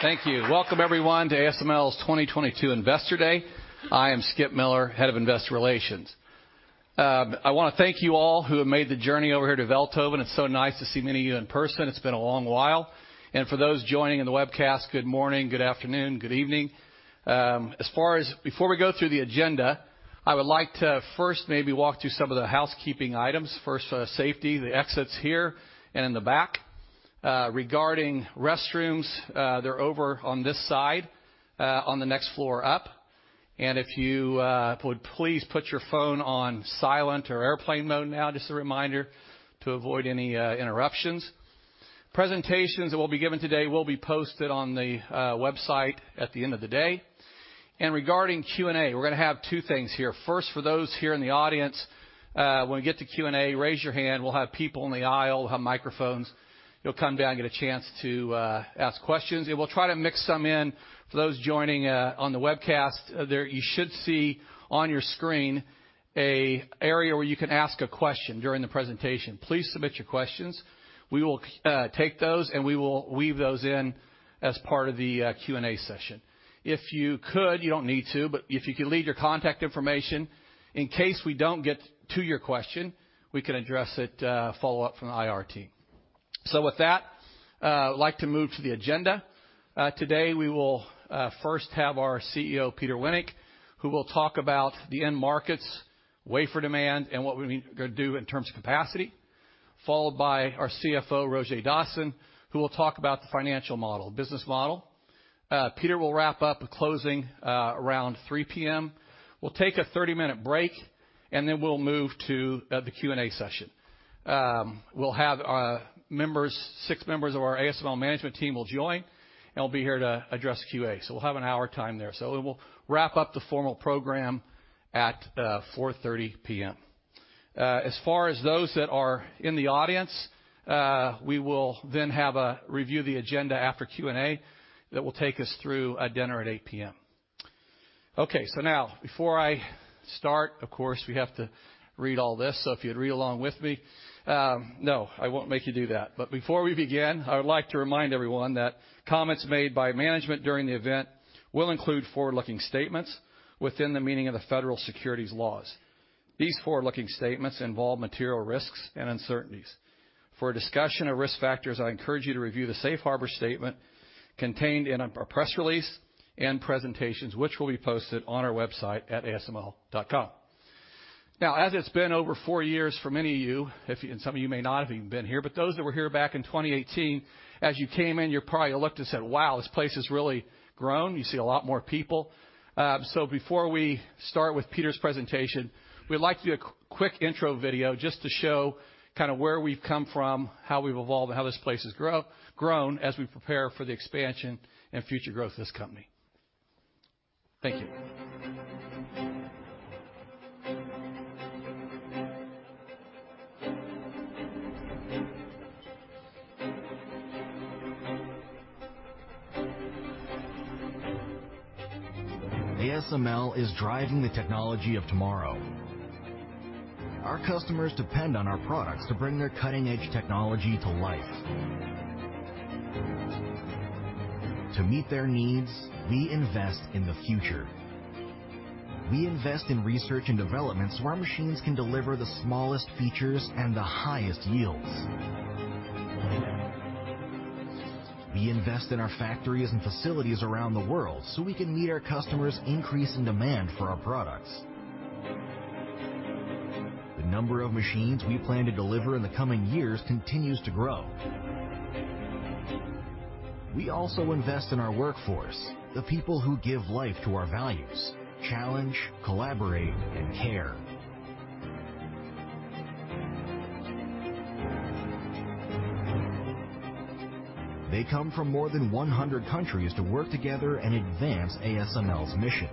Thank you. Welcome everyone to ASML's 2022 Investor Day. I am Skip Miller, Head of Investor Relations. I wanna thank you all who have made the journey over here to Veldhoven. It's so nice to see many of you in person. It's been a long while. For those joining in the webcast, good morning, good afternoon, good evening. Before we go through the agenda, I would like to first maybe walk through some of the housekeeping items. First, for safety, the exit's here and in the back. Regarding restrooms, they're over on this side, on the next floor up. If you would please put your phone on silent or airplane mode now, just a reminder, to avoid any interruptions. Presentations that will be given today will be posted on the website at the end of the day. Regarding Q&A, we're gonna have two things here. First, for those here in the audience, when we get to Q&A, raise your hand. We'll have people in the aisle who have microphones. You'll come down and get a chance to ask questions. We'll try to mix some in for those joining on the webcast. You should see on your screen an area where you can ask a question during the presentation. Please submit your questions. We will take those, and we will weave those in as part of the Q&A session. If you could, you don't need to, but if you could leave your contact information in case we don't get to your question, we can address it, follow up from the IR team. With that, I would like to move to the agenda. Today we will first have our CEO, Peter Wennink, who will talk about the end markets, wafer demand, and what we need to do in terms of capacity, followed by our CFO, Roger Dassen, who will talk about the financial model, business model. Peter will wrap up the closing around 3:00 P.M. We'll take a 30-minute break, and then we'll move to the Q&A session. We'll have our members, six members of our ASML management team will join and will be here to address Q&A. We'll have an hour time there. We will wrap up the formal program at 4:30 P.M. As far as those that are in the audience, we will then have a review of the agenda after Q&A that will take us through a dinner at 8:00 P.M. Okay. Now, before I start, of course, we have to read all this. If you'd read along with me. No, I won't make you do that. Before we begin, I would like to remind everyone that comments made by management during the event will include forward-looking statements within the meaning of the federal securities laws. These forward-looking statements involve material risks and uncertainties. For a discussion of risk factors, I encourage you to review the safe harbor statement contained in our press release and presentations, which will be posted on our website at asml.com. Now, as it's been over four years for many of you, and some of you may not have even been here, but those that were here back in 2018, as you came in, you probably looked and said, "Wow, this place has really grown." You see a lot more people. Before we start with Peter's presentation, we'd like to do a quick intro video just to show kind of where we've come from, how we've evolved, and how this place has grown as we prepare for the expansion and future growth of this company. Thank you. ASML is driving the technology of tomorrow. Our customers depend on our products to bring their cutting-edge technology to life. To meet their needs, we invest in the future. We invest in research and development, so our machines can deliver the smallest features and the highest yields. We invest in our factories and facilities around the world, so we can meet our customers' increasing demand for our products. The number of machines we plan to deliver in the coming years continues to grow. We also invest in our workforce, the people who give life to our values: challenge, collaborate, and care. They come from more than 100 countries to work together and advance ASML's mission.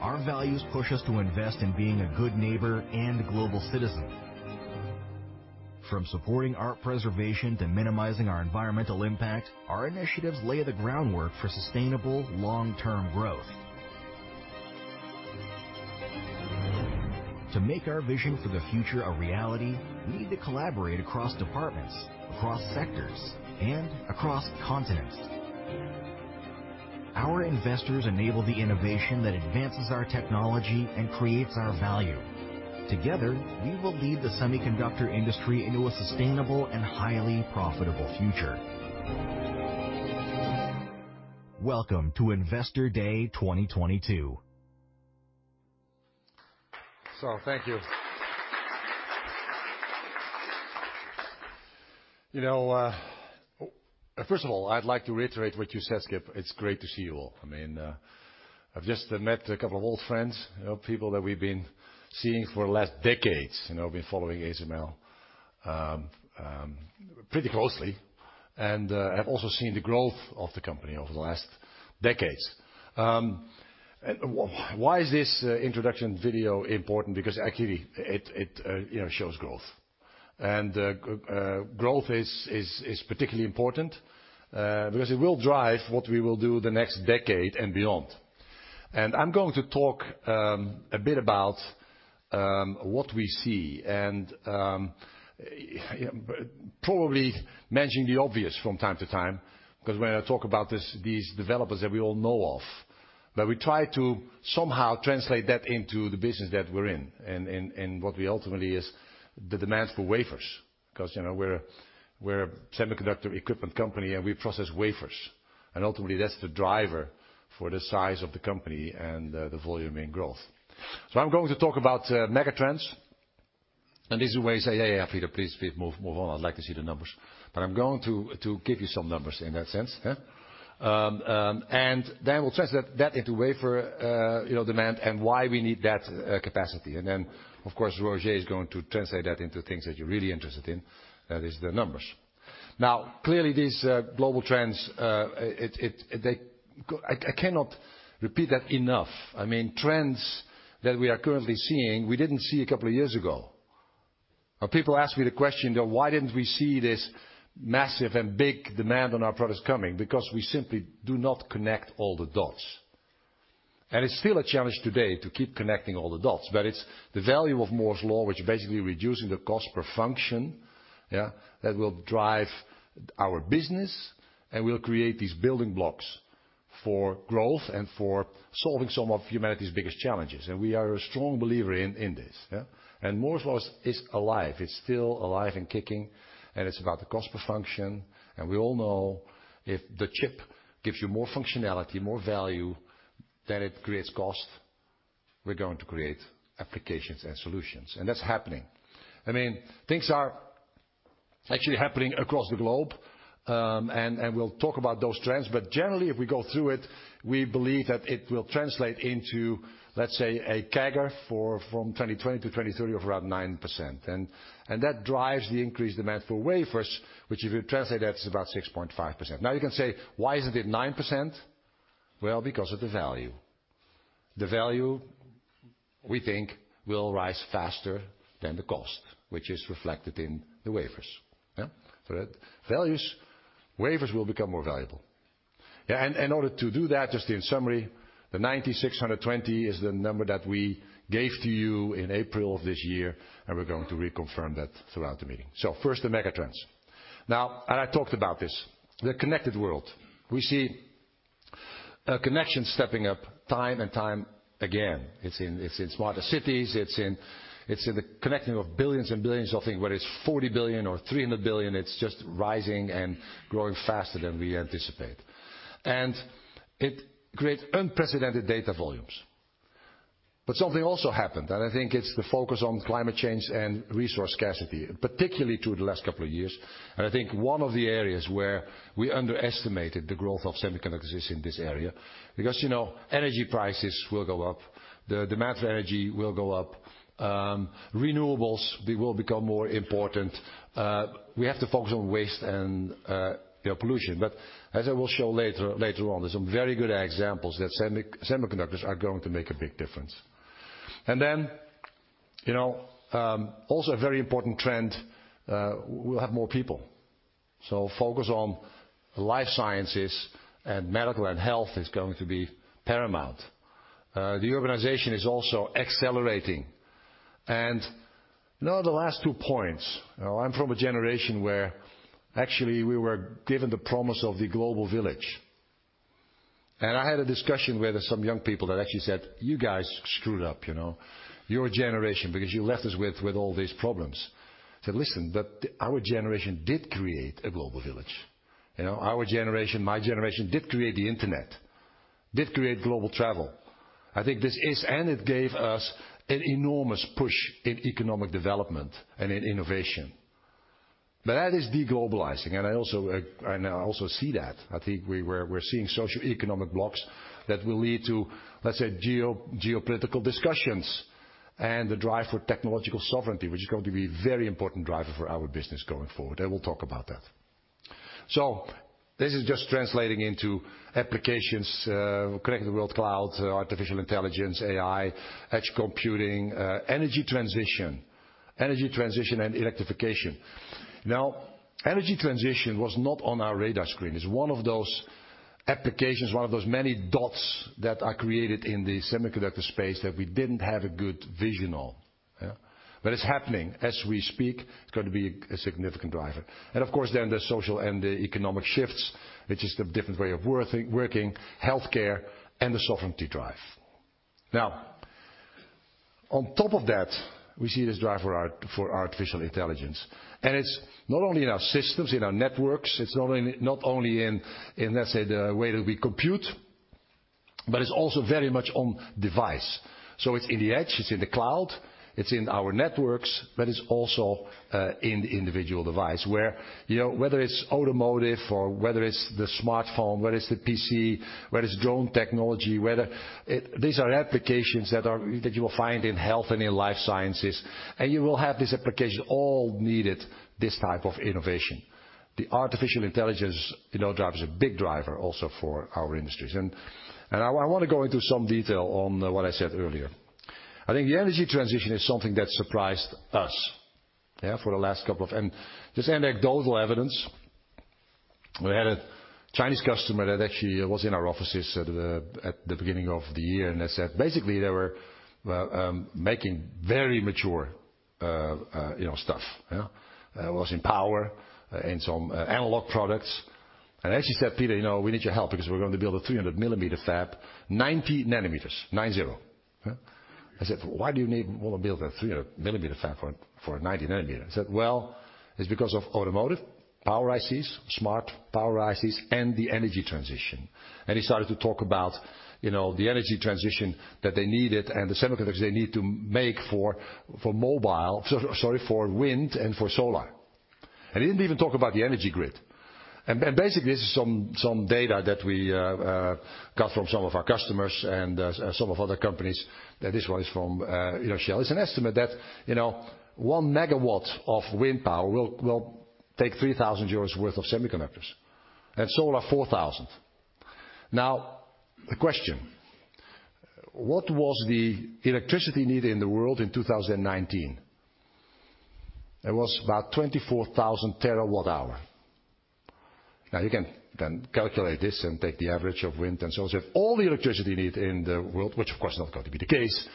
Our values push us to invest in being a good neighbor and global citizen. From supporting art preservation to minimizing our environmental impact, our initiatives lay the groundwork for sustainable long-term growth. To make our vision for the future a reality, we need to collaborate across departments, across sectors, and across continents. Our investors enable the innovation that advances our technology and creates our value. Together, we will lead the semiconductor industry into a sustainable and highly profitable future. Welcome to Investor Day 2022. Thank you. You know, first of all, I'd like to reiterate what you said, Skip. It's great to see you all. I mean, I've just met a couple of old friends, you know, people that we've been seeing for the last decades, you know, been following ASML pretty closely and have also seen the growth of the company over the last decades. Why is this introduction video important? Because actually it, you know, shows growth. Growth is particularly important because it will drive what we will do the next decade and beyond. I'm going to talk a bit about what we see and probably mentioning the obvious from time to time, 'cause when I talk about this, these developments that we all know of. We try to somehow translate that into the business that we're in and what ultimately is the demand for wafers, 'cause, you know, we're a semiconductor equipment company, and we process wafers, and ultimately, that's the driver for the size of the company and the volume in growth. I'm going to talk about megatrends, and this is where you say, "Yeah, yeah, Peter, please, Pete, move on. I'd like to see the numbers." I'm going to give you some numbers in that sense, yeah. Then we'll translate that into wafer, you know, demand and why we need that capacity. Of course, Roger is going to translate that into things that you're really interested in. That is the numbers. Now, clearly, these global trends, it. I cannot repeat that enough. I mean, trends that we are currently seeing, we didn't see a couple of years ago. Now people ask me the question, though, why didn't we see this massive and big demand on our products coming? Because we simply do not connect all the dots. It's still a challenge today to keep connecting all the dots, but it's the value of Moore's Law, which basically reducing the cost per function, yeah, that will drive our business and will create these building blocks for growth and for solving some of humanity's biggest challenges. We are a strong believer in this, yeah. Moore's Law is alive. It's still alive and kicking, and it's about the cost per function, and we all know if the chip gives you more functionality, more value, then it creates cost. We're going to create applications and solutions, and that's happening. I mean, things are actually happening across the globe, and we'll talk about those trends, but generally, if we go through it, we believe that it will translate into, let's say, a CAGR from 2020-2030 of around 9%. That drives the increased demand for wafers, which if you translate that, it's about 6.5%. You can say, "Why isn't it 9%?" Well, because of the value. The value, we think, will rise faster than the cost, which is reflected in the wafers, yeah? For that, wafers will become more valuable. Yeah, in order to do that, just in summary, the 9,620 is the number that we gave to you in April of this year, and we're going to reconfirm that throughout the meeting. First, the megatrends. I talked about this, the connected world. We see a connection stepping up time and time again. It's in smarter cities. It's in the connecting of billions and billions of things, whether it's 40 billion or 300 billion, it's just rising and growing faster than we anticipate. It creates unprecedented data volumes. Something also happened, and I think it's the focus on climate change and resource scarcity, particularly through the last couple of years. I think one of the areas where we underestimated the growth of semiconductors is in this area. Because, you know, energy prices will go up. The demand for energy will go up. Renewables, they will become more important. We have to focus on waste and, you know, pollution. As I will show later on, there's some very good examples that semiconductors are going to make a big difference. Then, you know, also a very important trend, we'll have more people. Focus on life sciences and medical and health is going to be paramount. The organization is also accelerating. Now the last two points. You know, I'm from a generation where actually we were given the promise of the global village. I had a discussion where there's some young people that actually said, "You guys screwed up, you know? Your generation, because you left us with all these problems." I said, "Listen, but our generation did create a global village. You know, our generation, my generation, did create the internet, did create global travel." I think this is, and it gave us an enormous push in economic development and in innovation. That is de-globalizing, and I now also see that. I think we're seeing socioeconomic blocks that will lead to, let's say, geopolitical discussions and the drive for technological sovereignty, which is going to be a very important driver for our business going forward, and we'll talk about that. This is just translating into applications, connected world cloud, artificial intelligence, AI, edge computing, energy transition and electrification. Now, energy transition was not on our radar screen. It's one of those applications, one of those many dots that are created in the semiconductor space that we didn't have a good vision on. Yeah. But it's happening as we speak. It's going to be a significant driver. Of course then there's social and economic shifts, which is the different way of working, healthcare, and the sovereignty drive. Now, on top of that, we see this drive for AI, for artificial intelligence, and it's not only in our systems, in our networks, it's not only in, let's say, the way that we compute, but it's also very much on device. So it's in the edge, it's in the cloud, it's in our networks, but it's also in the individual device, where whether it's automotive or whether it's the smartphone, whether it's the PC, whether it's drone technology. These are applications that you will find in health and in life sciences, and you will have this application all need this type of innovation. The artificial intelligence drive is a big driver also for our industries. I wanna go into some detail on what I said earlier. I think the energy transition is something that surprised us, yeah. Just anecdotal evidence. We had a Chinese customer that actually was in our offices at the beginning of the year, and they said basically they were well making very mature you know stuff. Yeah. Was in power in some analog products. Actually said, "Peter, you know, we need your help because we're going to build a 300 mm fab, 90 nms. 90." Yeah. I said, "Why do you need Wanna build a 300-mm fab for a 90-nm? He said, "Well, it's because of automotive power ICs, smart power ICs, and the energy transition." He started to talk about the energy transition that they needed and the semiconductors they need to make for wind and for solar. He didn't even talk about the energy grid. Basically this is some data that we got from some of our customers and some of other companies, that this one is from Shell. It's an estimate that 1 MW of wind power will take 3,000 euros worth of semiconductors, and solar 4,000. Now, the question: what was the electricity needed in the world in 2019? It was about 24,000 TWh. Now, you can then calculate this and take the average of wind and solar. If all the electricity you need in the world, which of course is not going to be the case,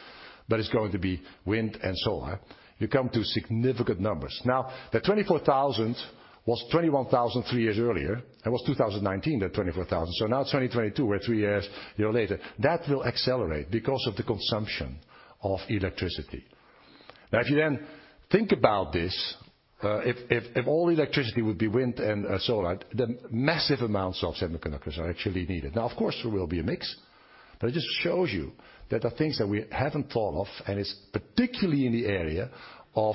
but it's going to be wind and solar, you come to significant numbers. Now, the 24,000 was 21,000 three years earlier. It was 2019, the 24,000. Now it's 2022, we're three years, you know, later. That will accelerate because of the consumption of electricity. Now, if you then think about this, if all electricity would be wind and solar, then massive amounts of semiconductors are actually needed. Now, of course there will be a mix, but it just shows you that there are things that we haven't thought of, and it's particularly in the area of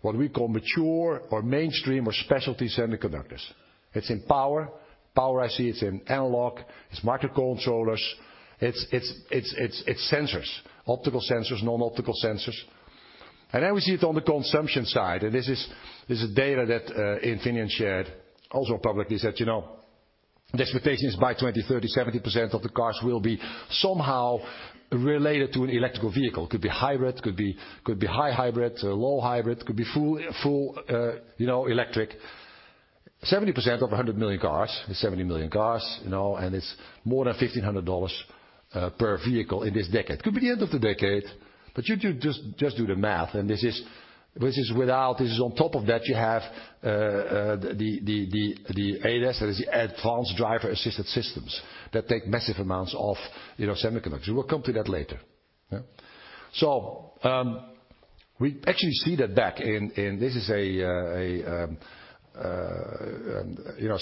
what we call mature or mainstream or specialty semiconductors. It's in power IC, it's in analog, it's microcontrollers, it's sensors, optical sensors, non-optical sensors. We see it on the consumption side, and this is data that Infineon shared also publicly, said, you know, the expectation is by 2030, 70% of the cars will be somehow related to an electric vehicle. Could be hybrid, could be high hybrid, low hybrid, could be full, you know, electric. 70% of 100 million cars is 70 million cars, you know, and it's more than $1,500 per vehicle in this decade. Could be the end of the decade, but you do just do the math. This is without. This is on top of that you have the ADAS, that is the Advanced Driver Assistance Systems that take massive amounts of, you know, semiconductors. We will come to that later. Yeah. We actually see that back in. This is a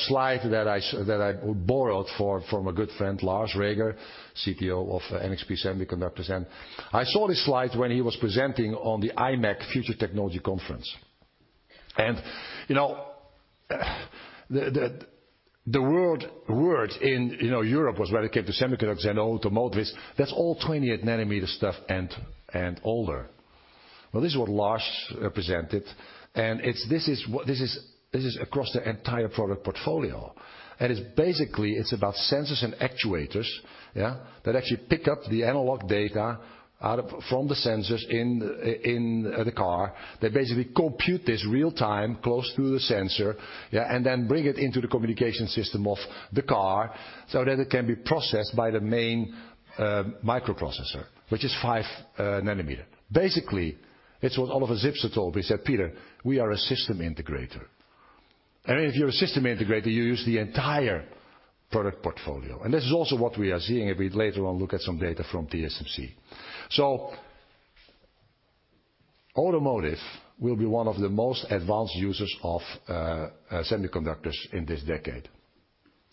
slide that I borrowed from a good friend, Lars Reger, CTO of NXP Semiconductors. I saw this slide when he was presenting on the imec Future Technology Conference. You know, the word in Europe was when it came to semiconductors and automotives, that's all 28 nm stuff and older. Well, this is what Lars presented and it's. This is what. This is across the entire product portfolio. It's basically about sensors and actuators, yeah, that actually pick up the analog data from the sensors in the car that basically compute this real-time close to the sensor, yeah, and then bring it into the communication system of the car so that it can be processed by the main microprocessor, which is 5 nm. Basically, it's what Oliver Zipse told me. He said, "Peter, we are a system integrator." If you're a system integrator, you use the entire product portfolio. This is also what we are seeing if we later on look at some data from TSMC. Automotive will be one of the most advanced users of semiconductors in this decade.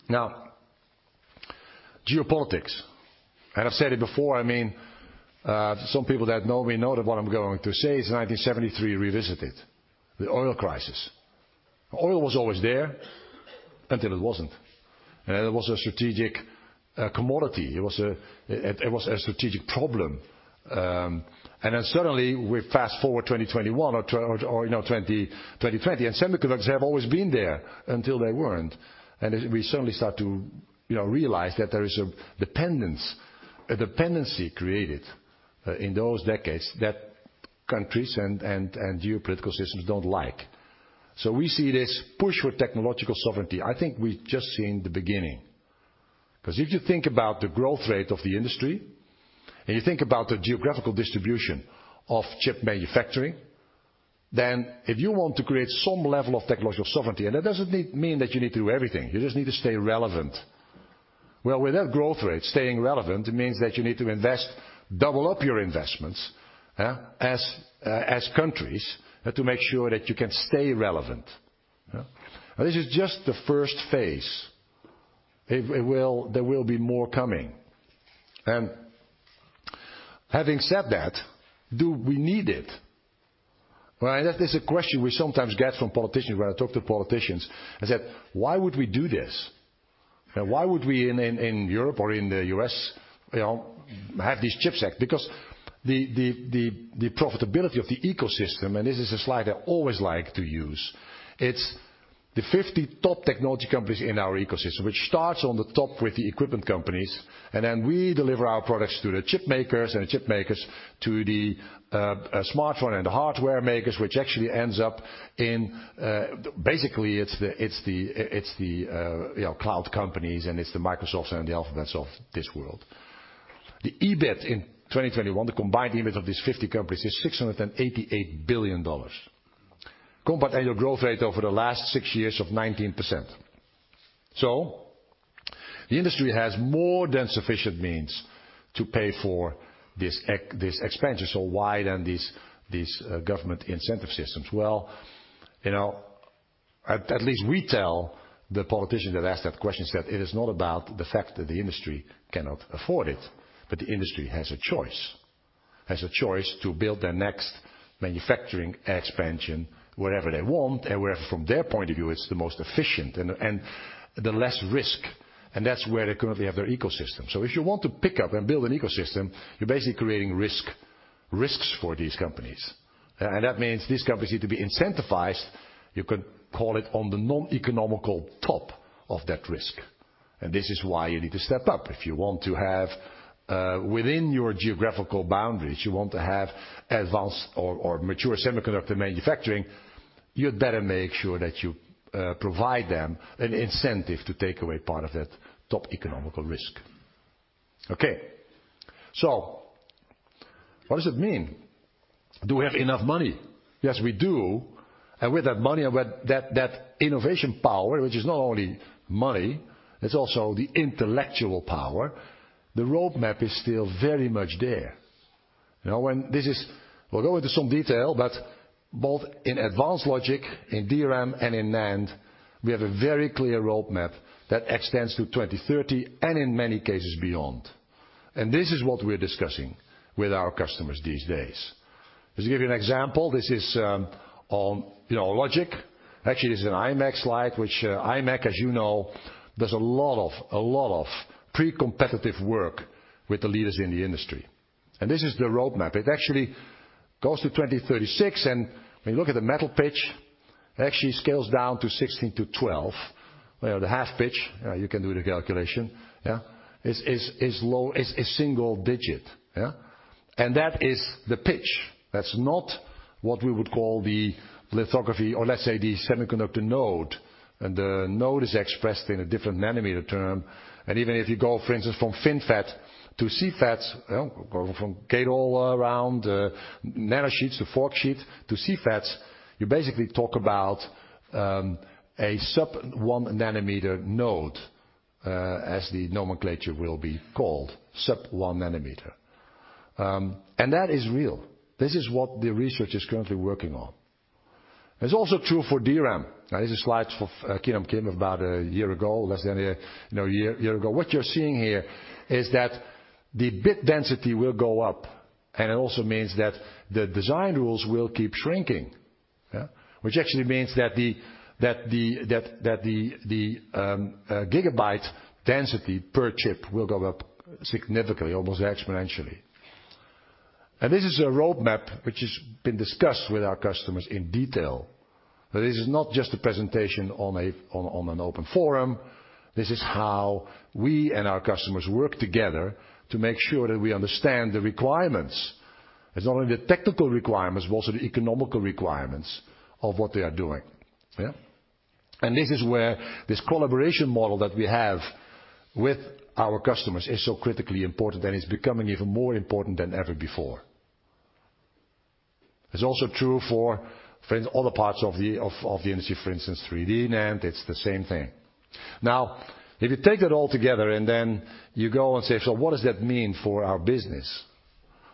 Now, geopolitics, and I've said it before. I mean, some people that know me know that what I'm going to say is 1973 revisited, the oil crisis. Oil was always there until it wasn't, and it was a strategic commodity. It was a strategic problem. Suddenly we fast-forward 2021 or, you know, 2020, and semiconductors have always been there until they weren't. We suddenly start to, you know, realize that there is a dependence, a dependency created in those decades that countries and geopolitical systems don't like. We see this push for technological sovereignty. I think we've just seen the beginning, 'cause if you think about the growth rate of the industry, and you think about the geographical distribution of chip manufacturing, then if you want to create some level of technological sovereignty, and that doesn't mean that you need to do everything, you just need to stay relevant. Well, with that growth rate, staying relevant, it means that you need to invest, double up your investments, as countries, to make sure that you can stay relevant. Yeah. This is just the first phase. It will. There will be more coming. Having said that, do we need it? Well, and that is a question we sometimes get from politicians when I talk to politicians and say, "Why would we do this?" Why would we in Europe or in the US, you know, have this CHIPS Act? Because the profitability of the ecosystem, and this is a slide I always like to use, it's the 50 top technology companies in our ecosystem, which starts on the top with the equipment companies, and then we deliver our products to the chip makers, and the chip makers to the smartphone and the hardware makers, which actually ends up in. Basically, it's the you know cloud companies, and it's the Microsofts and the Alphabets of this world. The EBIT in 2021, the combined EBIT of these 50 companies is $688 billion. Compound annual growth rate over the last six years of 19%. The industry has more than sufficient means to pay for this expenditure, so why then these government incentive systems? Well, you know, at least we tell the politicians that ask that question that it is not about the fact that the industry cannot afford it, but the industry has a choice to build their next manufacturing expansion wherever they want and wherever from their point of view, it's the most efficient and the less risk, and that's where they currently have their ecosystem. If you want to pick up and build an ecosystem, you're basically creating risks for these companies. That means these companies need to be incentivized, you could call it on the non-economic top of that risk, and this is why you need to step up. If you want to have within your geographical boundaries, you want to have advanced or mature semiconductor manufacturing, you'd better make sure that you provide them an incentive to take away part of that top economical risk. Okay. What does it mean? Do we have enough money? Yes, we do. With that money and with that innovation power, which is not only money, it's also the intellectual power, the roadmap is still very much there. You know, we'll go into some detail, but both in advanced logic, in DRAM and in NAND, we have a very clear roadmap that extends to 2030, and in many cases, beyond. This is what we're discussing with our customers these days. Just to give you an example, this is on, you know, logic. Actually, this is an imec slide, which, imec, as you know, does a lot of pre-competitive work with the leaders in the industry. This is the roadmap. It actually goes to 2036, and when you look at the metal pitch, it actually scales down to 16-12. You know, the half pitch, you can do the calculation, yeah, is low, is single digit, yeah. That is the pitch. That's not what we would call the lithography or let's say the semiconductor node, and the node is expressed in a different nm term. Even if you go, for instance, from FinFET to CFET, you know, go from gate-all-around, nanosheets to forksheet to CFETs, you basically talk about a sub 1 nm node, as the nomenclature will be called, sub 1 nm. That is real. This is what the research is currently working on. It's also true for DRAM. Now, this is slides for Kim about a year ago, less than a, you know, year ago. What you're seeing here is that the bit density will go up, and it also means that the design rules will keep shrinking, yeah? Which actually means that the gigabyte density per chip will go up significantly, almost exponentially. This is a roadmap which has been discussed with our customers in detail. This is not just a presentation on an open forum. This is how we and our customers work together to make sure that we understand the requirements. It's not only the technical requirements, but also the economic requirements of what they are doing. Yeah? This is where this collaboration model that we have with our customers is so critically important, and it's becoming even more important than ever before. It's also true for instance, other parts of the industry, for instance, 3D NAND, it's the same thing. Now, if you take that all together and then you go and say, "So what does that mean for our business?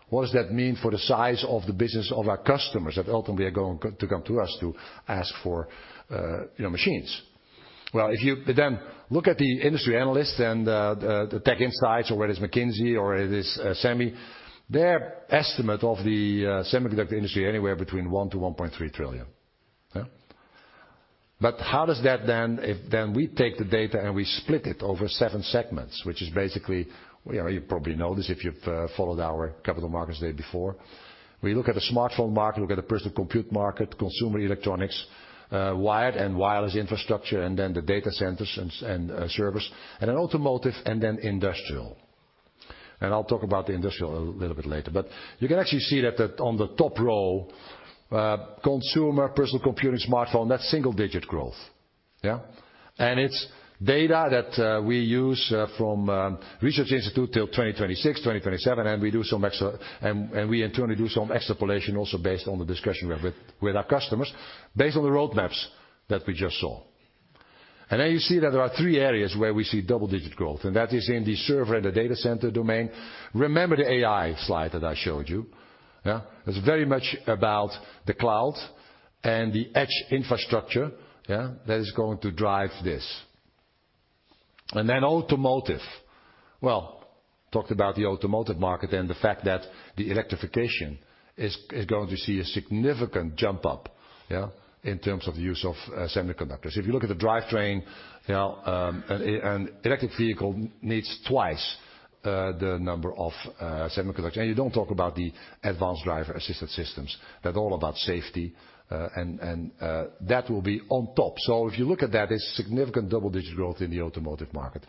What does that mean for the size of the business of our customers that ultimately are going to come to us to ask for, you know, machines?" Well, if you then look at the industry analysts and the TechInsights or whether it's McKinsey or SEMI, their estimate of the semiconductor industry anywhere between 1 trillion-1.3 trillion. Yeah? But how does that then If then we take the data and we split it over seven segments, which is basically, you know, you probably know this if you've followed our capital markets day before. We look at the smartphone market, we look at the personal computer market, consumer electronics, wired and wireless infrastructure, and then the data centers and servers, and then automotive, and then industrial. I'll talk about the industrial a little bit later. You can actually see that on the top row, consumer, personal computing, smartphone, that's single-digit growth. Yeah? It's data that we use from research institute till 2026, 2027, and we do some extra, and we internally do some extrapolation also based on the discussion we have with our customers, based on the roadmaps that we just saw. You see that there are three areas where we see double-digit growth, and that is in the server and the data center domain. Remember the AI slide that I showed you? It's very much about the cloud and the edge infrastructure that is going to drive this. Automotive. Well, talked about the automotive market and the fact that the electrification is going to see a significant jump up in terms of use of semiconductors. If you look at the drivetrain, you know, an electric vehicle needs twice the number of semiconductors. And you don't talk about the Advanced Driver Assistance Systems. That's all about safety, and that will be on top. If you look at that, it's significant double-digit growth in the automotive market.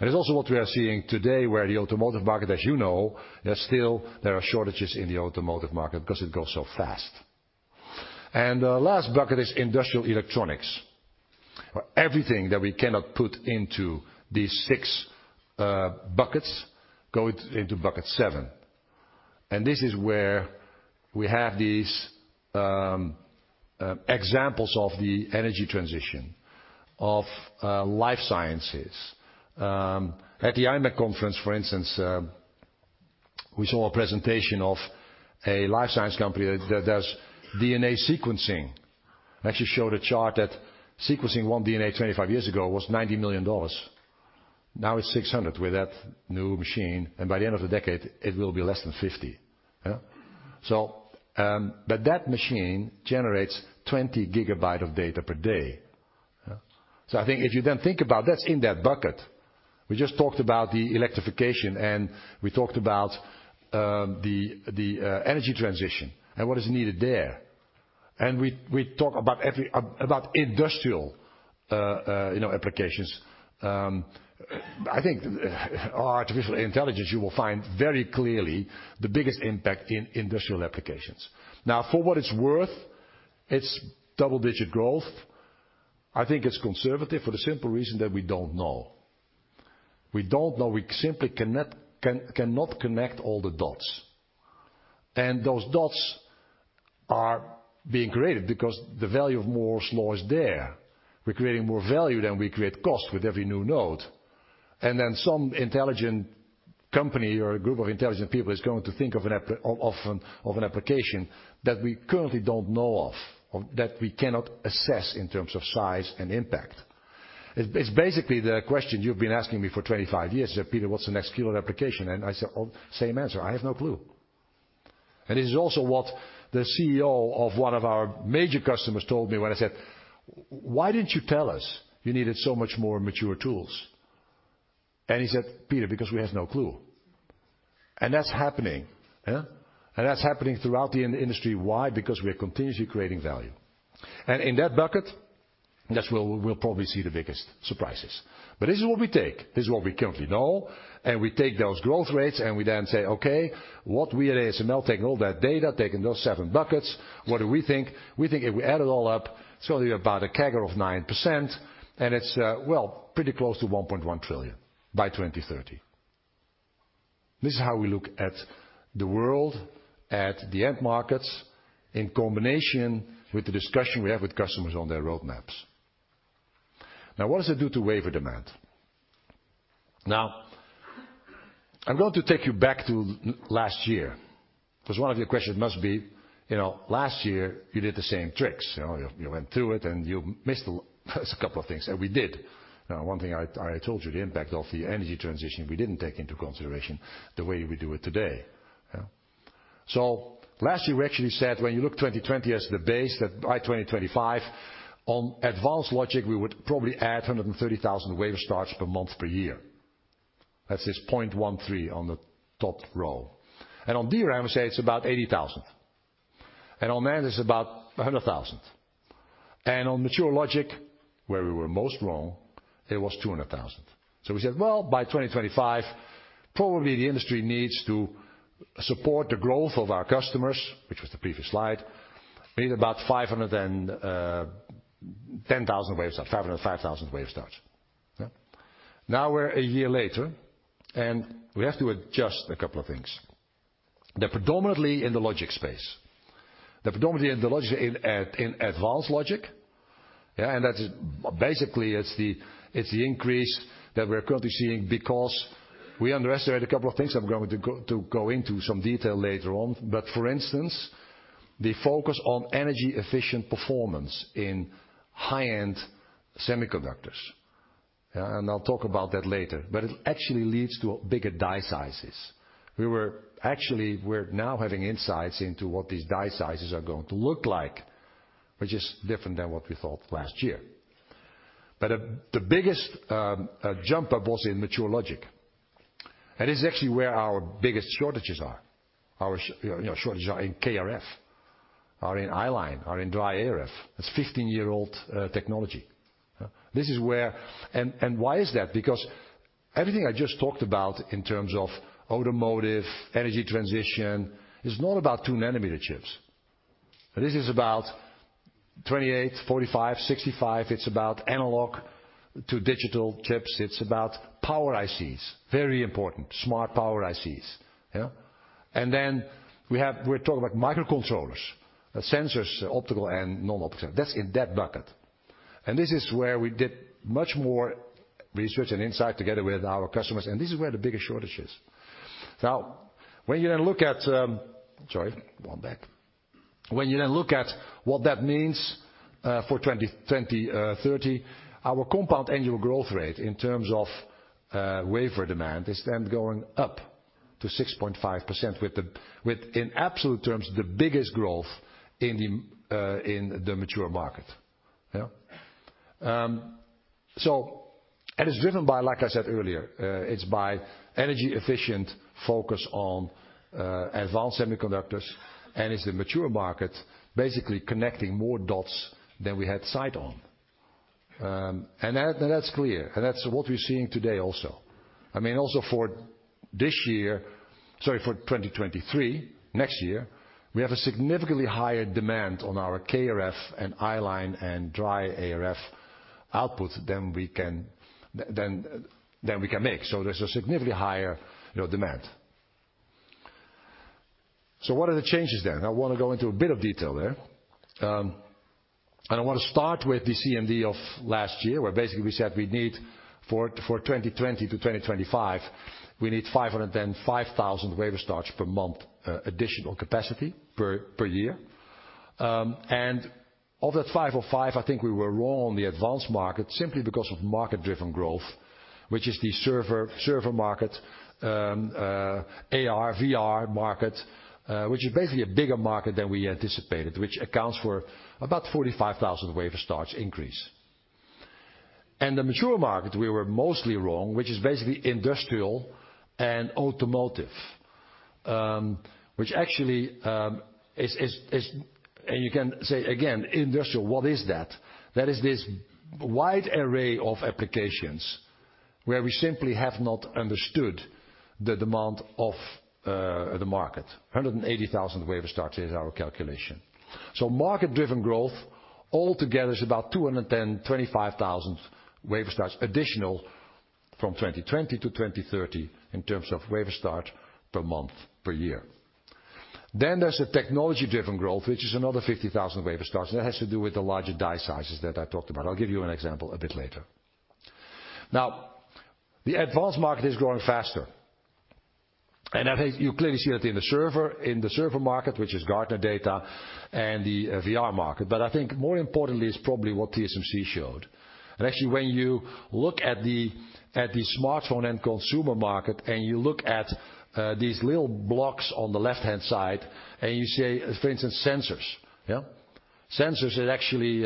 It's also what we are seeing today, where the automotive market, as you know, there are still shortages in the automotive market because it grows so fast. The last bucket is industrial electronics. Everything that we cannot put into these six buckets goes into bucket seven, and this is where we have these examples of the energy transition, of life sciences. At the imec conference, for instance, we saw a presentation of a life science company that does DNA sequencing. Actually showed a chart that sequencing one DNA 25 years ago was $90 million. Now it's $600 with that new machine, and by the end of the decade it will be less than $50. Yeah? But that machine generates 20 GB of data per day. Yeah. I think if you then think about that's in that bucket. We just talked about the electrification, and we talked about the energy transition and what is needed there. We talk about industrial, you know, applications. I think artificial intelligence, you will find very clearly the biggest impact in industrial applications. Now, for what it's worth, it's double-digit growth. I think it's conservative for the simple reason that we don't know. We don't know. We simply cannot connect all the dots. Those dots are being created because the value of Moore's Law is there. We're creating more value than we create cost with every new node. Some intelligent company or a group of intelligent people is going to think of an app. of an application that we currently don't know of or that we cannot assess in terms of size and impact. It's basically the question you've been asking me for 25 years. "Peter, what's the next killer application?" I say, "Well, same answer. I have no clue." It is also what the CEO of one of our major customers told me when I said, "Why didn't you tell us you needed so much more mature tools?" He said, "Peter, because we have no clue." That's happening. Yeah? That's happening throughout the industry. Why? Because we are continuously creating value. In that bucket, that's where we will probably see the biggest surprises. This is what we take. This is what we currently know, and we take those growth rates, and we then say, "Okay, what we at ASML, taking all that data, taking those seven buckets, what do we think?" We think if we add it all up, it's only about a CAGR of 9%, and it's, well, pretty close to 1.1 trillion by 2030. This is how we look at the world, at the end markets, in combination with the discussion we have with customers on their roadmaps. Now, what does it do to wafer demand? Now, I'm going to take you back to last year, because one of your questions must be, you know, last year you did the same tricks. You know, you went through it, and you missed a couple of things, and we did. You know, one thing I told you, the impact of the energy transition, we didn't take into consideration the way we do it today. Yeah. Last year, we actually said, when you look 2020 as the base, that by 2025, on advanced logic, we would probably add 130,000 wafer starts per month per year. That's this 0.13 on the top row. On DRAM, we say it's about 80,000. On NAND it's about 100,000. On mature logic, where we were most wrong, it was 200,000. We said, well, by 2025, probably the industry needs to support the growth of our customers, which was the previous slide. We need about 505,000 wafer starts. Yeah. Now we're a year later, and we have to adjust a couple of things. They're predominantly in the logic space. They're predominantly in the logic, in advanced logic. That is basically, it's the increase that we're currently seeing because we underestimate a couple of things I'm going to go into some detail later on. For instance, the focus on energy efficient performance in high-end semiconductors. I'll talk about that later. It actually leads to bigger die sizes. Actually, we're now having insights into what these die sizes are going to look like, which is different than what we thought last year. The biggest jump up was in mature logic. That is actually where our biggest shortages are. You know, shortages are in KrF, are in i-Line, are in dry ArF. That's 15-year-old technology. This is where. Why is that? Because everything I just talked about in terms of automotive, energy transition, is not about 2 nm chips. This is about 28, 45, 65. It's about analog to digital chips. It's about power ICs, very important. Smart power ICs, yeah. Then we have. We're talking about microcontrollers, sensors, optical and non-optical. That's in that bucket. This is where we did much more research and insight together with our customers, and this is where the biggest shortage is. Now, when you then look at what that means for 2020-2030, our compound annual growth rate in terms of wafer demand is then going up to 6.5% with the Within absolute terms, the biggest growth in the mature market, yeah. It's driven by like I said earlier, energy efficient focus on advanced semiconductors, and it's the mature market basically connecting more dots than we had sight on. That, that's clear, and that's what we're seeing today also. I mean, also for this year, sorry, for 2023, next year, we have a significantly higher demand on our KrF and i-Line and dry ArF output than we can make. There's a significantly higher demand, you know. What are the changes then? I wanna go into a bit of detail there. I want to start with the CMD of last year, where basically we said we'd need, for 2020 to 2025, 505,000 wafer starts per month additional capacity per year. Of that 505, I think we were wrong on the advanced market simply because of market-driven growth, which is the server market, AR/VR market, which is basically a bigger market than we anticipated, which accounts for about 45,000 wafer starts increase. The mature market, we were mostly wrong, which is basically industrial and automotive, which actually is. You can say again, industrial, what is that? That is this wide array of applications where we simply have not understood the demand of the market. 180,000 wafer starts is our calculation. Market-driven growth altogether is about 225,000 wafer starts additional from 2020-2030 in terms of wafer starts per month per year. There's a technology-driven growth, which is another 50,000 wafer starts. That has to do with the larger die sizes that I talked about. I'll give you an example a bit later. The advanced market is growing faster, and I think you clearly see that in the server market, which is Gartner data and the VR market. I think more importantly is probably what TSMC showed. Actually when you look at the smartphone and consumer market, and you look at these little blocks on the left-hand side, and you see, for instance, sensors are actually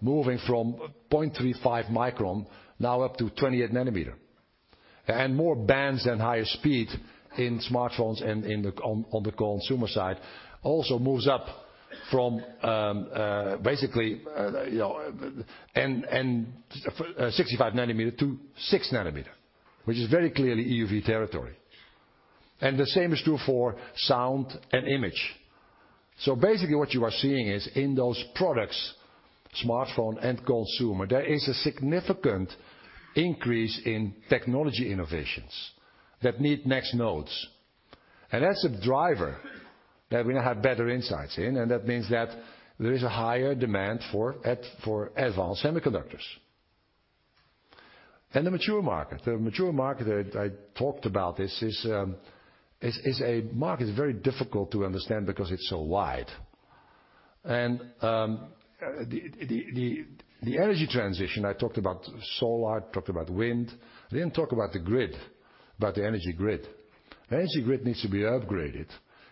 moving from 0.35 micron now up to 28 nm. More bands and higher speed in smartphones and on the consumer side also moves up from 65 nm to 6 nm, which is very clearly EUV territory. The same is true for sound and image. Basically what you are seeing is in those products, smartphone and consumer, there is a significant increase in technology innovations that need next nodes. That's a driver that we now have better insights in, and that means that there is a higher demand for advanced semiconductors. The mature market. The mature market I talked about this is a market that's very difficult to understand because it's so wide. The energy transition, I talked about solar, I talked about wind. I didn't talk about the grid, about the energy grid. Energy grid needs to be upgraded.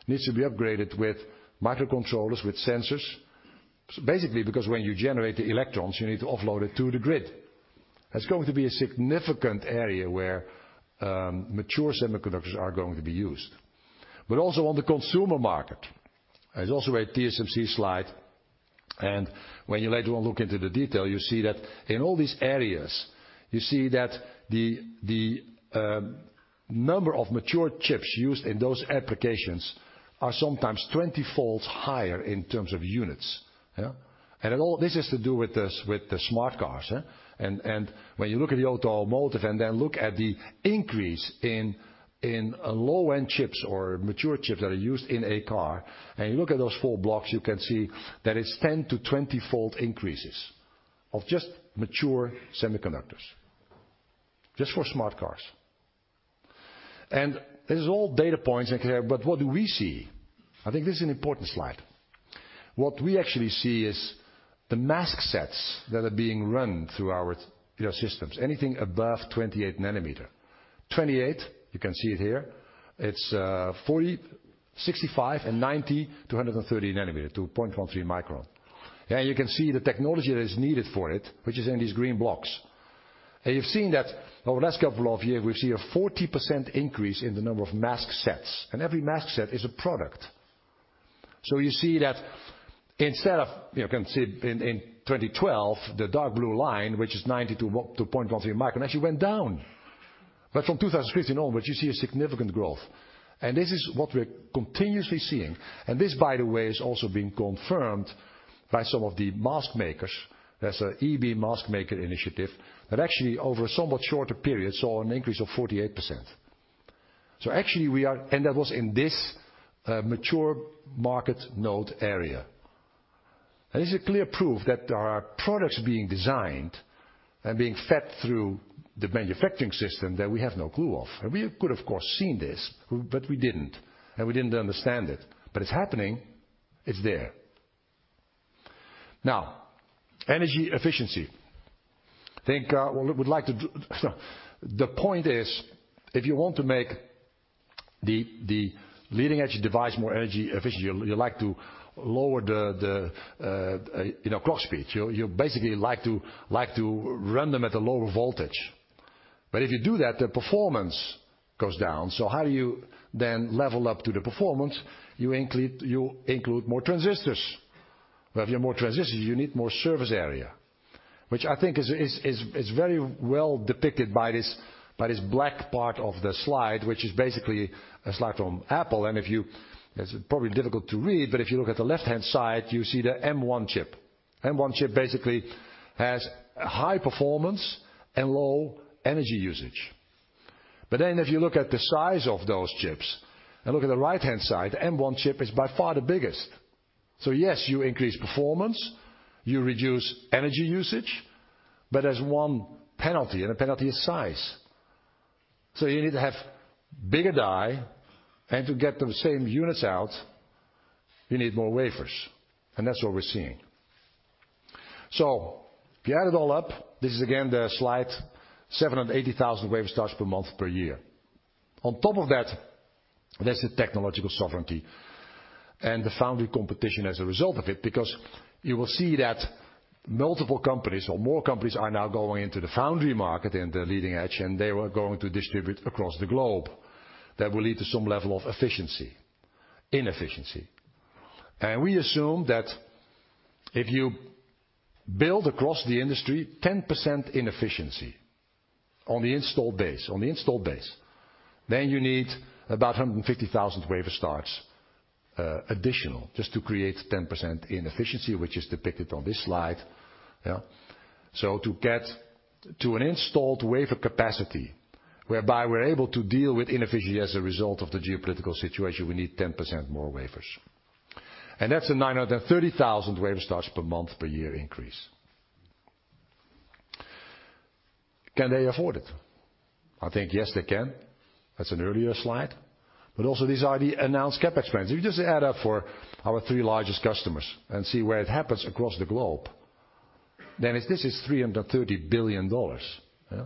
Needs to be upgraded with microcontrollers, with sensors, basically because when you generate the electrons, you need to offload it to the grid. That's going to be a significant area where mature semiconductors are going to be used. But also on the consumer market, there's also a TSMC slide, and when you later on look into the detail, you see that in all these areas, you see that the number of mature chips used in those applications are sometimes twentyfold higher in terms of units. Yeah. All this has to do with the smart cars, huh? When you look at the automotive and then look at the increase in low-end chips or mature chips that are used in a car, and you look at those four blocks, you can see that it's 10-20-fold increases of just mature semiconductors, just for smart cars. This is all data points in here, but what do we see? I think this is an important slide. What we actually see is the mask sets that are being run through our, your systems, anything above 28 nm. 28, you can see it here, it's 40, 65, and 90 to 130 nm, to 0.13 micron. You can see the technology that is needed for it, which is in these green blocks. You've seen that over the last couple of years, we've seen a 40% increase in the number of mask sets. Every mask set is a product. You see that instead of, you can see in 2012, the dark blue line, which is 90- to 0.13 micron actually went down. From 2016 onwards, you see a significant growth. This is what we're continuously seeing. This, by the way, is also being confirmed by some of the mask makers. There's a E-beam mask maker initiative that actually over a somewhat shorter period, saw an increase of 48%. Actually, we are. That was in this mature market node area. This is a clear proof that there are products being designed and being fed through the manufacturing system that we have no clue of. We could, of course, seen this, but we didn't understand it. It's happening, it's there. Now, energy efficiency. I think, the point is, if you want to make the leading-edge device more energy efficient, you like to lower the clock speed. You know, you basically like to run them at a lower voltage. If you do that, the performance goes down. How do you then level up to the performance? You include more transistors. If you have more transistors, you need more surface area, which I think is very well depicted by this black part of the slide, which is basically a slide from Apple. It's probably difficult to read, but if you look at the left-hand side, you see the M1 chip. M1 chip basically has high performance and low energy usage. If you look at the size of those chips and look at the right-hand side, the M1 chip is by far the biggest. Yes, you increase performance, you reduce energy usage, but there's one penalty, and the penalty is size. You need to have bigger die, and to get the same units out, you need more wafers. That's what we're seeing. If you add it all up, this is again the slide, 780,000 wafer starts per month per year. On top of that, there's the technological sovereignty and the foundry competition as a result of it, because you will see that multiple companies or more companies are now going into the foundry market in the leading edge, and they were going to distribute across the globe. That will lead to some level of inefficiency. We assume that if you build across the industry 10% inefficiency on the installed base, then you need about 150,000 wafer starts additional just to create 10% inefficiency, which is depicted on this slide. To get to an installed wafer capacity, whereby we're able to deal with inefficiency as a result of the geopolitical situation, we need 10% more wafers. That's a 930,000 wafer starts per month per year increase. Can they afford it? I think yes, they can. That's an earlier slide. These are the announced CapEx spends. If you just add up for our three largest customers and see where it happens across the globe, then this is $330 billion, yeah,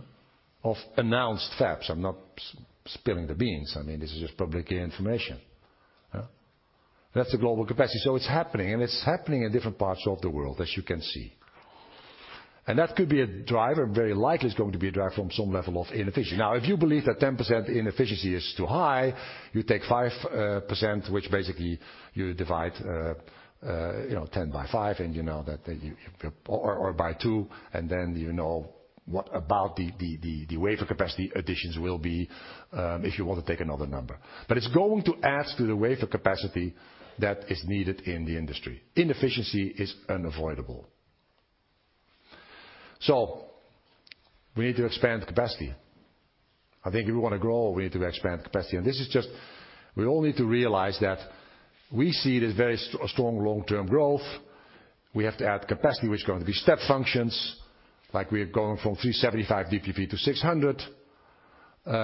of announced fabs. I'm not spilling the beans. I mean, this is just public information. Yeah. That's the global capacity. It's happening, and it's happening in different parts of the world, as you can see. That could be a driver, very likely is going to be a driver from some level of inefficiency. Now, if you believe that 10% inefficiency is too high, you take 5%, which basically you divide, you know, 10 by 5, and you know that you... By two, and then you know what about the wafer capacity additions will be, if you want to take another number. It's going to add to the wafer capacity that is needed in the industry. Inefficiency is unavoidable. We need to expand capacity. I think if we wanna grow, we need to expand capacity. This is just, we all need to realize that we see this very strong long-term growth. We have to add capacity, which is going to be step functions, like we are going from 375 DUV to 600.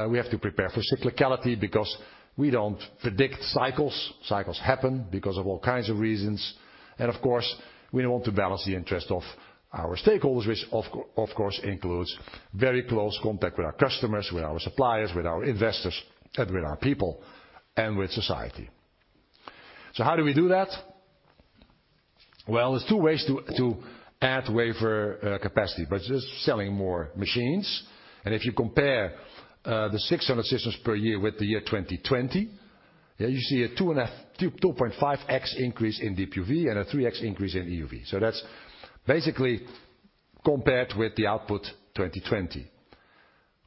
We have to prepare for cyclicality because we don't predict cycles. Cycles happen because of all kinds of reasons. Of course, we want to balance the interest of our stakeholders, which of course includes very close contact with our customers, with our suppliers, with our investors, and with our people, and with society. How do we do that? There are two ways to add wafer capacity, but just selling more machines. If you compare the 600 systems per year with the year 2020, you see a 2.5x increase in DUV and a 3x increase in EUV. That's basically compared with the output 2020.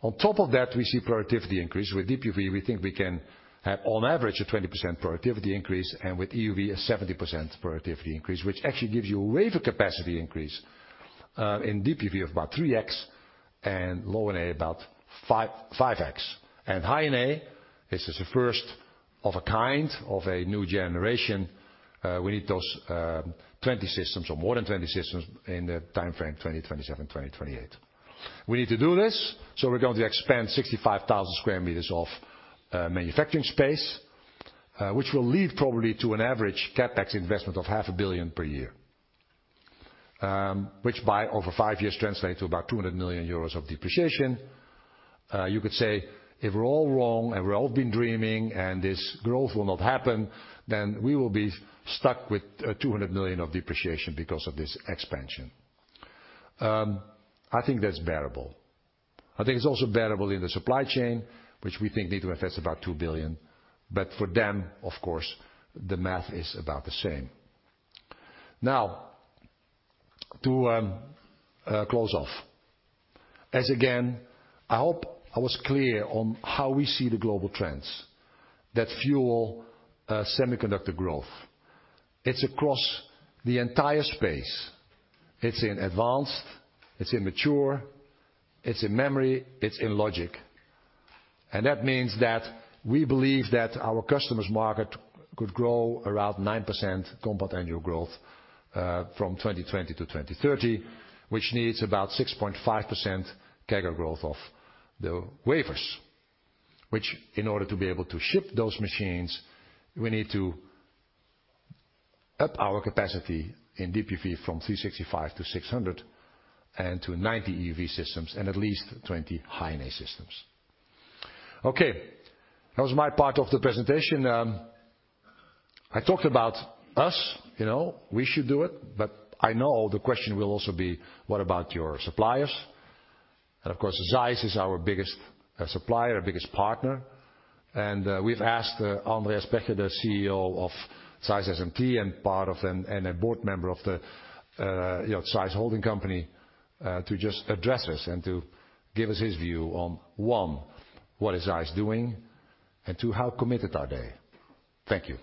On top of that, we see productivity increase. With DUV, we think we can have on average a 20% productivity increase, and with EUV, a 70% productivity increase, which actually gives you a wafer capacity increase in DUV of about 3x and Low-NA about 5x. High-NA, this is the first of a kind of a new generation. We need those 20 systems or more than 20 systems in the time frame 2027, 2028. We need to do this, so we're going to expand 65,000 m2 of manufacturing space, which will lead probably to an average CapEx investment of EUR half a billion per year, which over five years translate to about 200 million euros of depreciation. You could say if we're all wrong and we're all been dreaming and this growth will not happen, then we will be stuck with 200 million of depreciation because of this expansion. I think that's bearable. I think it's also bearable in the supply chain, which we think D2F has about 2 billion. But for them, of course, the math is about the same. Now, to close off. As again, I hope I was clear on how we see the global trends that fuel semiconductor growth. It's across the entire space. It's in advanced, it's in mature, it's in memory, it's in logic. That means that we believe that our customer's market could grow around 9% compound annual growth from 2020 to 2030, which needs about 6.5% CAGR growth of the wafers. Which in order to be able to ship those machines, we need to up our capacity in DUV from 365 to 600, and to 90 EUV systems, and at least 20 High-NA systems. Okay, that was my part of the presentation. I talked about us, you know, we should do it, but I know the question will also be, what about your suppliers? Of course, ZEISS is our biggest supplier, biggest partner, and we've asked Andreas Pecher, CEO of ZEISS SMT and part of and a board member of the ZEISS holding company, to just address us and to give us his view on, one, what is ZEISS doing, and two, how committed are they. Thank you.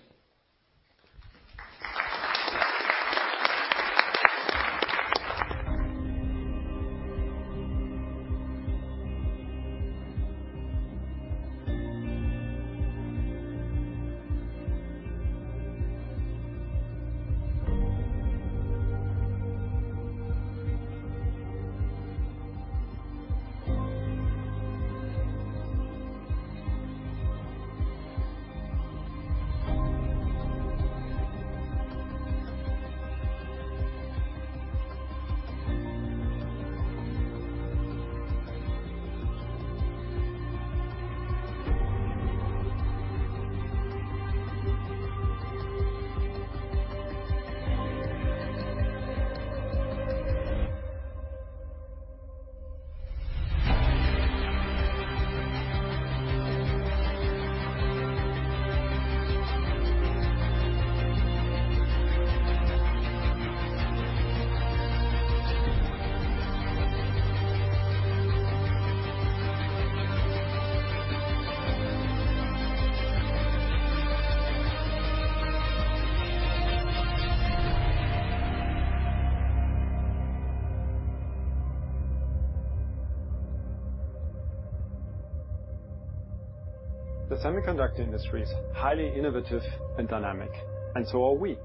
The semiconductor industry is highly innovative and dynamic, and so are we.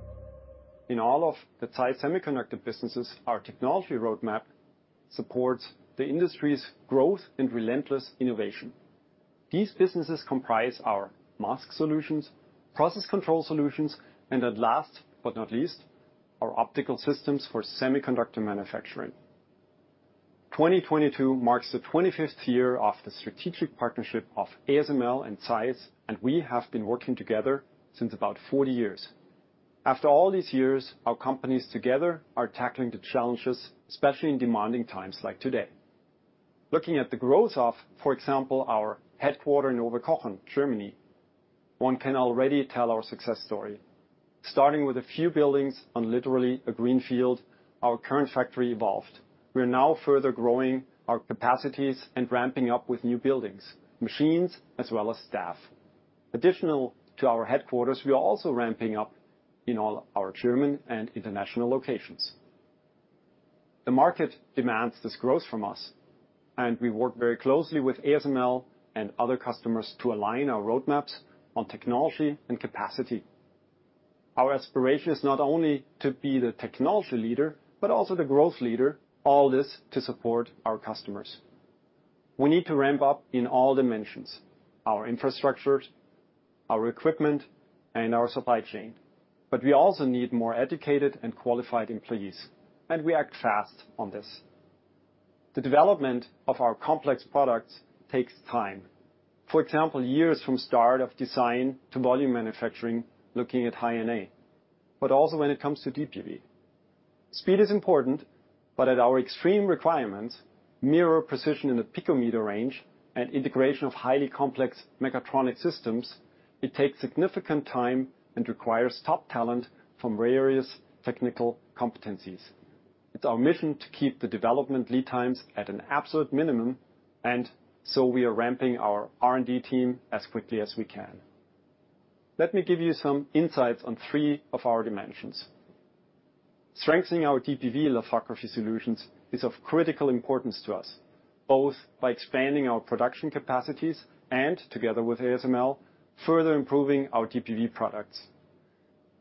In all of the ZEISS semiconductor businesses, our technology roadmap supports the industry's growth and relentless innovation. These businesses comprise our mask solutions, process control solutions, and last but not least, our optical systems for semiconductor manufacturing. 2022 marks the 25th year of the strategic partnership of ASML and ZEISS, and we have been working together since about 40 years. After all these years, our companies together are tackling the challenges, especially in demanding times like today. Looking at the growth of, for example, our headquarters in Oberkochen, Germany, one can already tell our success story. Starting with a few buildings on literally a green field, our current factory evolved. We are now further growing our capacities and ramping up with new buildings, machines, as well as staff. Additional to our headquarters, we are also ramping up in all our German and international locations. The market demands this growth from us, and we work very closely with ASML and other customers to align our roadmaps on technology and capacity. Our aspiration is not only to be the technology leader, but also the growth leader, all this to support our customers. We need to ramp up in all dimensions, our infrastructures, our equipment, and our supply chain. We also need more educated and qualified employees, and we act fast on this. The development of our complex products takes time. For example, years from start of design to volume manufacturing, looking at High-NA, but also when it comes to DUV. Speed is important, but at our extreme requirements, mirror precision in the picometer range and integration of highly complex mechatronic systems, it takes significant time and requires top talent from various technical competencies. It's our mission to keep the development lead times at an absolute minimum, and so we are ramping our R&D team as quickly as we can. Let me give you some insights on three of our dimensions. Strengthening our DUV lithography solutions is of critical importance to us, both by expanding our production capacities and together with ASML, further improving our DUV products.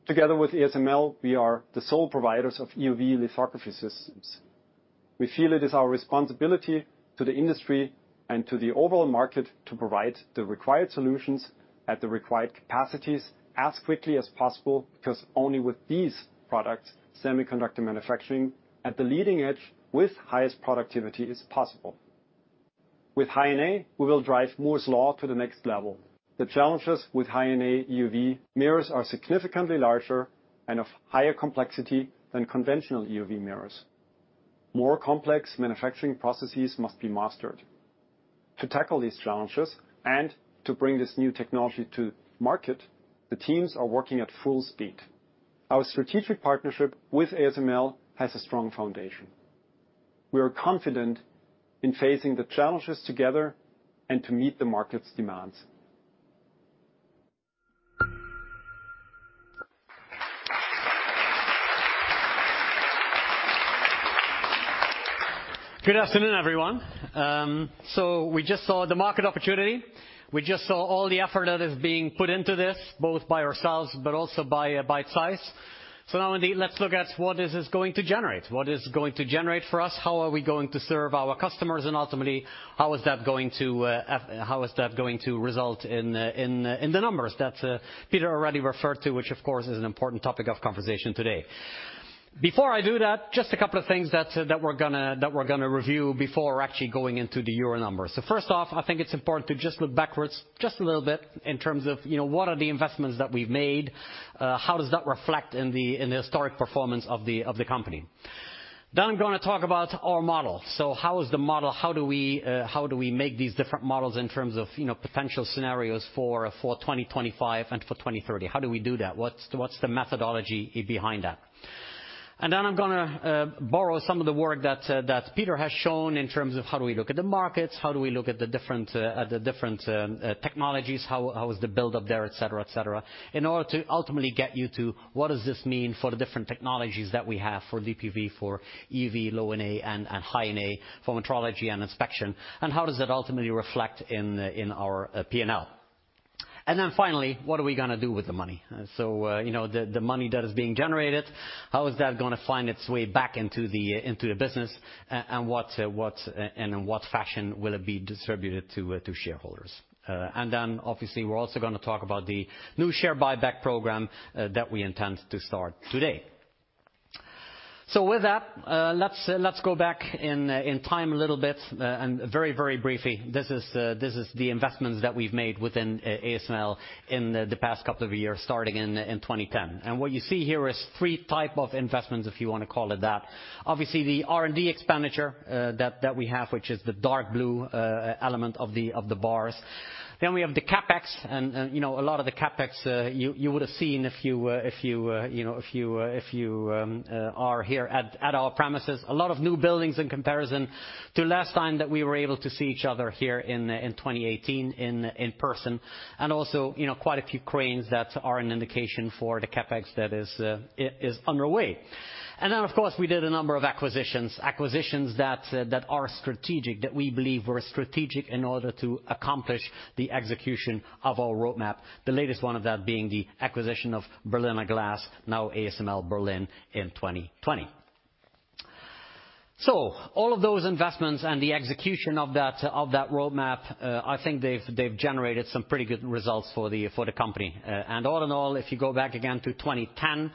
Together with ASML, we are the sole providers of EUV lithography systems. We feel it is our responsibility to the industry and to the overall market to provide the required solutions at the required capacities as quickly as possible, because only with these products, semiconductor manufacturing at the leading edge with highest productivity is possible. With High-NA, we will drive Moore's Law to the next level. The challenges with High-NA EUV mirrors are significantly larger and of higher complexity than conventional EUV mirrors. More complex manufacturing processes must be mastered. To tackle these challenges and to bring this new technology to market, the teams are working at full speed. Our strategic partnership with ASML has a strong foundation. We are confident in facing the challenges together and to meet the market's demands. Good afternoon, everyone. We just saw the market opportunity. We just saw all the effort that is being put into this, both by ourselves, but also by ZEISS. Now indeed, let's look at what this is going to generate, what is going to generate for us, how are we going to serve our customers, and ultimately, how is that going to result in the numbers that Peter already referred to, which of course is an important topic of conversation today. Before I do that, just a couple of things that we're gonna review before actually going into the euro numbers. First off, I think it's important to just look backwards just a little bit in terms of, you know, what are the investments that we've made, how does that reflect in the historic performance of the company. I'm gonna talk about our model. How is the model? How do we make these different models in terms of, you know, potential scenarios for 2025 and for 2030? How do we do that? What's the methodology behind that? Then I'm gonna borrow some of the work that Peter has shown in terms of how do we look at the markets, how do we look at the different technologies, how is the buildup there, et cetera, in order to ultimately get you to what does this mean for the different technologies that we have for DUV, for EUV, Low-NA, and High-NA, for metrology and inspection, and how does that ultimately reflect in our P&L. Then finally, what are we gonna do with the money? You know, the money that is being generated, how is that gonna find its way back into the business, and what, and in what fashion will it be distributed to shareholders? Obviously, we're also gonna talk about the new share buyback program that we intend to start today. With that, let's go back in time a little bit, and very briefly, this is the investments that we've made within ASML in the past couple of years, starting in 2010. What you see here is three type of investments, if you wanna call it that. Obviously, the R&D expenditure that we have, which is the dark blue element of the bars. We have the CapEx, and you know, a lot of the CapEx you would have seen if you know, if you are here at our premises. A lot of new buildings in comparison to last time that we were able to see each other here in 2018 in person. Also, quite a few cranes that are an indication for the CapEx that is underway. Then, of course, we did a number of acquisitions that are strategic that we believe were strategic in order to accomplish the execution of our roadmap. The latest one of that being the acquisition of Berliner Glas, now ASML Berlin in 2020. All of those investments and the execution of that roadmap, I think they've generated some pretty good results for the company. All in all, if you go back again to 2010,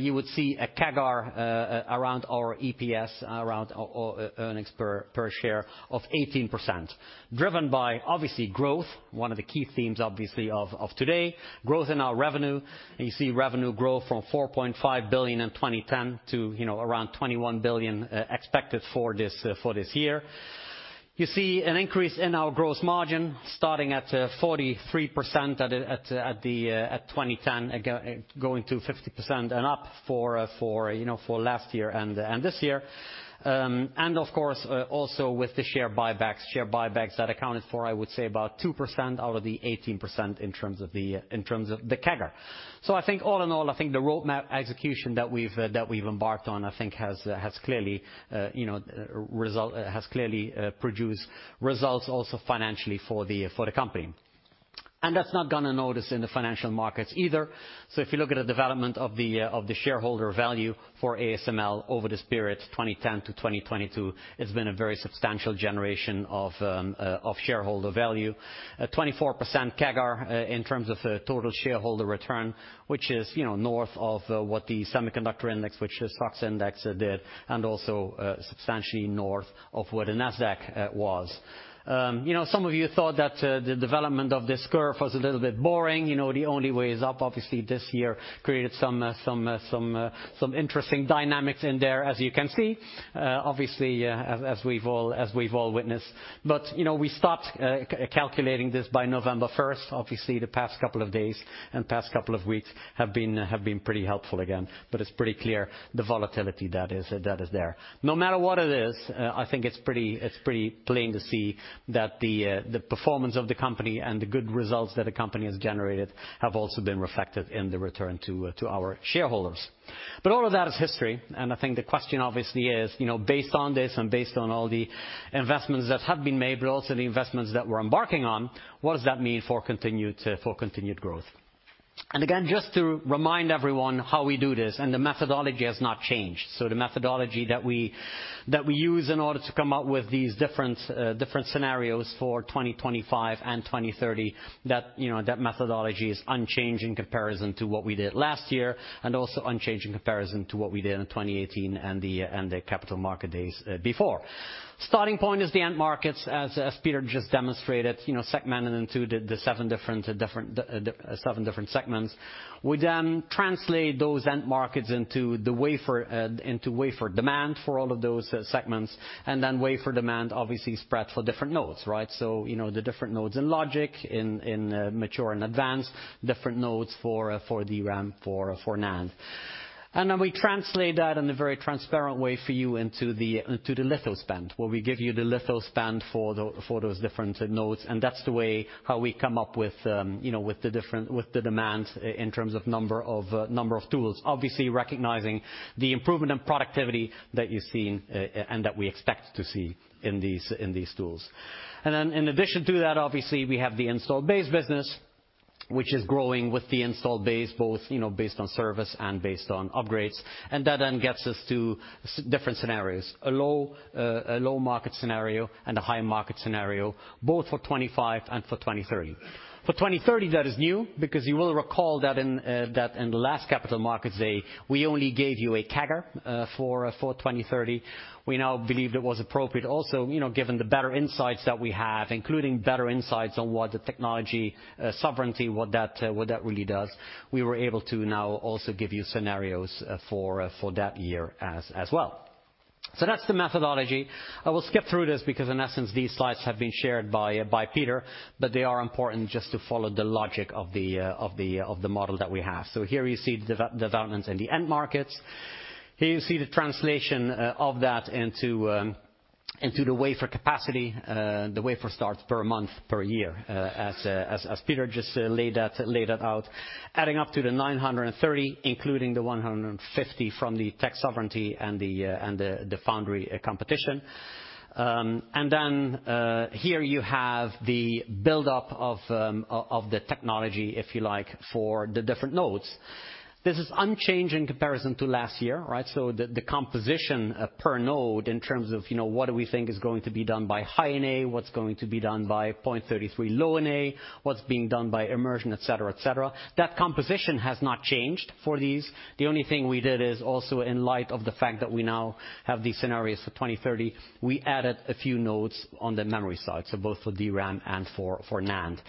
you would see a CAGR around our EPS, around earnings per share of 18%, driven by obviously growth, one of the key themes obviously of today, growth in our revenue. You see revenue growth from 4.5 billion in 2010 to, you know, around 21 billion expected for this year. You see an increase in our gross margin, starting at 43% at 2010, going to 50% and up for, you know, for last year and this year. Of course, also with the share buybacks, share buybacks that accounted for, I would say, about 2% out of the 18% in terms of the CAGR. I think all in all, I think the roadmap execution that we've embarked on, I think has clearly produced results also financially for the company. That's not gone unnoticed in the financial markets either. If you look at the development of the shareholder value for ASML over this period, 2010-2022, it's been a very substantial generation of shareholder value. 24% CAGR in terms of total shareholder return, which is, you know, north of what the semiconductor index, which the stocks index did, and also substantially north of where the Nasdaq was. You know, some of you thought that the development of this curve was a little bit boring. You know, the only way is up. Obviously, this year created some interesting dynamics in there, as you can see, obviously, as we've all witnessed. You know, we stopped calculating this by November first. Obviously, the past couple of days and past couple of weeks have been pretty helpful again. It's pretty clear the volatility that is there. No matter what it is, I think it's pretty plain to see that the performance of the company and the good results that the company has generated have also been reflected in the return to our shareholders. All of that is history, and I think the question obviously is, you know, based on this and based on all the investments that have been made, but also the investments that we're embarking on, what does that mean for continued growth? Again, just to remind everyone how we do this, and the methodology has not changed. The methodology that we use in order to come up with these different scenarios for 2025 and 2030, that, you know, that methodology is unchanged in comparison to what we did last year, and also unchanged in comparison to what we did in 2018 and the capital market days before. Starting point is the end markets, as Peter just demonstrated, you know, segmented into the seven different segments. We then translate those end markets into wafer demand for all of those segments, and then wafer demand obviously spread for different nodes, right? The different nodes in logic, mature and advanced, different nodes for DRAM, for NAND. We translate that in a very transparent way for you into the litho spend, where we give you the litho spend for those different nodes. That's the way how we come up with the demands in terms of number of tools, obviously recognizing the improvement in productivity that you're seeing, and that we expect to see in these tools. In addition to that, obviously, we have the installed base business, which is growing with the installed base, both, you know, based on service and based on upgrades. That then gets us to different scenarios. A low market scenario and a high market scenario, both for 2025 and for 2030. For 2030, that is new because you will recall that in the last Capital Markets Day, we only gave you a CAGR for 2030. We now believed it was appropriate also, you know, given the better insights that we have, including better insights on what the technology sovereignty, what that really does, we were able to now also give you scenarios for that year as well. That's the methodology. I will skip through this because in essence, these slides have been shared by Peter, but they are important just to follow the logic of the model that we have. Here you see the development in the end markets. Here you see the translation of that into the wafer capacity, the wafer starts per month per year, as Peter just laid that out, adding up to the 930, including the 150 from the tech sovereignty and the foundry competition. Here you have the build-up of the technology, if you like, for the different nodes. This is unchanged in comparison to last year, right? The composition per node in terms of, you know, what do we think is going to be done by High-NA, what's going to be done by 0.33 Low-NA, what's being done by immersion, et cetera, et cetera. That composition has not changed for these. The only thing we did is also in light of the fact that we now have these scenarios for 2030, we added a few nodes on the memory side, so both for DRAM and for NAND.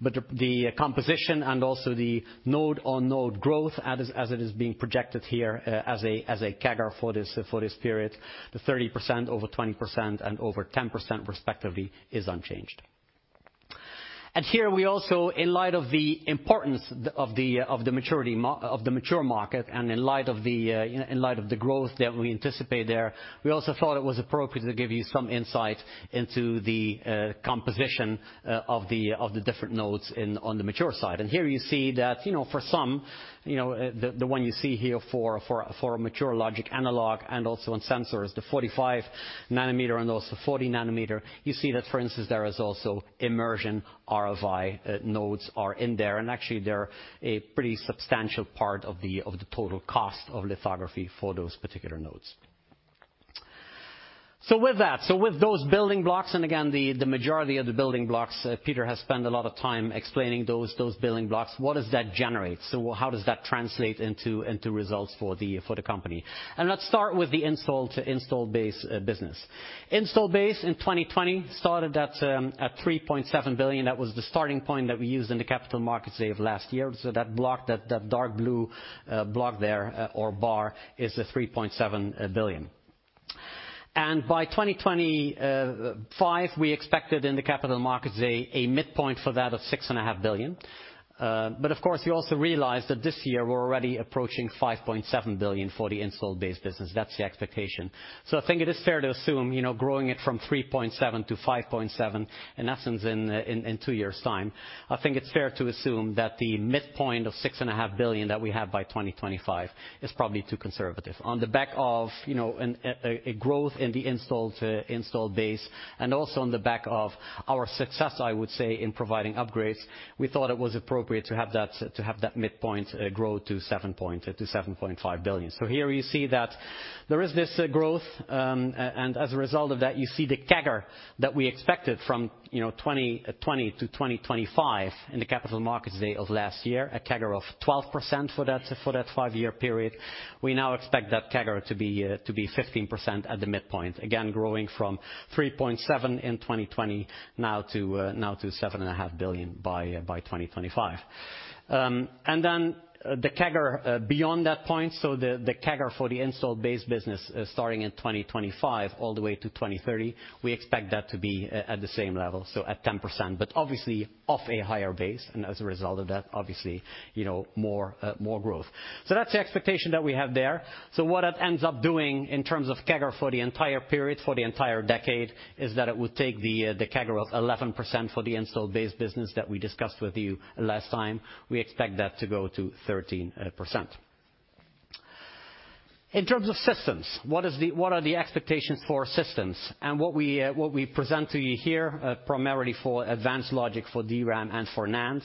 The composition and also the node-on-node growth as it is being projected here, as a CAGR for this period, the 30%, over 20% and over 10% respectively is unchanged. In light of the importance of the maturity of the mature market, and in light of the growth that we anticipate there, we also thought it was appropriate to give you some insight into the composition of the different nodes on the mature side. Here you see that, you know, the one you see here for mature logic analog and also in sensors, the 45 nm and also 40 nm, you see that, for instance, there is also immersion ArFi nodes are in there. Actually, they're a pretty substantial part of the total cost of lithography for those particular nodes. With those building blocks, and again, the majority of the building blocks, Peter has spent a lot of time explaining those building blocks. What does that generate? How does that translate into results for the company? Let's start with the installed base business. Installed base in 2020 started at 3.7 billion. That was the starting point that we in the Capital Markets Day of last year. That block, the dark blue block there, or bar is the 3.7 billion. By 2025, we expected in the Capital Markets Day a midpoint for that of 6.5 billion. But of course, you also realize that this year we're already approaching 5.7 billion for the installed base business. That's the expectation. I think it is fair to assume, you know, growing it from 3.7-5.7, in essence, in two years' time, I think it's fair to assume that the midpoint of 6.5 billion that we have by 2025 is probably too conservative. On the back of, you know, growth in the installed base and also on the back of our success, I would say, in providing upgrades, we thought it was appropriate to have that midpoint grow to 7.5 billion. Here you see that there is this growth and as a result of that, you see the CAGR that we expected from, you know, 2020 to 2025 in the Capital Markets Day of last year, a CAGR of 12% for that five-year period. We now expect that CAGR to be 15% at the midpoint, again, growing from 3.7 billion in 2020 to 7.5 billion by 2025. Then the CAGR beyond that point, so the CAGR for the installed base business, starting in 2025 all the way to 2030, we expect that to be at the same level, so at 10%. Obviously off a higher base and as a result of that, obviously, you know, more growth. That's the expectation that we have there. What that ends up doing in terms of CAGR for the entire period, for the entire decade, is that it would take the CAGR of 11% for the installed base business that we discussed with you last time. We expect that to go to 13%. In terms of systems, what are the expectations for systems? What we present to you here, primarily for advanced logic for DRAM and for NAND,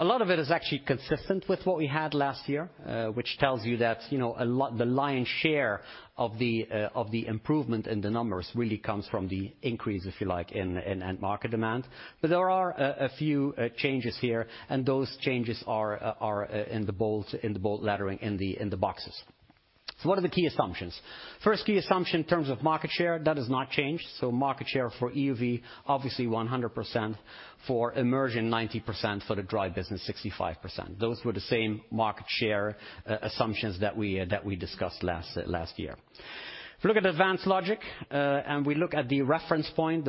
a lot of it is actually consistent with what we had last year, which tells you that, you know, the lion's share of the improvement in the numbers really comes from the increase, if you like, in end market demand. There are a few changes here, and those changes are in the bold lettering in the boxes. What are the key assumptions? First key assumption in terms of market share, that has not changed. Market share for EUV, obviously 100%, for immersion 90%, for the dry business 65%. Those were the same market share assumptions that we discussed last year. If you look at advanced logic and we look at the reference point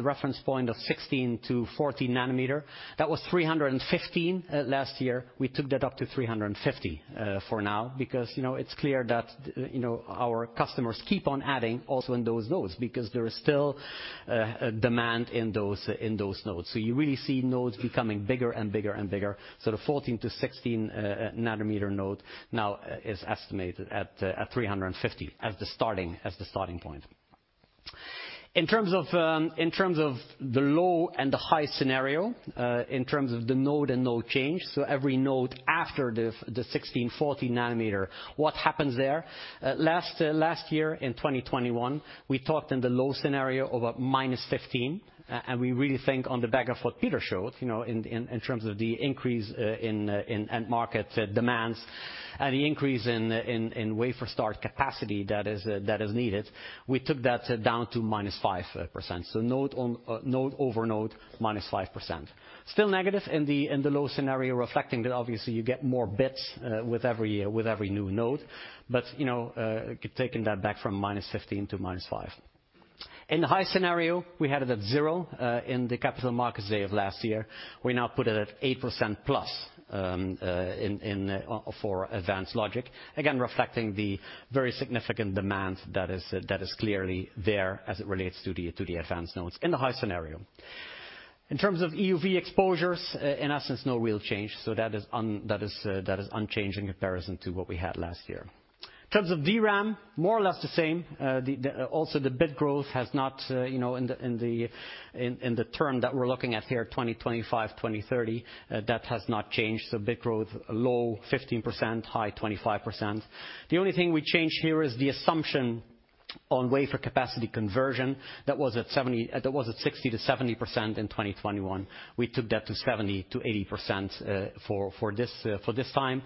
of 16 to 14 nm, that was 315 last year. We took that up to 350 for now, because you know, it's clear that you know, our customers keep on adding also in those nodes because there is still a demand in those nodes. You really see nodes becoming bigger and bigger and bigger. The 14-16 nm node now is estimated at 350 as the starting point. In terms of the low and the high scenario, in terms of the node and node change, every node after the 16/14 nm, what happens there? Last year in 2021, we talked in the low scenario about -15%, and we really think on the back of what Peter showed, you know, in terms of the increase in wafer start capacity that is needed, we took that down to -5%. Node on node over node, -5%. Still negative in the low scenario, reflecting that obviously you get more bits with every new node. You know, taking that back from -15% to -5%. In the high scenario, we had it at 0% in the Capital Markets Day of last year. We now put it at 8%+ for advanced logic. Again, reflecting the very significant demand that is clearly there as it relates to the advanced nodes in the high scenario. In terms of EUV exposures, in essence, no real change. That is unchanging compared to what we had last year. In terms of DRAM, more or less the same. Also the bit growth has not in the term that we are looking at here, 2025, 2030, that has not changed. Bit growth low 15%, high 25%. The only thing we changed here is the assumption on wafer capacity conversion that was at 60%-70% in 2021. We took that to 70%-80% for this time.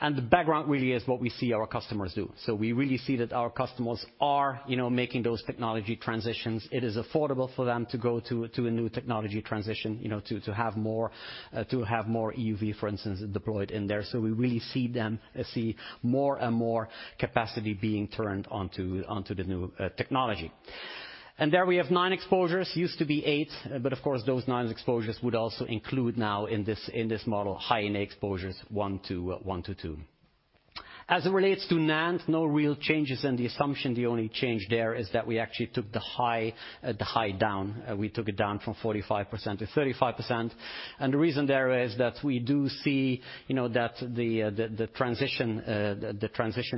The background really is what we see our customers do. We really see that our customers are, you know, making those technology transitions. It is affordable for them to go to a new technology transition, you know, to have more EUV, for instance, deployed in there. We really see them see more and more capacity being turned onto the new technology. There we have nine exposures. Used to be eight, but of course, those 9 exposures would also include now in this model, High-NA exposures 1-2. As it relates to NAND, no real changes in the assumption. The only change there is that we actually took the high down. We took it down from 45%-35%. The reason there is that we do see, you know, that the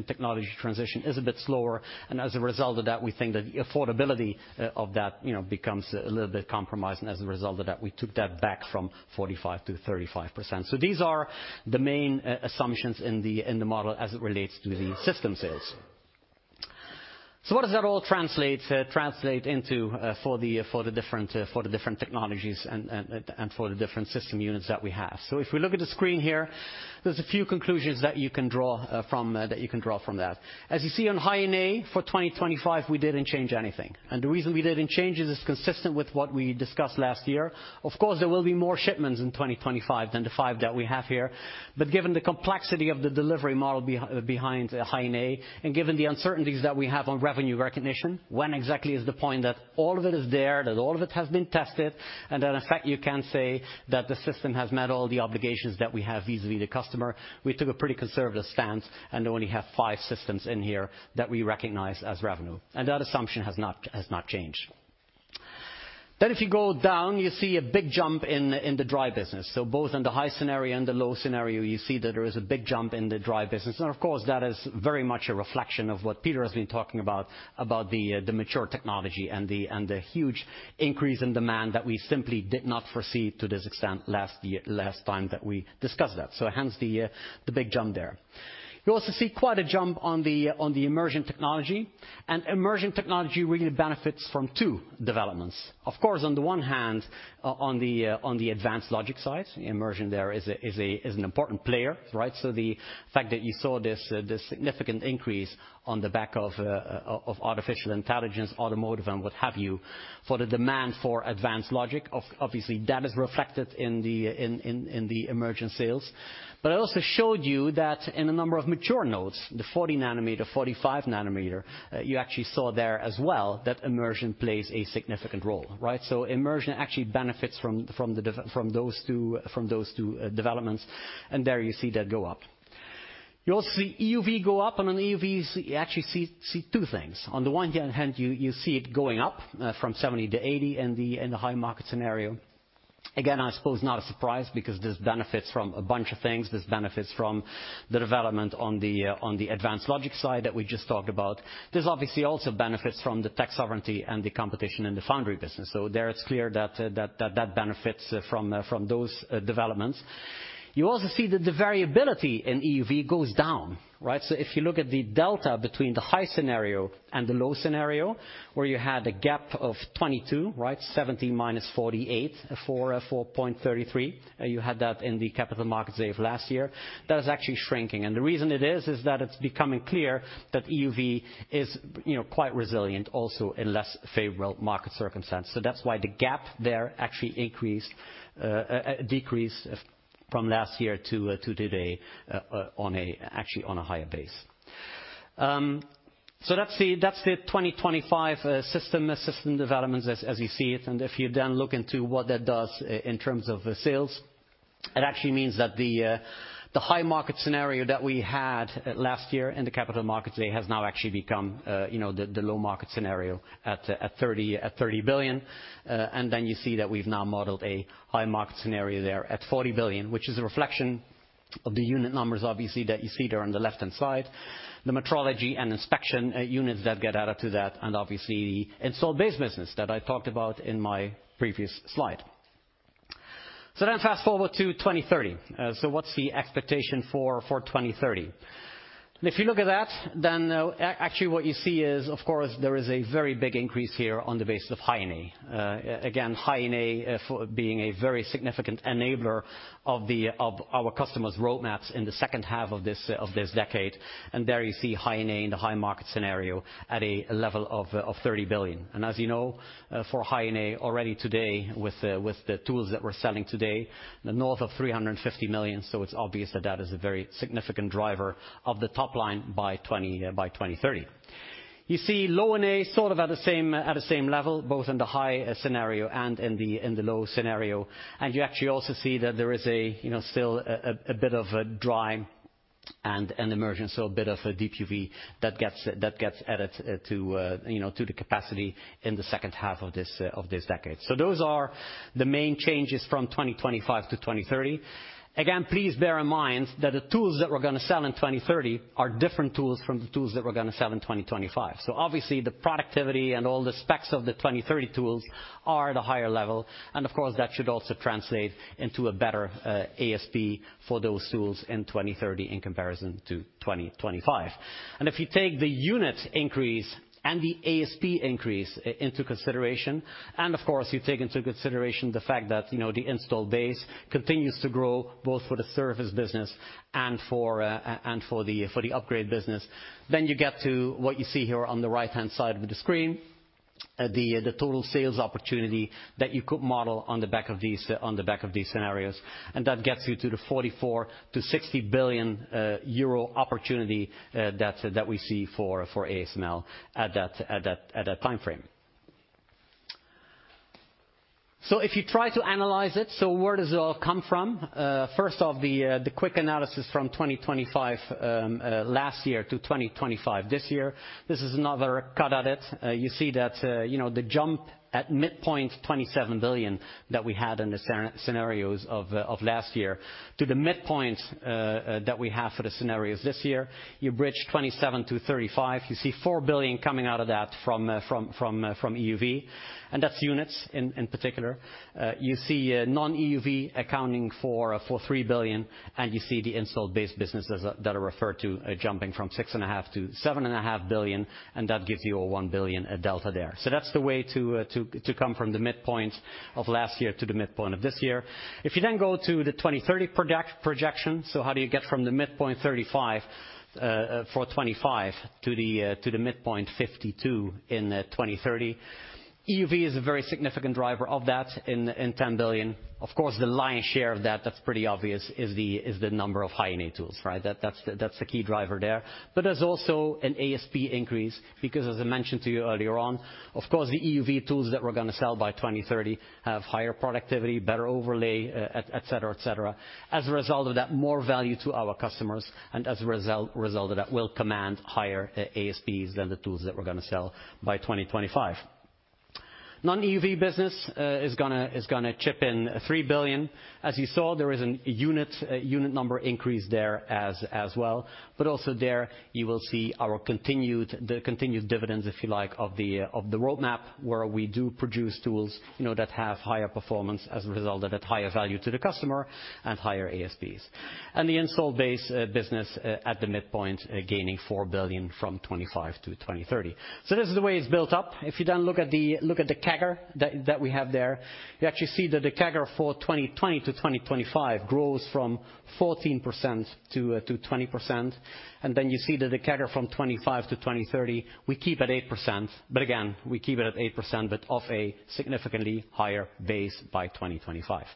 technology transition is a bit slower. As a result of that, we think that affordability of that, you know, becomes a little bit compromised. As a result of that, we took that back from 45%-35%. These are the main assumptions in the model as it relates to the system sales. What does that all translate into for the different technologies and for the different system units that we have? If we look at the screen here, there's a few conclusions that you can draw from that. As you see on High-NA for 2025, we didn't change anything. The reason we didn't change is it's consistent with what we discussed last year. Of course, there will be more shipments in 2025 than the five that we have here. Given the complexity of the delivery model behind High-NA, and given the uncertainties that we have on revenue recognition, when exactly is the point that all of it is there, that all of it has been tested, and that in fact, you can say that the system has met all the obligations that we have vis-a-vis the customer. We took a pretty conservative stance and only have five systems in here that we recognize as revenue. That assumption has not changed. If you go down, you see a big jump in the dry business. Both in the high scenario and the low scenario, you see that there is a big jump in the dry business. Of course, that is very much a reflection of what Pieter has been talking about the mature technology and the huge increase in demand that we simply did not foresee to this extent last time that we discussed that. Hence the big jump there. You also see quite a jump on the immersion technology. Immersion technology really benefits from two developments. Of course, on the one hand, on the advanced logic side, immersion there is an important player, right? The fact that you saw this significant increase on the back of of artificial intelligence, automotive, and what have you, for the demand for advanced logic, obviously that is reflected in the immersion sales. I also showed you that in a number of mature nodes, the 40 nm, 45 nm, you actually saw there as well that immersion plays a significant role, right? Immersion actually benefits from those two developments. There you see that go up. You also see EUV go up. On EUV, you actually see two things. On the one hand, you see it going up from 70-80 in the high market scenario. Again, I suppose not a surprise because this benefits from a bunch of things. This benefits from the development on the advanced logic side that we just talked about. This obviously also benefits from the tech sovereignty and the competition in the foundry business. There it's clear that that benefits from those developments. You also see that the variability in EUV goes down, right? If you look at the delta between the high scenario and the low scenario, where you had a gap of 22, right? 70 minus 48, 4.33. You had that in the Capital Markets Day of last year. That is actually shrinking. The reason it is is that it's becoming clear that EUV is, you know, quite resilient also in less favorable market circumstances. That's why the gap there actually decreased from last year to today, on a... Actually on a higher base. That's the 2025 system developments as you see it. If you then look into what that does in terms of sales, it actually means that the high market scenario that we had last year in the capital markets has now actually become, you know, the low market scenario at 30 billion. You see that we've now modeled a high market scenario there at 40 billion, which is a reflection of the unit numbers, obviously, that you see there on the left-hand side. The metrology and inspection units that get added to that and obviously the installed base business that I talked about in my previous slide. Fast-forward to 2030. What's the expectation for 2030? If you look at that, actually what you see is, of course, there is a very big increase here on the base of High NA. Again, High NA for being a very significant enabler of our customers' roadmaps in the second half of this decade. There you see High NA in the high market scenario at a level of 30 billion. As you know, for High NA already today, with the tools that we're selling today, north of 350 million, so it's obvious that that is a very significant driver of the top line by 2030. You see Low NA sort of at the same level, both in the high scenario and in the low scenario. You actually also see that there is still a bit of a dry ArF and immersion, so a bit of a DUV that gets added to the capacity in the second half of this decade. Those are the main changes from 2025-2030. Again, please bear in mind that the tools that we're gonna sell in 2030 are different tools from the tools that we're gonna sell in 2025. Obviously the productivity and all the specs of the 2030 tools are at a higher level, and of course, that should also translate into a better ASP for those tools in 2030 in comparison to 2025. If you take the unit increase and the ASP increase into consideration, and of course, you take into consideration the fact that, you know, the installed base continues to grow both for the service business and for the upgrade business, then you get to what you see here on the right-hand side of the screen, the total sales opportunity that you could model on the back of these scenarios. That gets you to the 44 billion-60 billion euro opportunity that we see for ASML at that time frame. If you try to analyze it, where does it all come from? First off, the quick analysis from 2024 last year to 2025 this year, this is another cut at it. You see that, you know, the jump at midpoint 27 billion that we had in the scenarios of last year to the midpoint that we have for the scenarios this year. You bridge 27 billion-35 billion. You see 4 billion coming out of that from EUV, and that's units in particular. You see non-EUV accounting for 3 billion, and you see the installed base businesses that are referred to jumping from 6.5 billion-7.5 billion, and that gives you a 1 billion delta there. That's the way to come from the midpoint of last year to the midpoint of this year. If you go to the 2030 projection, how do you get from the midpoint 35 for 2025 to the midpoint 52 in 2030? EUV is a very significant driver of that in 10 billion. Of course, the lion's share of that's pretty obvious, is the number of High-NA tools, right? That's the key driver there. But there's also an ASP increase because as I mentioned to you earlier on, of course, the EUV tools that we're gonna sell by 2030 have higher productivity, better overlay, et cetera. As a result of that, more value to our customers, and as a result of that, we'll command higher ASPs than the tools that we're gonna sell by 2025. Non-EUV business is gonna chip in 3 billion. As you saw, there is a unit number increase there as well. Also there you will see the continued dividends, if you like, of the roadmap, where we do produce tools, you know, that have higher performance as a result of that higher value to the customer and higher ASPs. The installed base business at the midpoint gaining 4 billion from 2025-2030. This is the way it's built up. If you then look at the CAGR that we have there, you actually see that the CAGR for 2020 to 2025 grows from 14% to 20%. Then you see that the CAGR from 2025-2030, we keep at 8%. Again, we keep it at 8%, but of a significantly higher base by 2025.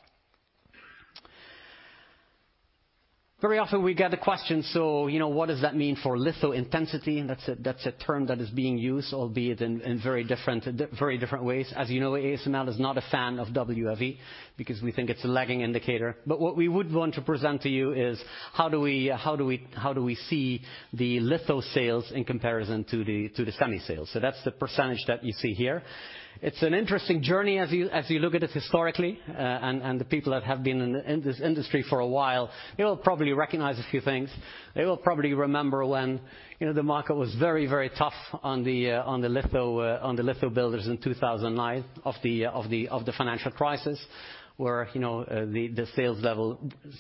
Very often we get a question, you know, what does that mean for litho intensity? That's a term that is being used, albeit in very different ways. As you know, ASML is not a fan of WFE because we think it's a lagging indicator. But what we would want to present to you is how do we see the litho sales in comparison to the semi sales? That's the percentage that you see here. It's an interesting journey as you look at it historically, and the people that have been in this industry for a while, you'll probably recognize a few things. They will probably remember when, you know, the market was very, very tough on the litho builders in 2009 of the financial crisis, where, you know, the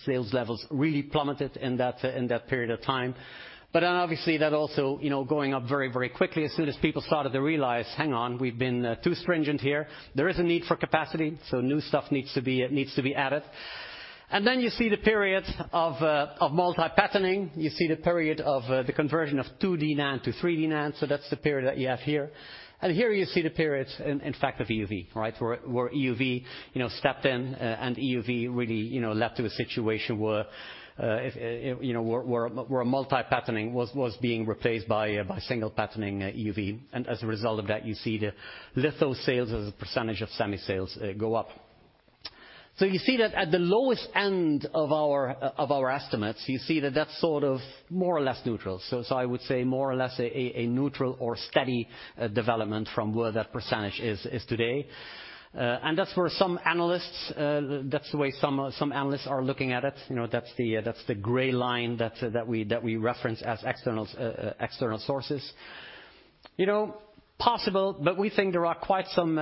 sales levels really plummeted in that period of time. Obviously that also, you know, going up very, very quickly as soon as people started to realize, hang on, we've been too stringent here. There is a need for capacity, so new stuff needs to be added. You see the period of multi-patterning. You see the period of the conversion of 2D NAND to 3D NAND. That's the period that you have here. Here you see the periods in fact of EUV, right? Where EUV, you know, stepped in, and EUV really, you know, led to a situation where, you know, where multi-patterning was being replaced by single patterning EUV. As a result of that, you see the litho sales as a percentage of semi sales go up. You see that at the lowest end of our estimates, you see that that's sort of more or less neutral. I would say more or less a neutral or steady development from where that percentage is today. That's where some analysts, that's the way some analysts are looking at it. You know, that's the gray line that we reference as external sources. You know, possible, but we think there are quite some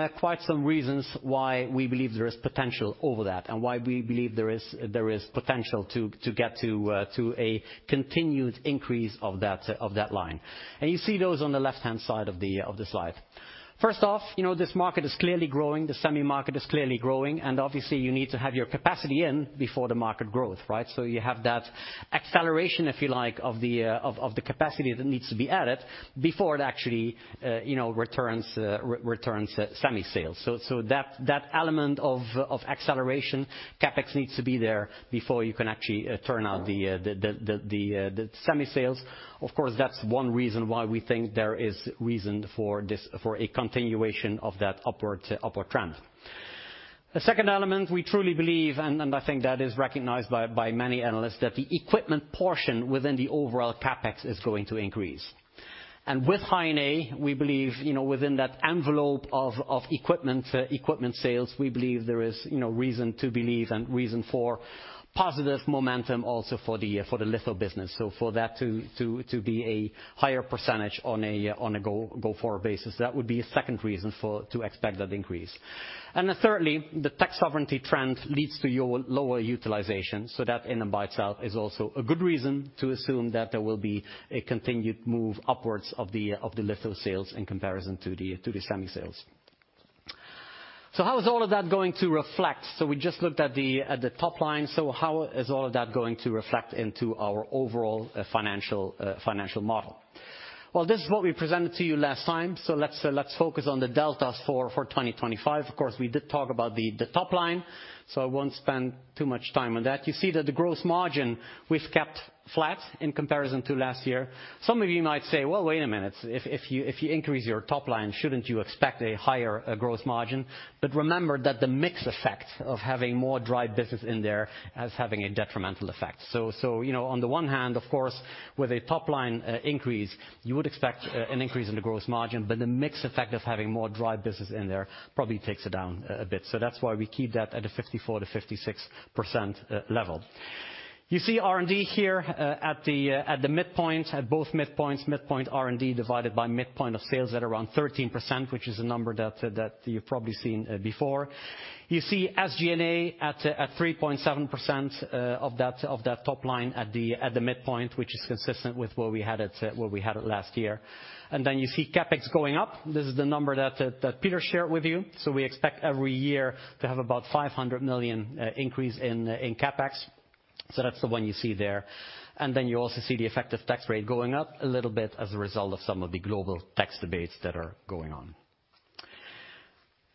reasons why we believe there is potential over that and why we believe there is potential to get to a continued increase of that line. You see those on the left-hand side of the slide. First off, you know, this market is clearly growing. The semi market is clearly growing, and obviously you need to have your capacity in before the market growth, right? You have that acceleration, if you like, of the capacity that needs to be added before it actually returns semi sales. That element of acceleration CapEx needs to be there before you can actually turn out the semi sales. Of course, that's one reason why we think there is reason for this for a continuation of that upwards, upward trend. The second element we truly believe, and I think that is recognized by many analysts, that the equipment portion within the overall CapEx is going to increase. With High-NA, we believe, you know, within that envelope of equipment sales, we believe there is, you know, reason to believe and reason for positive momentum also for the litho business. For that to be a higher percentage on a go-forward basis, that would be a second reason for to expect that increase. Thirdly, the tech sovereignty trend leads to lower utilization, so that in and by itself is also a good reason to assume that there will be a continued move upwards of the litho sales in comparison to the semi sales. How is all of that going to reflect? We just looked at the top line, so how is all of that going to reflect into our overall financial model? Well, this is what we presented to you last time, so let's focus on the deltas for 2025. Of course, we did talk about the top line, so I won't spend too much time on that. You see that the gross margin we've kept flat in comparison to last year. Some of you might say, "Well, wait a minute. If you increase your top line, shouldn't you expect a higher gross margin? Remember that the mix effect of having more dry business in there is having a detrimental effect. You know, on the one hand, of course, with a top-line increase, you would expect an increase in the gross margin, but the mix effect of having more dry business in there probably takes it down a bit. That's why we keep that at a 54%-56% level. You see R&D here at the midpoint, at both midpoints, midpoint R&D divided by midpoint of sales at around 13%, which is a number that you've probably seen before. You see SG&A at 3.7% of that top line at the midpoint, which is consistent with where we had it last year. Then you see CapEx going up. This is the number that Peter shared with you. We expect every year to have about 500 million increase in CapEx. That's the one you see there. Then you also see the effective tax rate going up a little bit as a result of some of the global tax debates that are going on.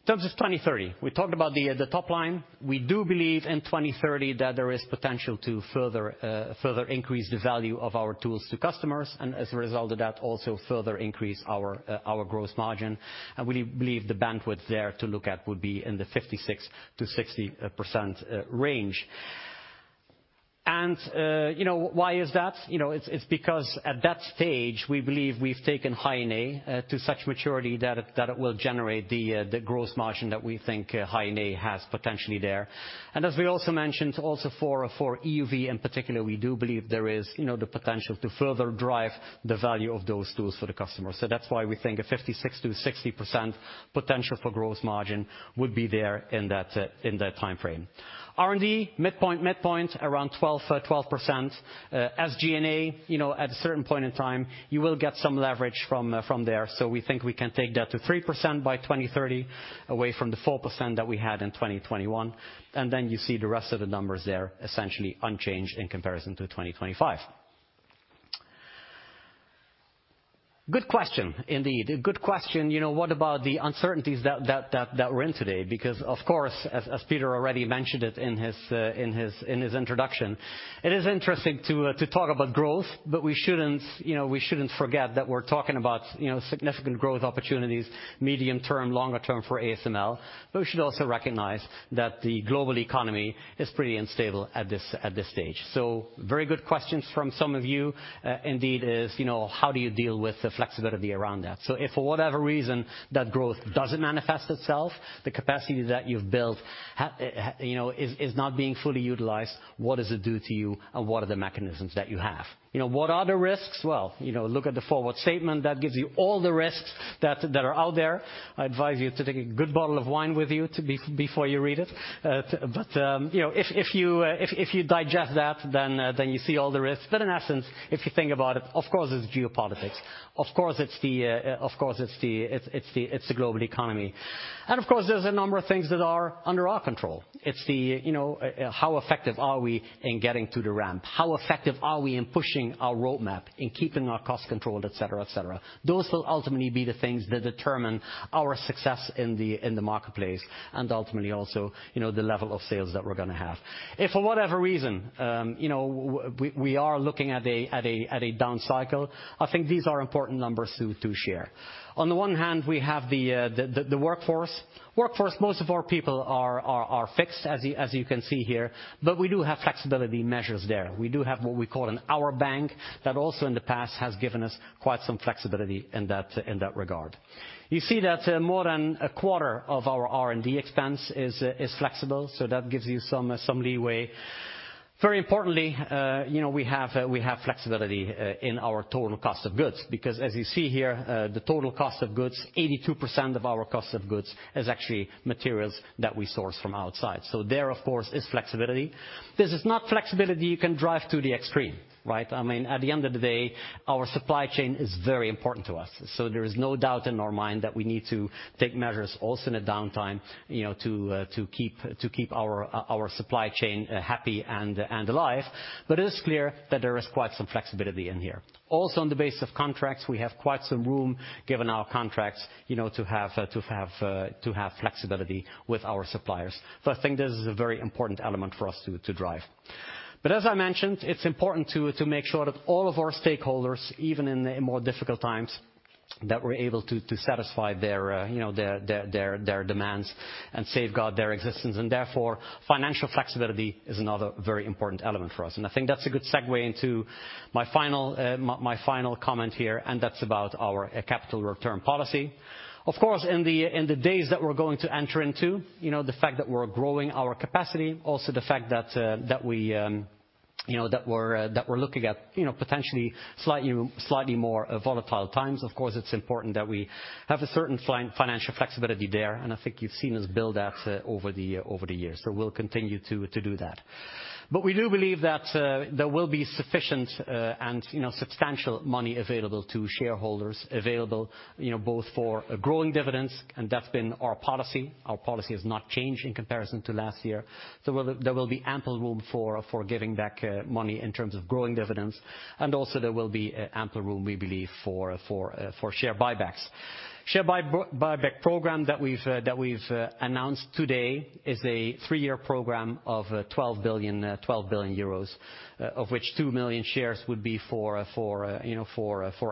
In terms of 2030, we talked about the top line. We do believe in 2030 that there is potential to further increase the value of our tools to customers, and as a result of that, also further increase our gross margin. We believe the bandwidth there to look at would be in the 56%-60% range. You know, why is that? You know, it's because at that stage, we believe we've taken High-NA to such maturity that it will generate the gross margin that we think High-NA has potentially there. As we also mentioned, also for EUV in particular, we do believe there is, you know, the potential to further drive the value of those tools for the customer. That's why we think a 56%-60% potential for gross margin would be there in that timeframe. R&D midpoint around 12%. SG&A, you know, at a certain point in time, you will get some leverage from there. We think we can take that to 3% by 2030, away from the 4% that we had in 2021. Then you see the rest of the numbers there, essentially unchanged in comparison to 2025. Good question indeed. A good question, you know, what about the uncertainties that we're in today? Because of course, as Peter already mentioned it in his introduction, it is interesting to talk about growth, but we shouldn't, you know, we shouldn't forget that we're talking about, you know, significant growth opportunities medium term, longer term for ASML. We should also recognize that the global economy is pretty unstable at this stage. Very good questions from some of you, indeed is, you know, how do you deal with the flexibility around that? If for whatever reason that growth doesn't manifest itself, the capacity that you've built, you know, is not being fully utilized, what does it do to you and what are the mechanisms that you have? You know, what are the risks? You know, look at the forward statement, that gives you all the risks that are out there. I advise you to take a good bottle of wine with you before you read it. You know, if you digest that, then you see all the risks. In essence, if you think about it, of course it's geopolitics. Of course, it's the global economy. Of course, there's a number of things that are under our control. It's the, you know, how effective are we in getting to the ramp? How effective are we in pushing our roadmap, in keeping our costs controlled, et cetera, et cetera? Those will ultimately be the things that determine our success in the marketplace and ultimately also, you know, the level of sales that we're gonna have. If for whatever reason, we are looking at a down cycle, I think these are important numbers to share. On the one hand, we have the workforce, most of our people are fixed as you can see here, but we do have flexibility measures there. We do have what we call an hour bank that also in the past has given us quite some flexibility in that regard. You see that, more than a quarter of our R&D expense is flexible, so that gives you some leeway. Very importantly, you know, we have flexibility in our total cost of goods, because as you see here, the total cost of goods, 82% of our cost of goods is actually materials that we source from outside. There, of course, is flexibility. This is not flexibility you can drive to the extreme, right? I mean, at the end of the day, our supply chain is very important to us. There is no doubt in our mind that we need to take measures also in a downtime, you know, to keep our supply chain happy and alive. It is clear that there is quite some flexibility in here. On the basis of contracts, we have quite some room, given our contracts, you know, to have flexibility with our suppliers. I think this is a very important element for us to drive. As I mentioned, it's important to make sure that all of our stakeholders, even in the more difficult times, that we're able to satisfy their, you know, demands and safeguard their existence. Therefore, financial flexibility is another very important element for us. I think that's a good segue into my final comment here, and that's about our capital return policy. Of course, in the days that we're going to enter into, you know, the fact that we're growing our capacity, also the fact that we, you know, that we're looking at, you know, potentially slightly more volatile times, of course, it's important that we have a certain financial flexibility there. I think you've seen us build that over the years. We'll continue to do that. We do believe that there will be sufficient and, you know, substantial money available to shareholders, available, you know, both for growing dividends, and that's been our policy. Our policy has not changed in comparison to last year. There will be ample room for giving back money in terms of growing dividends. There will be ample room, we believe, for share buybacks. Share buyback program that we've announced today is a three-year program of 12 billion euros, of which 2 million shares would be for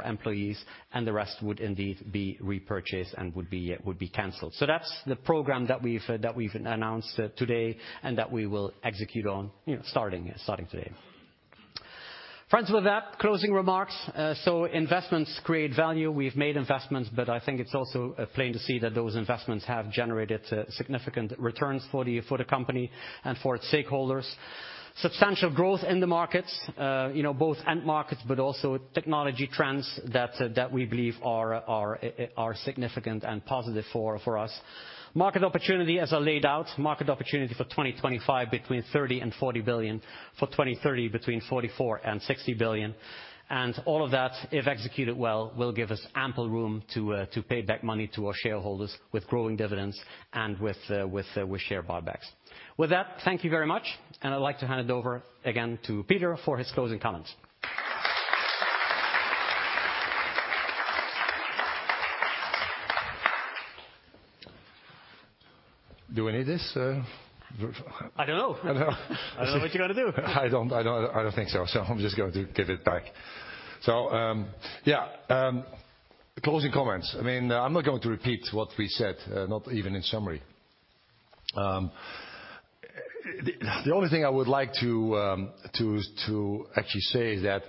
employees, and the rest would indeed be repurchased and would be canceled. That's the program that we've announced today and that we will execute on, you know, starting today. Friends, with that, closing remarks. Investments create value. We've made investments, but I think it's also plain to see that those investments have generated significant returns for the company and for its stakeholders. Substantial growth in the markets, both end markets, but also technology trends that we believe are significant and positive for us. Market opportunity as I laid out, market opportunity for 2025 between 30 billion and 40 billion. For 2030, between 44 billion and 60 billion. All of that, if executed well, will give us ample room to pay back money to our shareholders with growing dividends and with share buybacks. With that, thank you very much, and I'd like to hand it over again to Peter for his closing comments. Do we need this? I don't know. I don't know. I don't know what you gotta do. I don't think so I'm just going to give it back. Yeah, closing comments. I mean, I'm not going to repeat what we said, not even in summary. The only thing I would like to actually say is that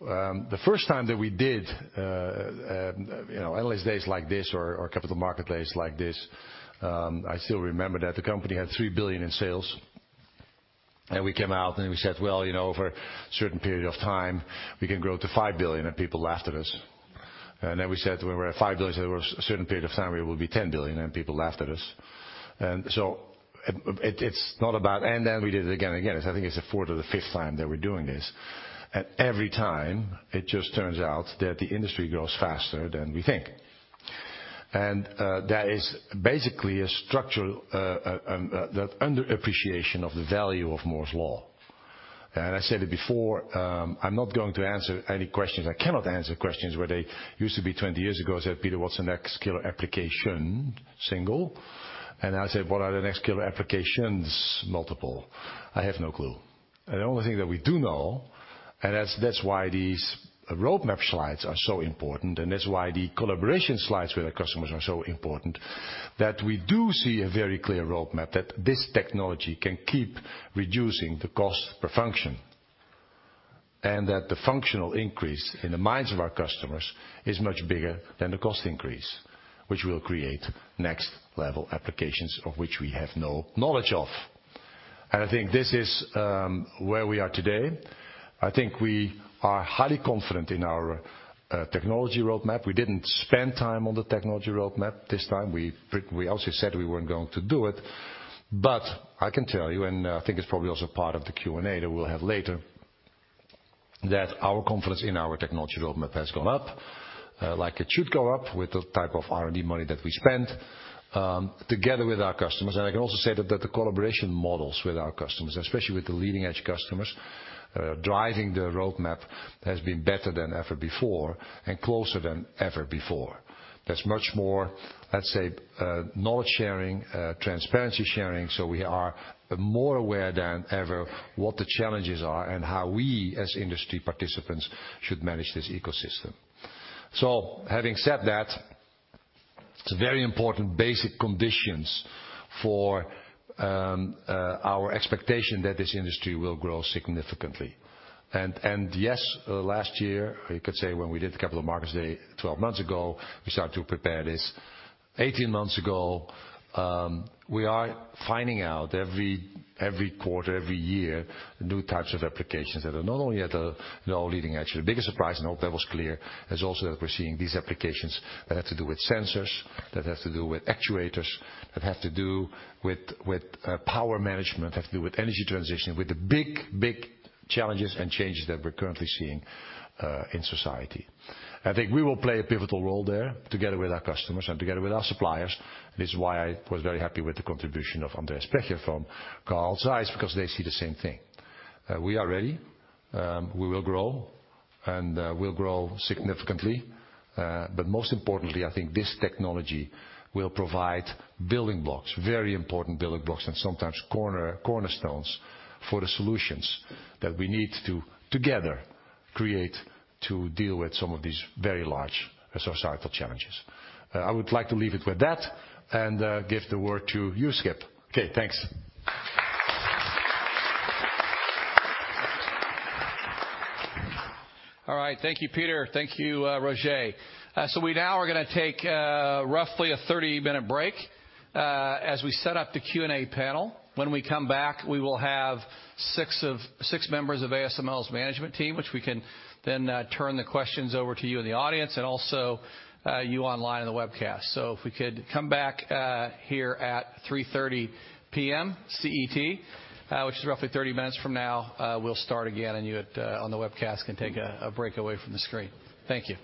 the first time that we did, you know, analyst days like this or capital markets days like this, I still remember that the company had 3 billion in sales. We came out and we said, "Well, you know, for a certain period of time, we can grow to 5 billion," and people laughed at us. Then we said when we were at 5 billion, there was a certain period of time we will be 10 billion, and people laughed at us. It's not about and then we did it again and again. I think it's the fourth or the fifth time that we're doing this. Every time, it just turns out that the industry grows faster than we think. That is basically a structural underappreciation of the value of Moore's Law. I said it before, I'm not going to answer any questions. I cannot answer questions. 20 years ago they said, "Peter, what's the next killer application?" Single. Now they say, "What are the next killer applications?" Multiple. I have no clue. The only thing that we do know, and that's why these roadmap slides are so important, and that's why the collaboration slides with our customers are so important, that we do see a very clear roadmap that this technology can keep reducing the cost per function, and that the functional increase in the minds of our customers is much bigger than the cost increase, which will create next level applications of which we have no knowledge of. I think this is where we are today. I think we are highly confident in our technology roadmap. We didn't spend time on the technology roadmap this time. We also said we weren't going to do it. I can tell you, and I think it's probably also part of the Q&A that we'll have later, that our confidence in our technology roadmap has gone up, like it should go up with the type of R&D money that we spend, together with our customers. I can also say that the collaboration models with our customers, especially with the leading edge customers, driving the roadmap has been better than ever before and closer than ever before. There's much more, let's say, knowledge sharing, transparency sharing, so we are more aware than ever what the challenges are and how we as industry participants should manage this ecosystem. Having said that, it's very important basic conditions for our expectation that this industry will grow significantly. Yes, last year, you could say when we did the Capital Markets Day 12 months ago, we started to prepare this 18 months ago, we are finding out every quarter, every year, new types of applications that are not only at a leading edge. The biggest surprise, and I hope that was clear, is also that we're seeing these applications that have to do with sensors, that have to do with actuators, that have to do with power management, have to do with energy transition, with the big challenges and changes that we're currently seeing in society. I think we will play a pivotal role there together with our customers and together with our suppliers. This is why I was very happy with the contribution of Andreas Pecher from Carl Zeiss, because they see the same thing. We are ready, we will grow, and we'll grow significantly. Most importantly, I think this technology will provide building blocks, very important building blocks, and sometimes cornerstones for the solutions that we need to together create to deal with some of these very large societal challenges. I would like to leave it with that and give the word to you, Skip. Okay, thanks. All right. Thank you, Peter. Thank you, Roger. We now are gonna take roughly a 30-minute break as we set up the Q&A panel. When we come back, we will have six members of ASML's management team, which we can then turn the questions over to you in the audience and also you online in the webcast. If we could come back here at 3:30 P.M. CET, which is roughly 30 minutes from now, we'll start again, and you on the webcast can take a break away from the screen. Thank you.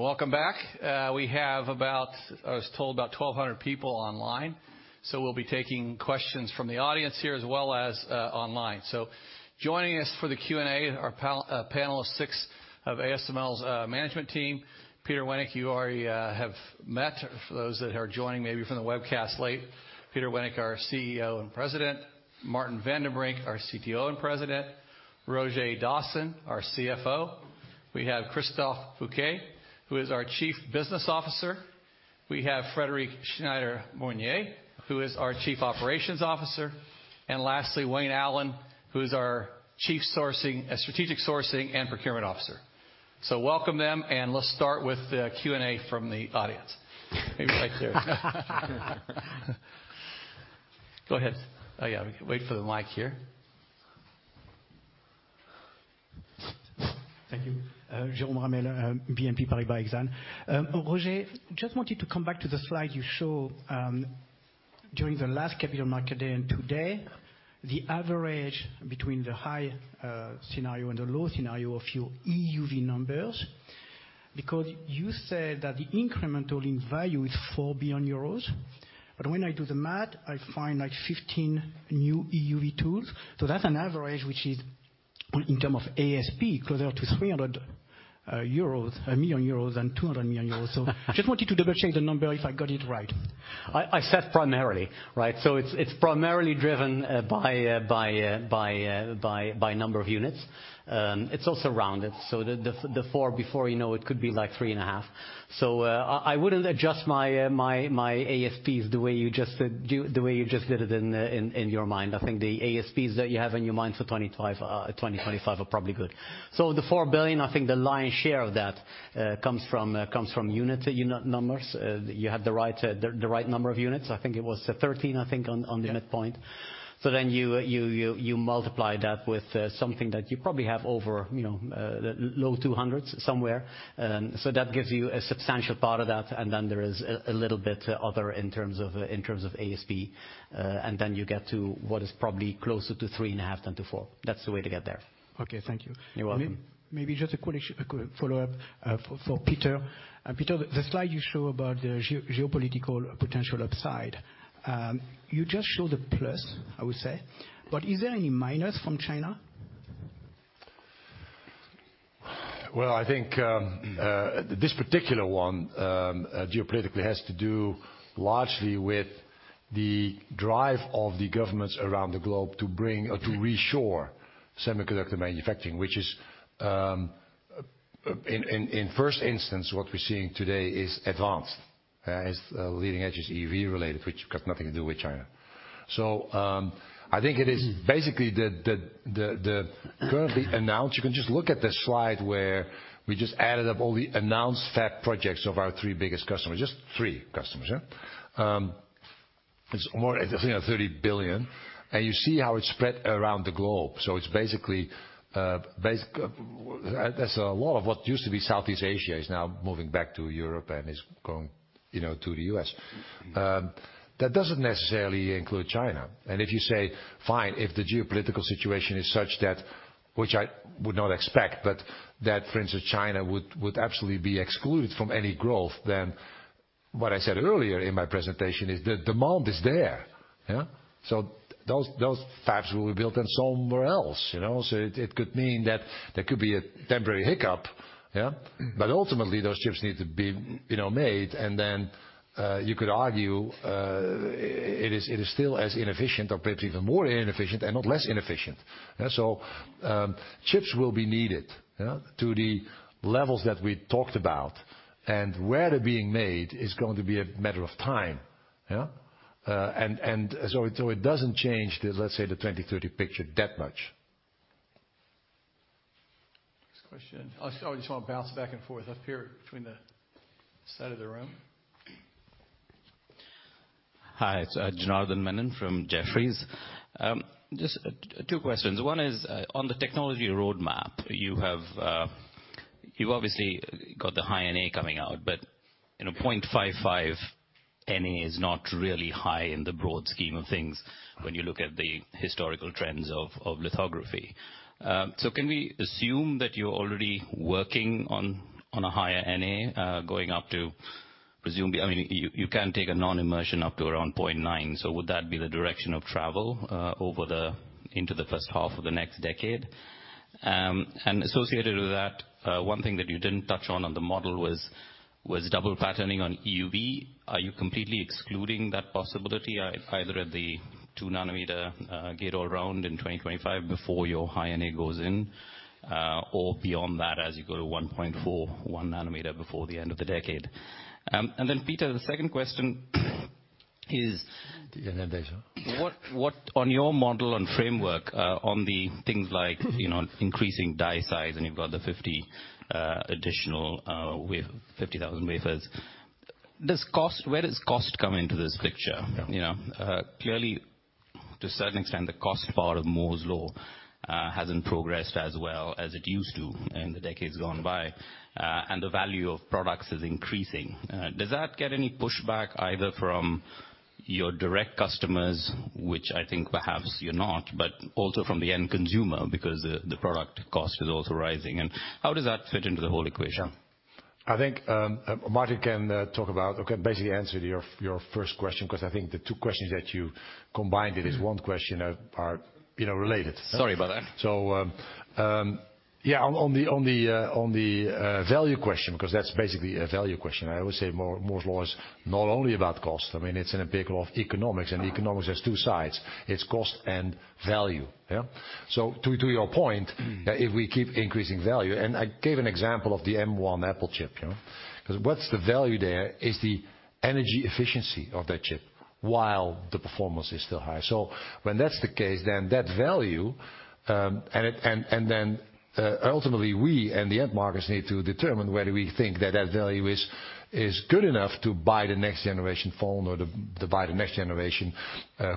Welcome back. We have about, I was told about 1,200 people online, so we'll be taking questions from the audience here as well as online. Joining us for the Q&A, our panel of six of ASML's management team. Peter Wennink, you already have met. For those that are joining maybe from the webcast late, Peter Wennink, our CEO and President. Martin van den Brink, our CTO and President. Roger Dassen, our CFO. We have Christophe Fouquet, who is our Chief Business Officer. We have Frédéric Schneider-Maunoury, who is our Chief Operations Officer. And lastly, Wayne Allan, who is our Chief Strategic Sourcing and Procurement Officer. Welcome them, and let's start with the Q&A from the audience. Maybe right there. Go ahead. Oh, yeah, wait for the mic here. Thank you. Jérôme Ramel, BNP Paribas Exane. Roger, just wanted to come back to the slide you show during the last Capital Market Day and today, the average between the high scenario and the low scenario of your EUV numbers, because you said that the incremental in value is 4 billion euros. When I do the math, I find like 15 new EUV tools. That's an average which is, well, in terms of ASP, closer to 300 million euros and 200 million euros. Just wanted to double check the number if I got it right. I said primarily, right? It's primarily driven by number of units. It's also rounded. The 4 before you know it could be like 3.5. I wouldn't adjust my ASPs the way you just said, do the way you just did it in your mind. I think the ASPs that you have in your mind for 2025 are probably good. The 4 billion, I think the lion's share of that comes from unit to unit numbers. You have the right number of units. I think it was 13, I think on the midpoint. Then you multiply that with something that you probably have over, you know, low 200s somewhere. That gives you a substantial part of that. Then there is a little bit other in terms of ASP, and then you get to what is probably closer to 3.5 than to four. That's the way to get there. Okay, thank you. You're welcome. Maybe just a quick follow-up for Peter. Peter, the slide you show about the geopolitical potential upside, you just show the plus, I would say. Is there any minus from China? Well, I think this particular one geopolitically has to do largely with the drive of the governments around the globe to bring or to reshore semiconductor manufacturing, which is in first instance what we're seeing today is advanced as leading edges EV related, which got nothing to do with China. I think it is basically. You can just look at the slide where we just added up all the announced fab projects of our three biggest customers, just three customers, yeah. It's more, I think, 30 billion. You see how it's spread around the globe. It's basically. There's a lot of what used to be Southeast Asia is now moving back to Europe and is going, you know, to the US. That doesn't necessarily include China. If you say, fine, if the geopolitical situation is such that, which I would not expect, but that, for instance, China would absolutely be excluded from any growth, then what I said earlier in my presentation is the demand is there. Yeah. Those fabs will be built then somewhere else, you know. It could mean that there could be a temporary hiccup, yeah. Ultimately, those chips need to be, you know, made. You could argue it is still as inefficient or perhaps even more inefficient and not less inefficient. Chips will be needed, yeah, to the levels that we talked about. Where they're being made is going to be a matter of time. Yeah. So it doesn't change the, let's say, the 2030 picture that much. Next question. I just want to bounce back and forth up here between the side of the room. Hi, it's Janardan Menon from Jefferies. Just two questions. One is, on the technology roadmap, you have you obviously got the High-NA coming out, but you know, 0.55 NA is not really high in the broad scheme of things when you look at the historical trends of lithography. So can we assume that you're already working on a higher NA going up to presumably I mean, you can take a non-immersion up to around 0.9. Would that be the direction of travel over the into the first half of the next decade? And associated with that, one thing that you didn't touch on on the model was double patterning on EUV. Are you completely excluding that possibility, either at the 2-nm gate-all-around in 2025 before your High-NA goes in, or beyond that as you go to 1.4, 1 nm before the end of the decade? Peter, the second question is- Janardan What on your model and framework on the things like, you know, increasing die size, and you've got the 50 additional with 50,000 wafers? Where does cost come into this picture? Yeah. You know, clearly, to a certain extent, the cost part of Moore's Law hasn't progressed as well as it used to in the decades gone by, and the value of products is increasing. Does that get any pushback either from your direct customers, which I think perhaps you're not, but also from the end consumer because the product cost is also rising? How does that fit into the whole equation? I think Martin can basically answer your first question, because I think the two questions that you combined it as one question are, you know, related. Sorry about that. On the value question, because that's basically a value question. I always say Moore's Law is not only about cost. I mean, it's a big part of economics, and economics has two sides. It's cost and value. To your point, if we keep increasing value, and I gave an example of the M1 Apple chip, you know. Because what's the value there is the energy efficiency of that chip while the performance is still high. When that's the case, then that value, ultimately, we and the end markets need to determine whether we think that that value is good enough to buy the next generation phone or to buy the next generation,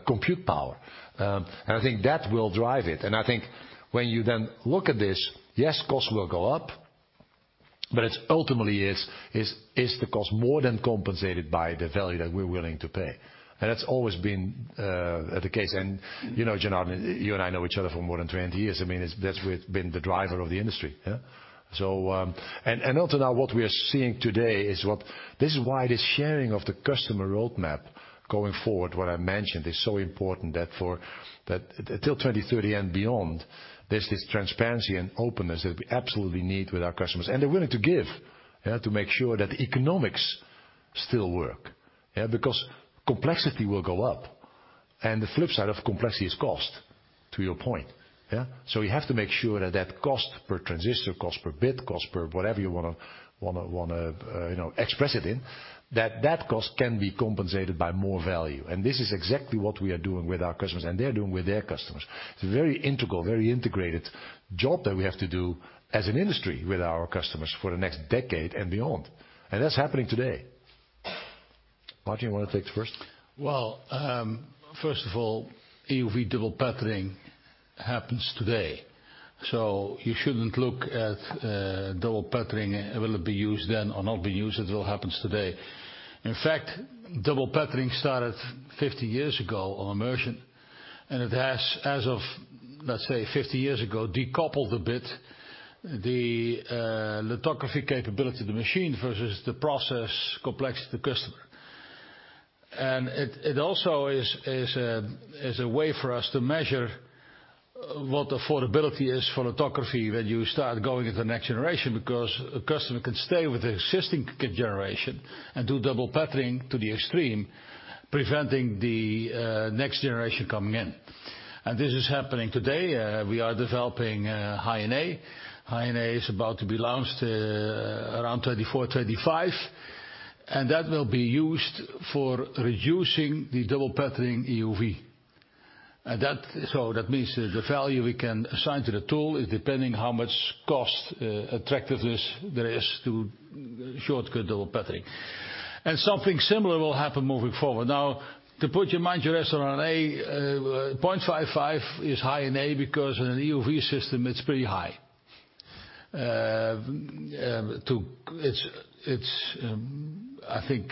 compute power. And I think that will drive it. I think when you then look at this, yes, costs will go up, but it ultimately is the cost more than compensated by the value that we're willing to pay. That's always been the case. You know, Janardan, you and I know each other for more than 20 years. I mean, that's been the driver of the industry. Yeah. Also now what we are seeing today is what this is why this sharing of the customer roadmap going forward, what I mentioned, is so important that for that till 2030 and beyond, there's this transparency and openness that we absolutely need with our customers. They're willing to give, yeah, to make sure that the economics still work. Yeah. Because complexity will go up, and the flip side of complexity is cost, to your point. Yeah. You have to make sure that that cost per transistor, cost per bit, cost per whatever you wanna, you know, express it in, that that cost can be compensated by more value. This is exactly what we are doing with our customers, and they're doing with their customers. It's a very integral, very integrated job that we have to do as an industry with our customers for the next decade and beyond. That's happening today. Martin, you want to take it first? Well, first of all, EUV double patterning happens today, so you shouldn't look at double patterning will it be used then or not be used, it all happens today. In fact, double patterning started 50 years ago on immersion, and it has, as of, let's say 50 years ago, decoupled a bit, the lithography capability of the machine versus the process complexity of the customer. It also is a way for us to measure what affordability is for lithography when you start going into the next generation, because a customer can stay with the existing generation and do double patterning to the extreme, preventing the next generation coming in. This is happening today, we are developing high NA. High-NA is about to be launched around 2024, 2025, and that will be used for reducing the double patterning EUV. That means the value we can assign to the tool is depending how much cost attractiveness there is to shortcut double patterning. Something similar will happen moving forward. Now, to put your mind to rest on a 0.55 is High-NA because in an EUV system it's pretty high. I think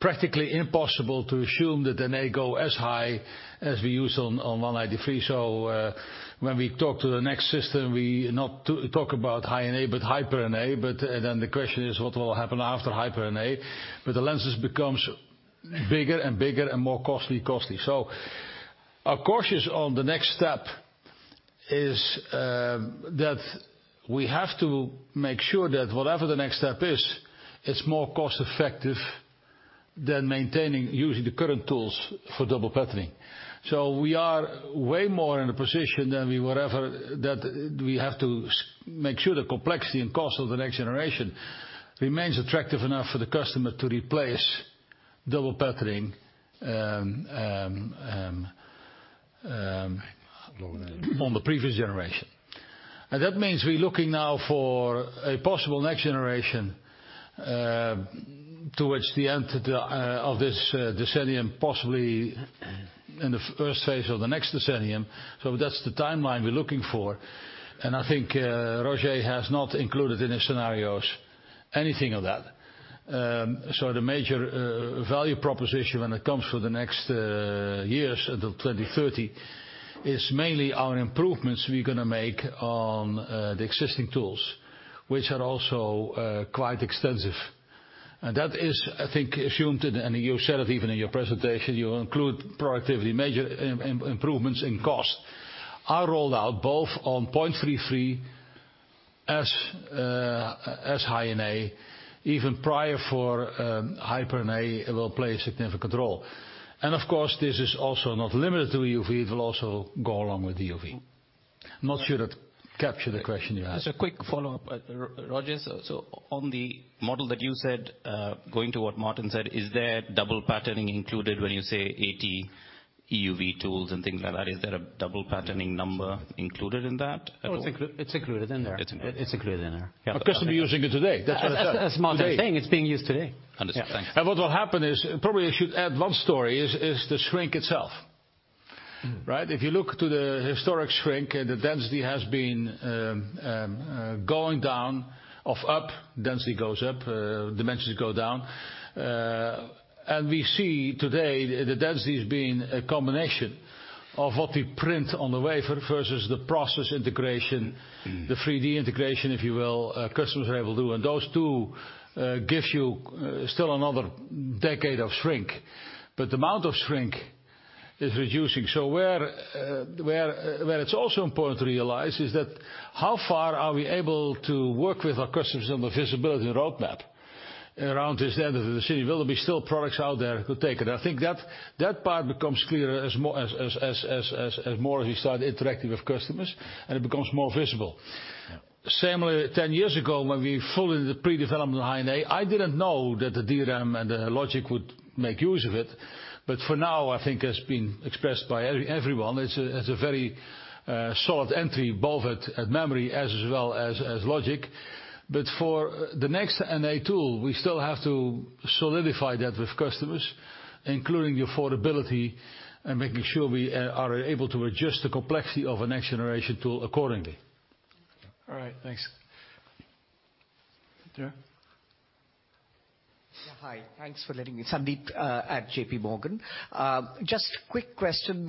practically impossible to assume that the NA go as high as we used on 193. When we talk to the next system, we not talk about High-NA but Hyper-NA, then the question is what will happen after Hyper-NA. The lenses becomes bigger and bigger and more costly. Our cautious on the next step is that we have to make sure that whatever the next step is, it's more cost effective than maintaining using the current tools for double patterning. We are way more in a position than we were ever that we have to make sure the complexity and cost of the next generation remains attractive enough for the customer to replace double patterning on the previous generation. That means we're looking now for a possible next generation towards the end of this decade, possibly in the first phase of the next decade. That's the timeline we're looking for. I think Roger has not included in his scenarios anything of that. The major value proposition when it comes to the next years until 2030 is mainly on improvements we're gonna make on the existing tools, which are also quite extensive. That is, I think, assumed, and you said it even in your presentation, you include productivity, major improvements in cost are rolled out both on 0.33 NA and High-NA even prior to Hyper-NA will play a significant role. Of course, this is also not limited to EUV, it will also go along with the DUV. Not sure it captured the question you asked. Just a quick follow-up, Roger. On the model that you said, going to what Martin said, is there double patterning included when you say 80 EUV tools and things like that? Is there a double patterning number included in that at all? No, it's included in there. It's included. It's included in there. Yeah. A customer using it today. That's what I said. As Martin saying, it's being used today. Understood. Thanks. What will happen is. Probably I should add one story is the shrink itself, right? If you look at the historic shrink, the density has been going up, dimensions go down. We see today the density is being a combination of what we print on the wafer versus the process integration, the 3D integration, if you will, customers are able to do. Those two gives you still another decade of shrink. The amount of shrink is reducing. Where it's also important to realize is that how far are we able to work with our customers on the visibility and roadmap around this end of the decade? Will there be still products out there to take it? I think that part becomes clearer as more. As we start interacting with customers, and it becomes more visible. Yeah. Similarly, ten years ago, when we funded the pre-development of High-NA, I didn't know that the DRAM and the logic would make use of it. For now, I think has been expressed by everyone, it's a very solid entry both at memory as well as logic. For the next NA tool, we still have to solidify that with customers, including the affordability and making sure we are able to adjust the complexity of a next generation tool accordingly. All right. Thanks. Peter? Hi. Thanks for letting me, Sandeep at J.P. Morgan. Just quick question,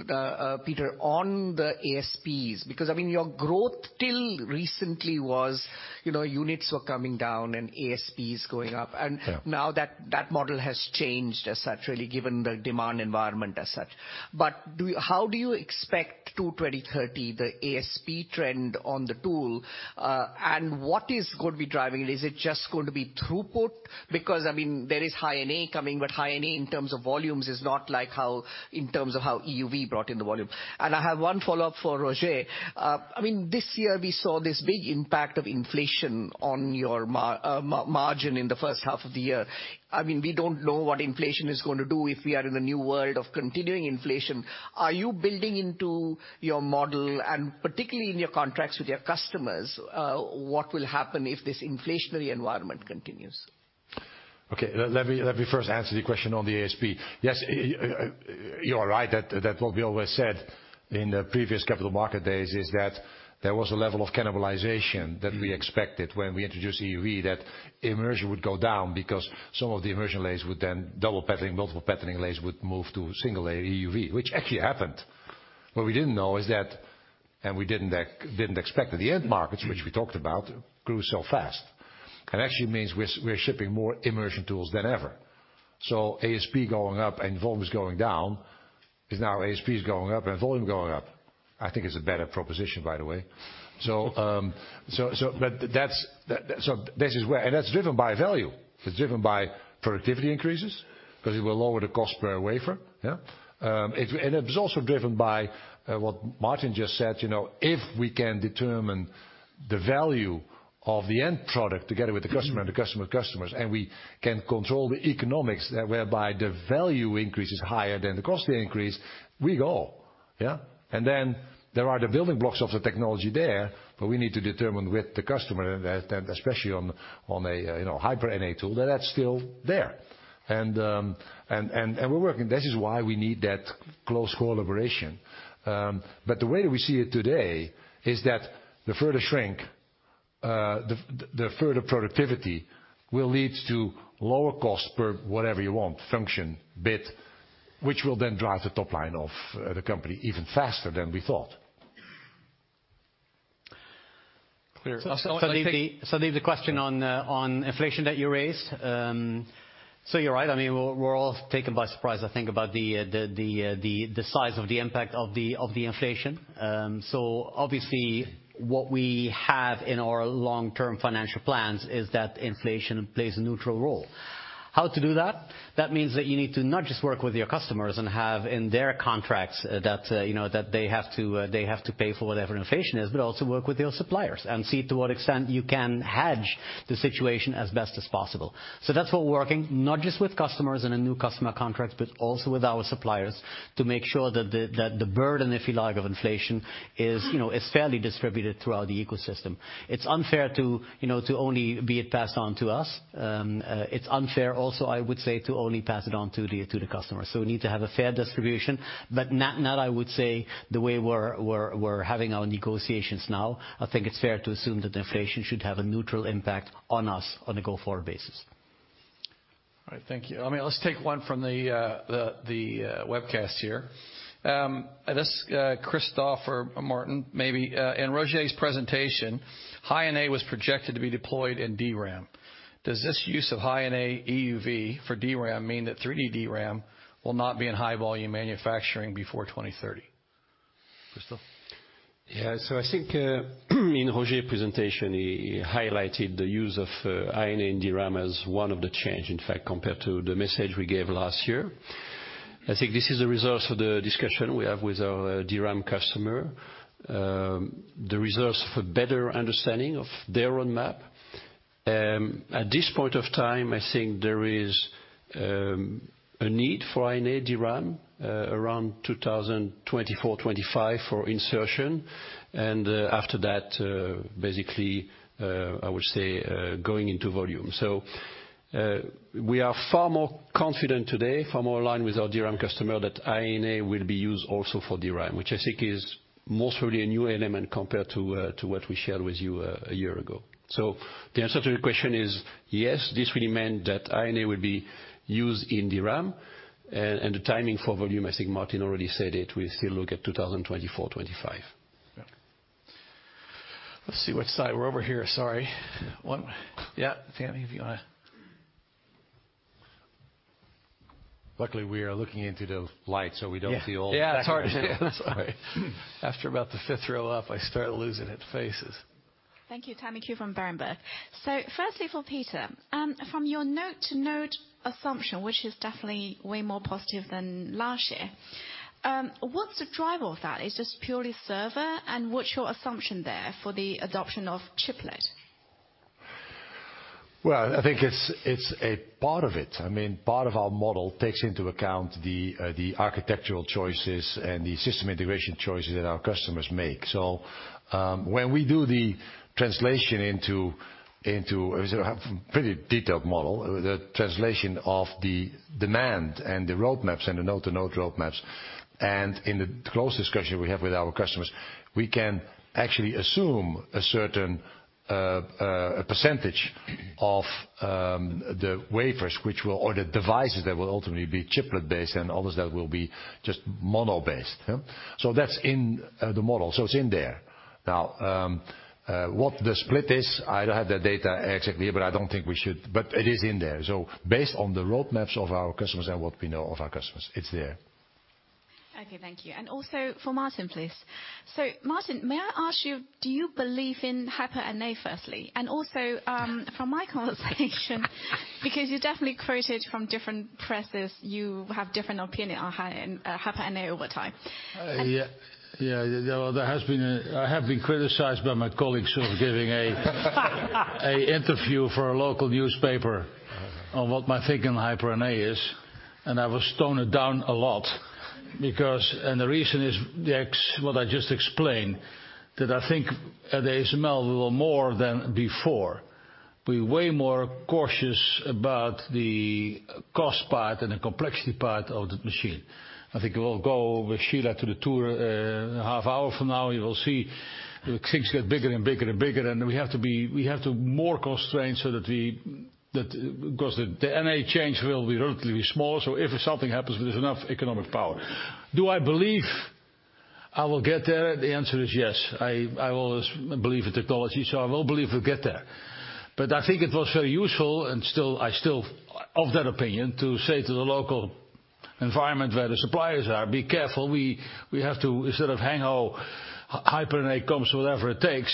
Peter, on the ASPs, because, I mean, your growth till recently was, you know, units were coming down and ASPs going up. Yeah. Now that model has changed as such, really, given the demand environment as such. How do you expect, to 2023-2030, the ASP trend on the tool? What is going to be driving it? Is it just going to be throughput? Because there is High-NA coming, but High-NA in terms of volumes is not like how in terms of how EUV brought in the volume. I have one follow-up for Roger. This year we saw this big impact of inflation on your margin in the first half of the year. We don't know what inflation is going to do if we are in a new world of continuing inflation. Are you building into your model, and particularly in your contracts with your customers, what will happen if this inflationary environment continues? Okay. Let me first answer the question on the ASP. Yes, you are right that what we always said in the previous capital market days is that there was a level of cannibalization that we expected when we introduced EUV, that immersion would go down because some of the immersion layers would then double patterning, multiple patterning layers would move to single layer EUV, which actually happened. What we didn't know is that, and we didn't expect that the end markets, which we talked about, grew so fast. It actually means we're shipping more immersion tools than ever. ASP going up and volume is going down is now ASP is going up and volume going up. I think it's a better proposition, by the way. That's that. This is where. That's driven by value. It's driven by productivity increases, 'cause it will lower the cost per wafer, yeah? It's also driven by what Martin just said, you know, if we can determine the value of the end product together with the customer and the customer customers, and we can control the economics whereby the value increase is higher than the cost increase, we go, yeah? Then there are the building blocks of the technology there that we need to determine with the customer, and especially on a, you know, High-NA tool. That's still there. We're working. This is why we need that close collaboration. The way we see it today is that the further shrink, the further productivity will lead to lower cost per whatever you want, function, bit, which will then drive the top line of the company even faster than we thought. Clear. So I'll take the- I'll take. I'll take the question on inflation that you raised. You're right. I mean, we're all taken by surprise, I think, about the size of the impact of the inflation. Obviously what we have in our long-term financial plans is that inflation plays a neutral role. How to do that? That means that you need to not just work with your customers and have in their contracts that you know that they have to pay for whatever inflation is, but also work with your suppliers and see to what extent you can hedge the situation as best as possible. That's what we're working, not just with customers and the new customer contracts, but also with our suppliers to make sure that the burden, if you like, of inflation is fairly distributed throughout the ecosystem. It's unfair to only have it passed on to us. It's unfair also, I would say, to only pass it on to the customer. We need to have a fair distribution, but, I would say, not the way we're having our negotiations now. I think it's fair to assume that inflation should have a neutral impact on us on a go-forward basis. All right. Thank you. I mean, let's take one from the webcast here. This, Christophe or Martin maybe. In Roger's presentation, High-NA was projected to be deployed in DRAM. Does this use of High-NA EUV for DRAM mean that 3D DRAM will not be in high volume manufacturing before 2030? Christophe? Yeah. I think in Roger's presentation, he highlighted the use of High-NA in DRAM as one of the change, in fact, compared to the message we gave last year. I think this is a result of the discussion we have with our DRAM customer. The resulting better understanding of their own roadmap. At this point in time, I think there is a need for High-NA DRAM around 2024, 2025 for insertion. After that, basically, I would say going into volume. We are far more confident today, far more aligned with our DRAM customer that High-NA will be used also for DRAM, which I think is mostly a new element compared to what we shared with you a year ago. The answer to your question is yes, this really meant that High-NA will be used in DRAM. The timing for volume, I think Martin already said it, we still look at 2024-2025. Let's see what side. We're over here. Sorry. Yeah, Tammy, if you wanna... Luckily, we are looking into the light, so we don't see all the. Sorry. After about the fifth row up, I start losing it, faces. Thank you. Tammy Qiu from Berenberg. Firstly for Peter, from your node-to-node assumption, which is definitely way more positive than last year, what's the driver of that? It's just purely server, and what's your assumption there for the adoption of chiplet? I think it's a part of it. I mean, part of our model takes into account the architectural choices and the system integration choices that our customers make. We have pretty detailed model, the translation of the demand and the roadmaps and the node-to-node roadmaps. In the close discussion we have with our customers, we can actually assume a certain percentage of the devices that will ultimately be chiplet-based and others that will be just mono-based, yeah? That's in the model. It's in there. Now, what the split is, I don't have the data exactly, but I don't think we should. It is in there. Based on the roadmaps of our customers and what we know of our customers, it's there. Okay. Thank you. Also for Martin, please. Martin, may I ask you, do you believe in High-NA firstly? Also, from my conversation because you definitely quoted from different presses, you have different opinion on High-NA over time. There has been. I have been criticized by my colleagues who are giving an interview for a local newspaper on what my take on High-NA is, and I was toned it down a lot. Because the reason is what I just explained, that I think at ASML we are more than before way more cautious about the cost part and the complexity part of the machine. I think it will go with Sheila to the tour half hour from now, you will see things get bigger and bigger and bigger, and we have to be more constrained so that because the NA change will be relatively small, so if something happens, there's enough economic power. Do I believe I will get there? The answer is yes. I always believe in technology, so I will believe we'll get there. I think it was very useful and I'm still of that opinion, to say to the local environment where the suppliers are, "Be careful, we have to instead of gung ho, Hyper-NA comes whatever it takes,"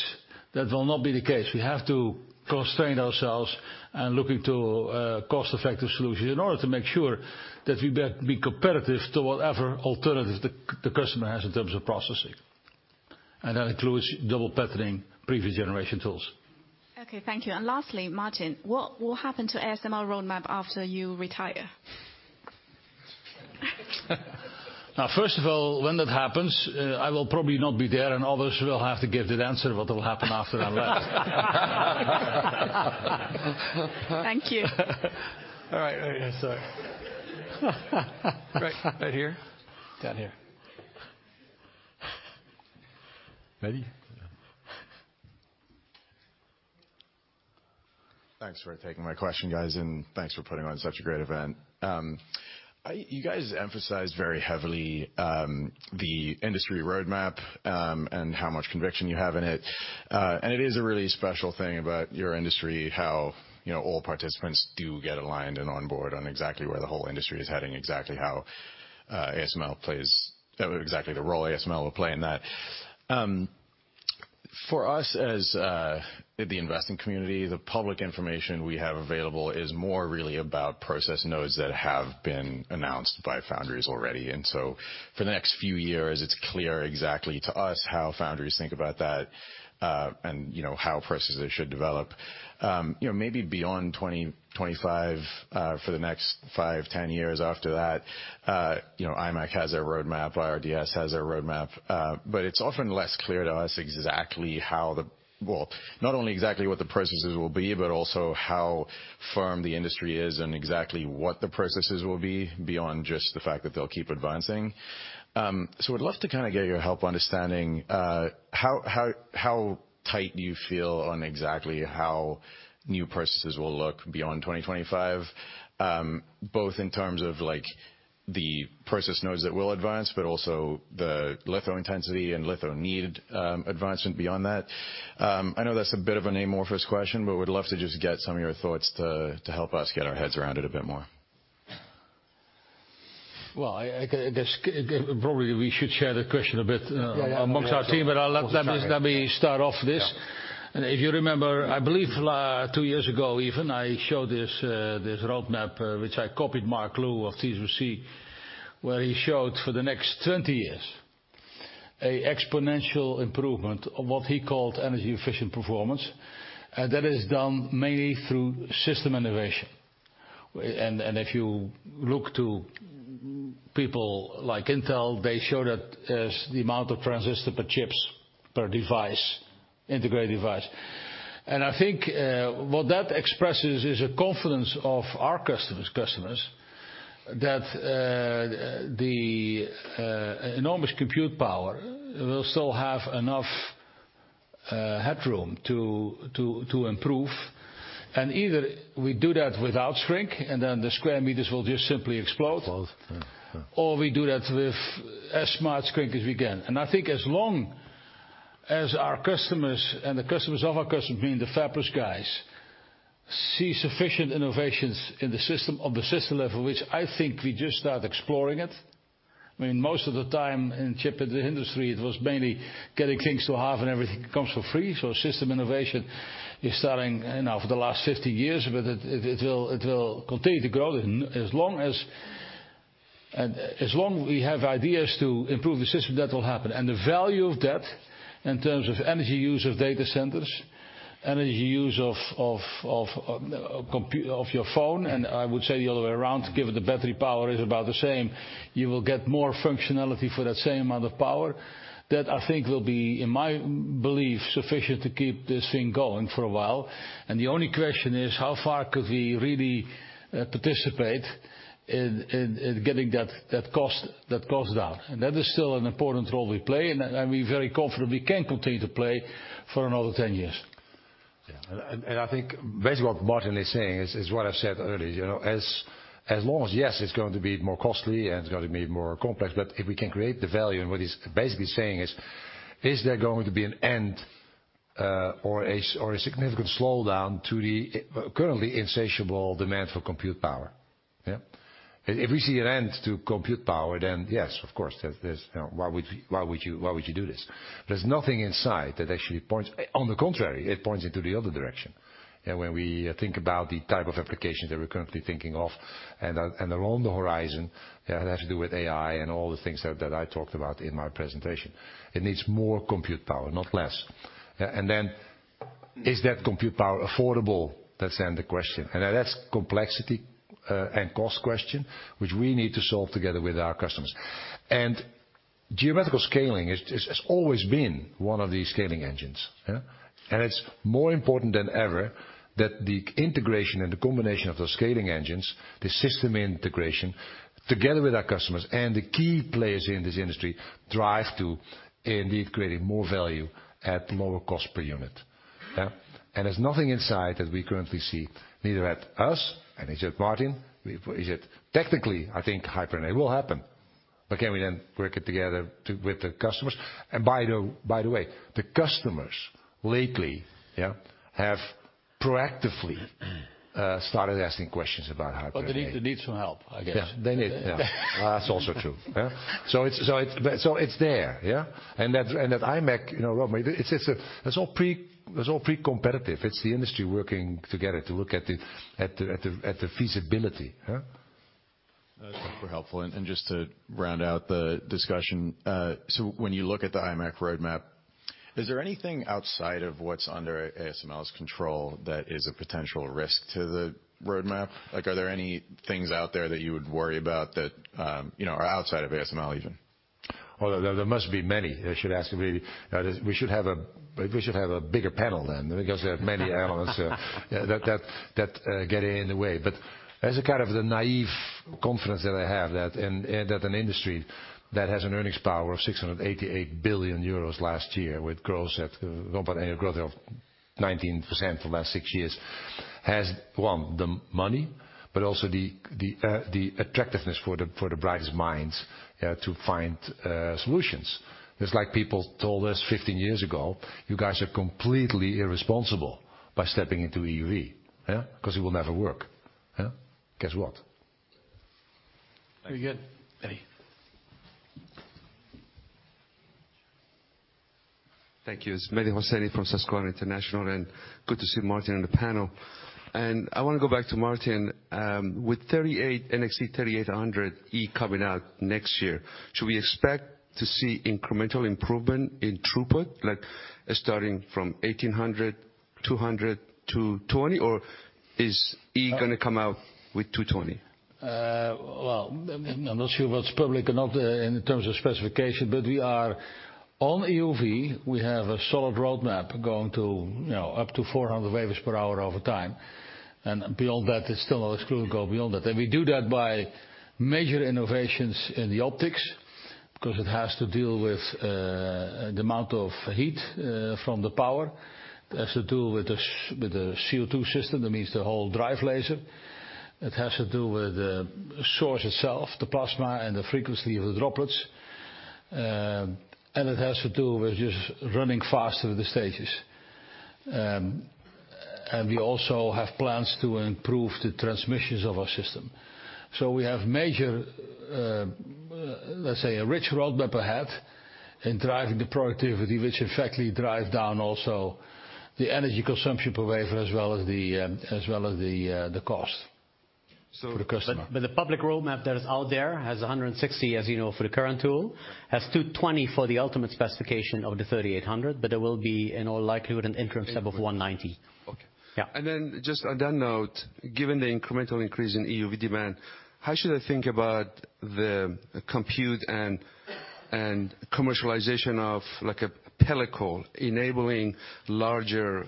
that will not be the case. We have to constrain ourselves and looking to cost-effective solutions in order to make sure that we be competitive to whatever alternative the customer has in terms of processing. That includes double patterning previous generation tools. Okay. Thank you. Lastly, Martin, what will happen to ASML roadmap after you retire? Now, first of all, when that happens, I will probably not be there, and others will have to give the answer what will happen after I left. Thank you. All right. Sorry. Right. Right here? Down here. Ready? Yeah. Thanks for taking my question, guys, and thanks for putting on such a great event. You guys emphasized very heavily the industry roadmap and how much conviction you have in it. It is a really special thing about your industry, how you know all participants do get aligned and on board on exactly where the whole industry is heading, exactly the role ASML will play in that. For us as the investing community, the public information we have available is more really about process nodes that have been announced by foundries already. For the next few years, it's clear exactly to us how foundries think about that, and you know how processes should develop. You know, maybe beyond 2025, for the next five, 10 years after that, you know, imec has their roadmap, IRDS has their roadmap, but it's often less clear to us exactly how, well, not only exactly what the processes will be, but also how firm the industry is and exactly what the processes will be beyond just the fact that they'll keep advancing. So we'd love to kinda get your help understanding, how tight do you feel on exactly how new processes will look beyond 2025, both in terms of, like, the process nodes that will advance, but also the litho intensity and litho need, advancement beyond that. I know that's a bit of an amorphous question, but would love to just get some of your thoughts to help us get our heads around it a bit more. Well, I guess probably we should share the question a bit. Yeah, yeah. Among our team, but let me start off this. Yeah. If you remember, I believe, two years ago even, I showed this roadmap, which I copied Mark Liu of TSMC, where he showed for the next 20 years an exponential improvement of what he called energy efficient performance. That is done mainly through system innovation. If you look to people like Intel, they show that as the amount of transistor per chips, per device, integrated device. I think, what that expresses is a confidence of our customers' customers that, the enormous compute power will still have enough, headroom to improve. Either we do that without shrink, and then the square meters will just simply explode. Explode. Yeah. Yeah. We do that with as smart shrink as we can. I think as long as our customers and the customers of our customers, being the fabless guys, see sufficient innovations in the system, on the system level, which I think we just start exploring it. I mean, most of the time in chip industry, it was mainly getting things to half and everything comes for free. System innovation is starting, you know, for the last 50 years, but it will continue to grow. As long as we have ideas to improve the system, that will happen. The value of that in terms of energy use of data centers, energy use of your phone, and I would say the other way around, given the battery power is about the same, you will get more functionality for that same amount of power. That I think will be, in my belief, sufficient to keep this thing going for a while. The only question is how far could we really participate in getting that cost down. That is still an important role we play, and we very comfortably can continue to play for another 10 years. Yeah. I think basically what Martin is saying is what I said earlier. You know, as long as, yes, it's going to be more costly and it's going to be more complex, but if we can create the value, and what he's basically saying is there going to be an end or a significant slowdown to the currently insatiable demand for compute power? Yeah. If we see an end to compute power, then yes, of course, there's. You know, why would you do this? There's nothing in sight that actually points. On the contrary, it points into the other direction. You know, when we think about the type of applications that we're currently thinking of and along the horizon, that has to do with AI and all the things that I talked about in my presentation. It needs more compute power, not less. Is that compute power affordable? That's the question. That's the complexity and cost question, which we need to solve together with our customers. Geometrical scaling has always been one of the scaling engines, yeah? It's more important than ever that the integration and the combination of those scaling engines, the system integration, together with our customers and the key players in this industry, drive to indeed creating more value at lower cost per unit. Yeah? There's nothing in sight that we currently see, neither at us. Technically, I think High-NA will happen. Can we then work it together with the customers? By the way, the customers lately, yeah, have proactively started asking questions about High-NA. Well, they need some help, I guess. Yeah, they need, yeah. That's also true, yeah? It's there, yeah? At imec, you know, Robert, I mean, it's a. That's all pre-competitive. It's the industry working together to look at the feasibility, huh? That's super helpful. Just to round out the discussion, so when you look at the imec roadmap, is there anything outside of what's under ASML's control that is a potential risk to the roadmap? Like, are there any things out there that you would worry about that, you know, are outside of ASML even? Well, there must be many. They should ask me. We should have a bigger panel then, because there are many elements that get in the way. As a kind of the naive confidence that I have, that an industry that has an earnings power of 688 billion euros last year with growth at a compound annual growth of 19% for the last six years has one, the money, but also the attractiveness for the brightest minds to find solutions. Just like people told us 15 years ago, "You guys are completely irresponsible by stepping into EUV, yeah, 'cause it will never work." Yeah. Guess what? Very good. Mehdi. Thank you. It's Mehdi Hosseini from Susquehanna International Group, and good to see Martin on the panel. I wanna go back to Martin. With 38, NXE:3800E coming out next year, should we expect to see incremental improvement in throughput, like starting from 185, 200-220, or is E gonna come out with 220? Well, I'm not sure what's public or not, in terms of specification, but we are on EUV. We have a solid roadmap going to, you know, up to 400 WPH over time, and beyond that, it's still not excluded to go beyond that. We do that by major innovations in the optics, because it has to deal with the amount of heat from the power. It has to do with the CO2 system, that means the whole drive laser. It has to do with the source itself, the plasma and the frequency of the droplets. It has to do with just running faster the stages. We also have plans to improve the transmissions of our system. We have major, let's say, a rich roadmap ahead in driving the productivity, which effectively drive down also the energy consumption per wafer as well as the cost for the customer. The public roadmap that is out there has 160, as you know, for the current tool. Has 220 for the ultimate specification of the 3800, but there will be in all likelihood an interim step of 190. Okay. Yeah. Just on that note, given the incremental increase in EUV demand, how should I think about the compute and commercialization of like a pellicle enabling larger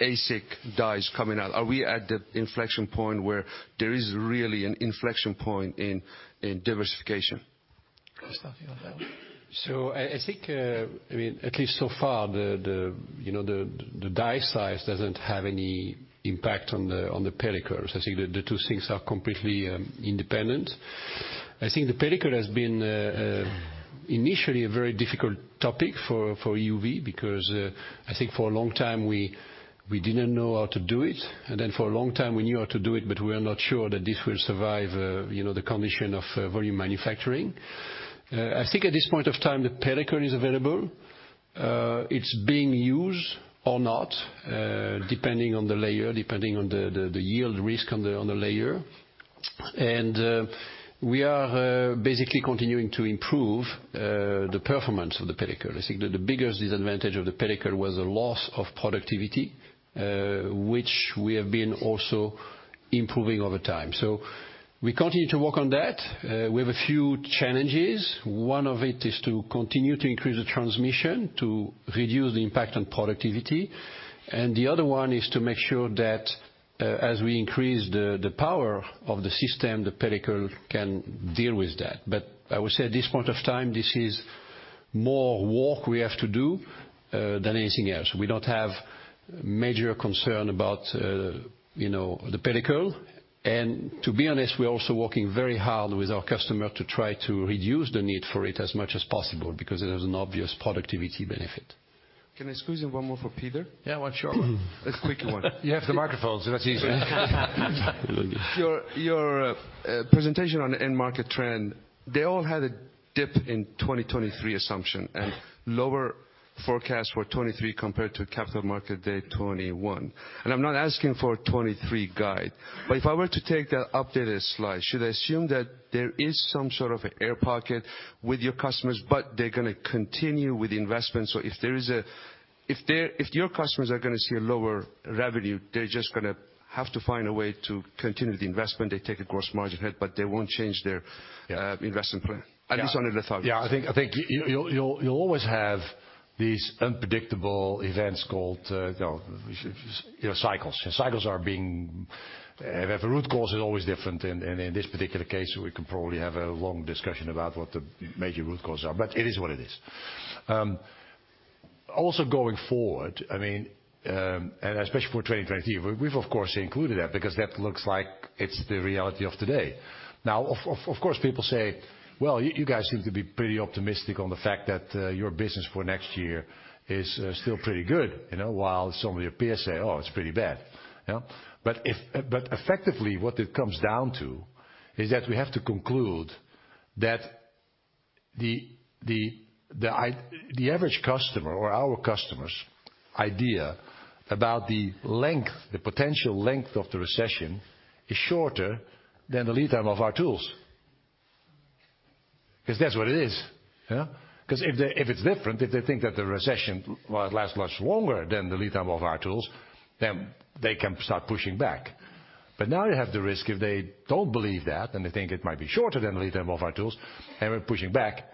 ASIC dies coming out? Are we at the inflection point where there is really an inflection point in diversification? Starting on that one. I think, I mean, at least so far, you know, the die size doesn't have any impact on the pellicles. I think the two things are completely independent. I think the pellicle has been initially a very difficult topic for EUV because I think for a long time we didn't know how to do it, and then for a long time we knew how to do it, but we are not sure that this will survive, you know, the condition of volume manufacturing. I think at this point of time, the pellicle is available. It's being used or not depending on the layer, depending on the yield risk on the layer. We are basically continuing to improve the performance of the pellicle. I think that the biggest disadvantage of the pellicle was a loss of productivity, which we have been also improving over time. We continue to work on that. We have a few challenges. One of it is to continue to increase the transmission to reduce the impact on productivity, and the other one is to make sure that, as we increase the power of the system, the pellicle can deal with that. I would say at this point of time, this is more work we have to do than anything else. We don't have major concern about, you know, the pellicle. To be honest, we're also working very hard with our customer to try to reduce the need for it as much as possible, because it has an obvious productivity benefit. Can I squeeze in one more for Peter? Yeah, sure. A quick one. You have the microphone, so that's easy. Your presentation on end market trend, they all had a dip in 2023 assumption and lower forecast for 2023 compared to Capital Markets Day 2021. I'm not asking for a 2023 guide, but if I were to take the updated slide, should I assume that there is some sort of an air pocket with your customers, but they're gonna continue with the investment? If your customers are gonna see a lower revenue, they're just gonna have to find a way to continue the investment. They take a gross margin hit, but they won't change their investment plan. At least on the litho. Yeah. I think you'll always have these unpredictable events called, you know, cycles. The root cause is always different. In this particular case, we can probably have a long discussion about what the major root causes are. But it is what it is. Also going forward, I mean, especially for 2023, we've of course included that because that looks like it's the reality of today. Now of course, people say, "Well, you guys seem to be pretty optimistic on the fact that your business for next year is still pretty good, you know, while some of your peers say, oh, it's pretty bad." You know? If. Effectively, what it comes down to is that we have to conclude that the average customer or our customers' idea about the length, the potential length of the recession is shorter than the lead time of our tools. 'Cause that's what it is, you know? 'Cause if it's different, if they think that the recession will last much longer than the lead time of our tools, then they can start pushing back. Now you have the risk, if they don't believe that and they think it might be shorter than the lead time of our tools, and we're pushing back,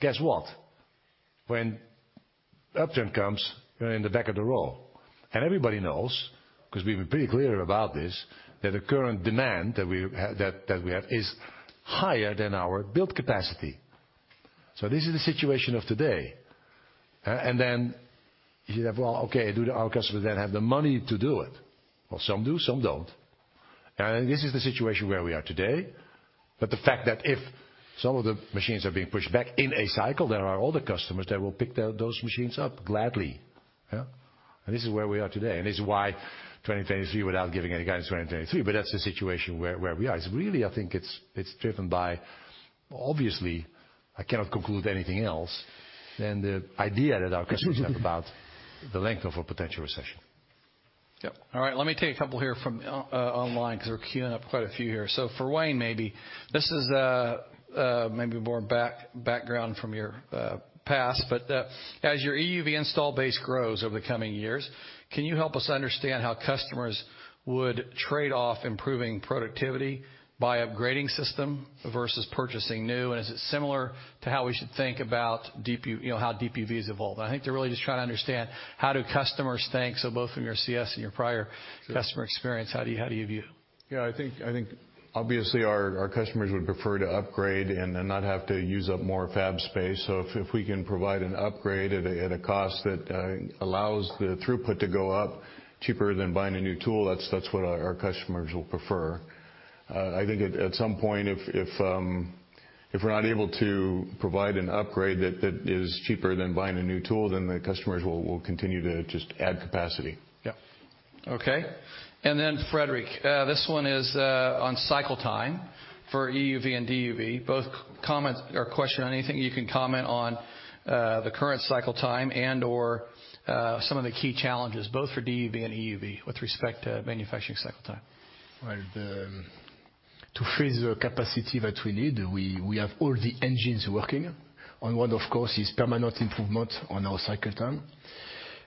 guess what? When upturn comes, you're in the back of the row. Everybody knows, 'cause we've been pretty clear about this, that the current demand that we have is higher than our build capacity. This is the situation of today. You have, well, okay, do our customers then have the money to do it? Well, some do, some don't. This is the situation where we are today. The fact that if some of the machines are being pushed back in a cycle, there are other customers that will pick those machines up gladly. Yeah? This is where we are today, and this is why 2023, without giving any guidance to 2023, but that's the situation where we are. It's really, I think it's driven by, obviously, I cannot conclude anything else than the idea that our customers have about the length of a potential recession. Yep. All right, let me take a couple here from online, 'cause we're queuing up quite a few here. For Wayne, maybe this is more background from your past, but as your EUV install base grows over the coming years, can you help us understand how customers would trade off improving productivity by upgrading system versus purchasing new? Is it similar to how we should think about DPU, you know, how DPU has evolved? I think they're really just trying to understand how customers think. Both from your CS and your prior customer experience, how do you view? Yeah, I think obviously our customers would prefer to upgrade and then not have to use up more fab space. If we can provide an upgrade at a cost that allows the throughput to go up cheaper than buying a new tool, that's what our customers will prefer. I think at some point, if we're not able to provide an upgrade that is cheaper than buying a new tool, then the customers will continue to just add capacity. Frédéric, this one is on cycle time for EUV and DUV. Comments or questions on anything you can comment on the current cycle time and/or some of the key challenges both for DUV and EUV with respect to manufacturing cycle time? Well, to freeze the capacity that we need, we have all the engines working. One, of course, is permanent improvement on our cycle time,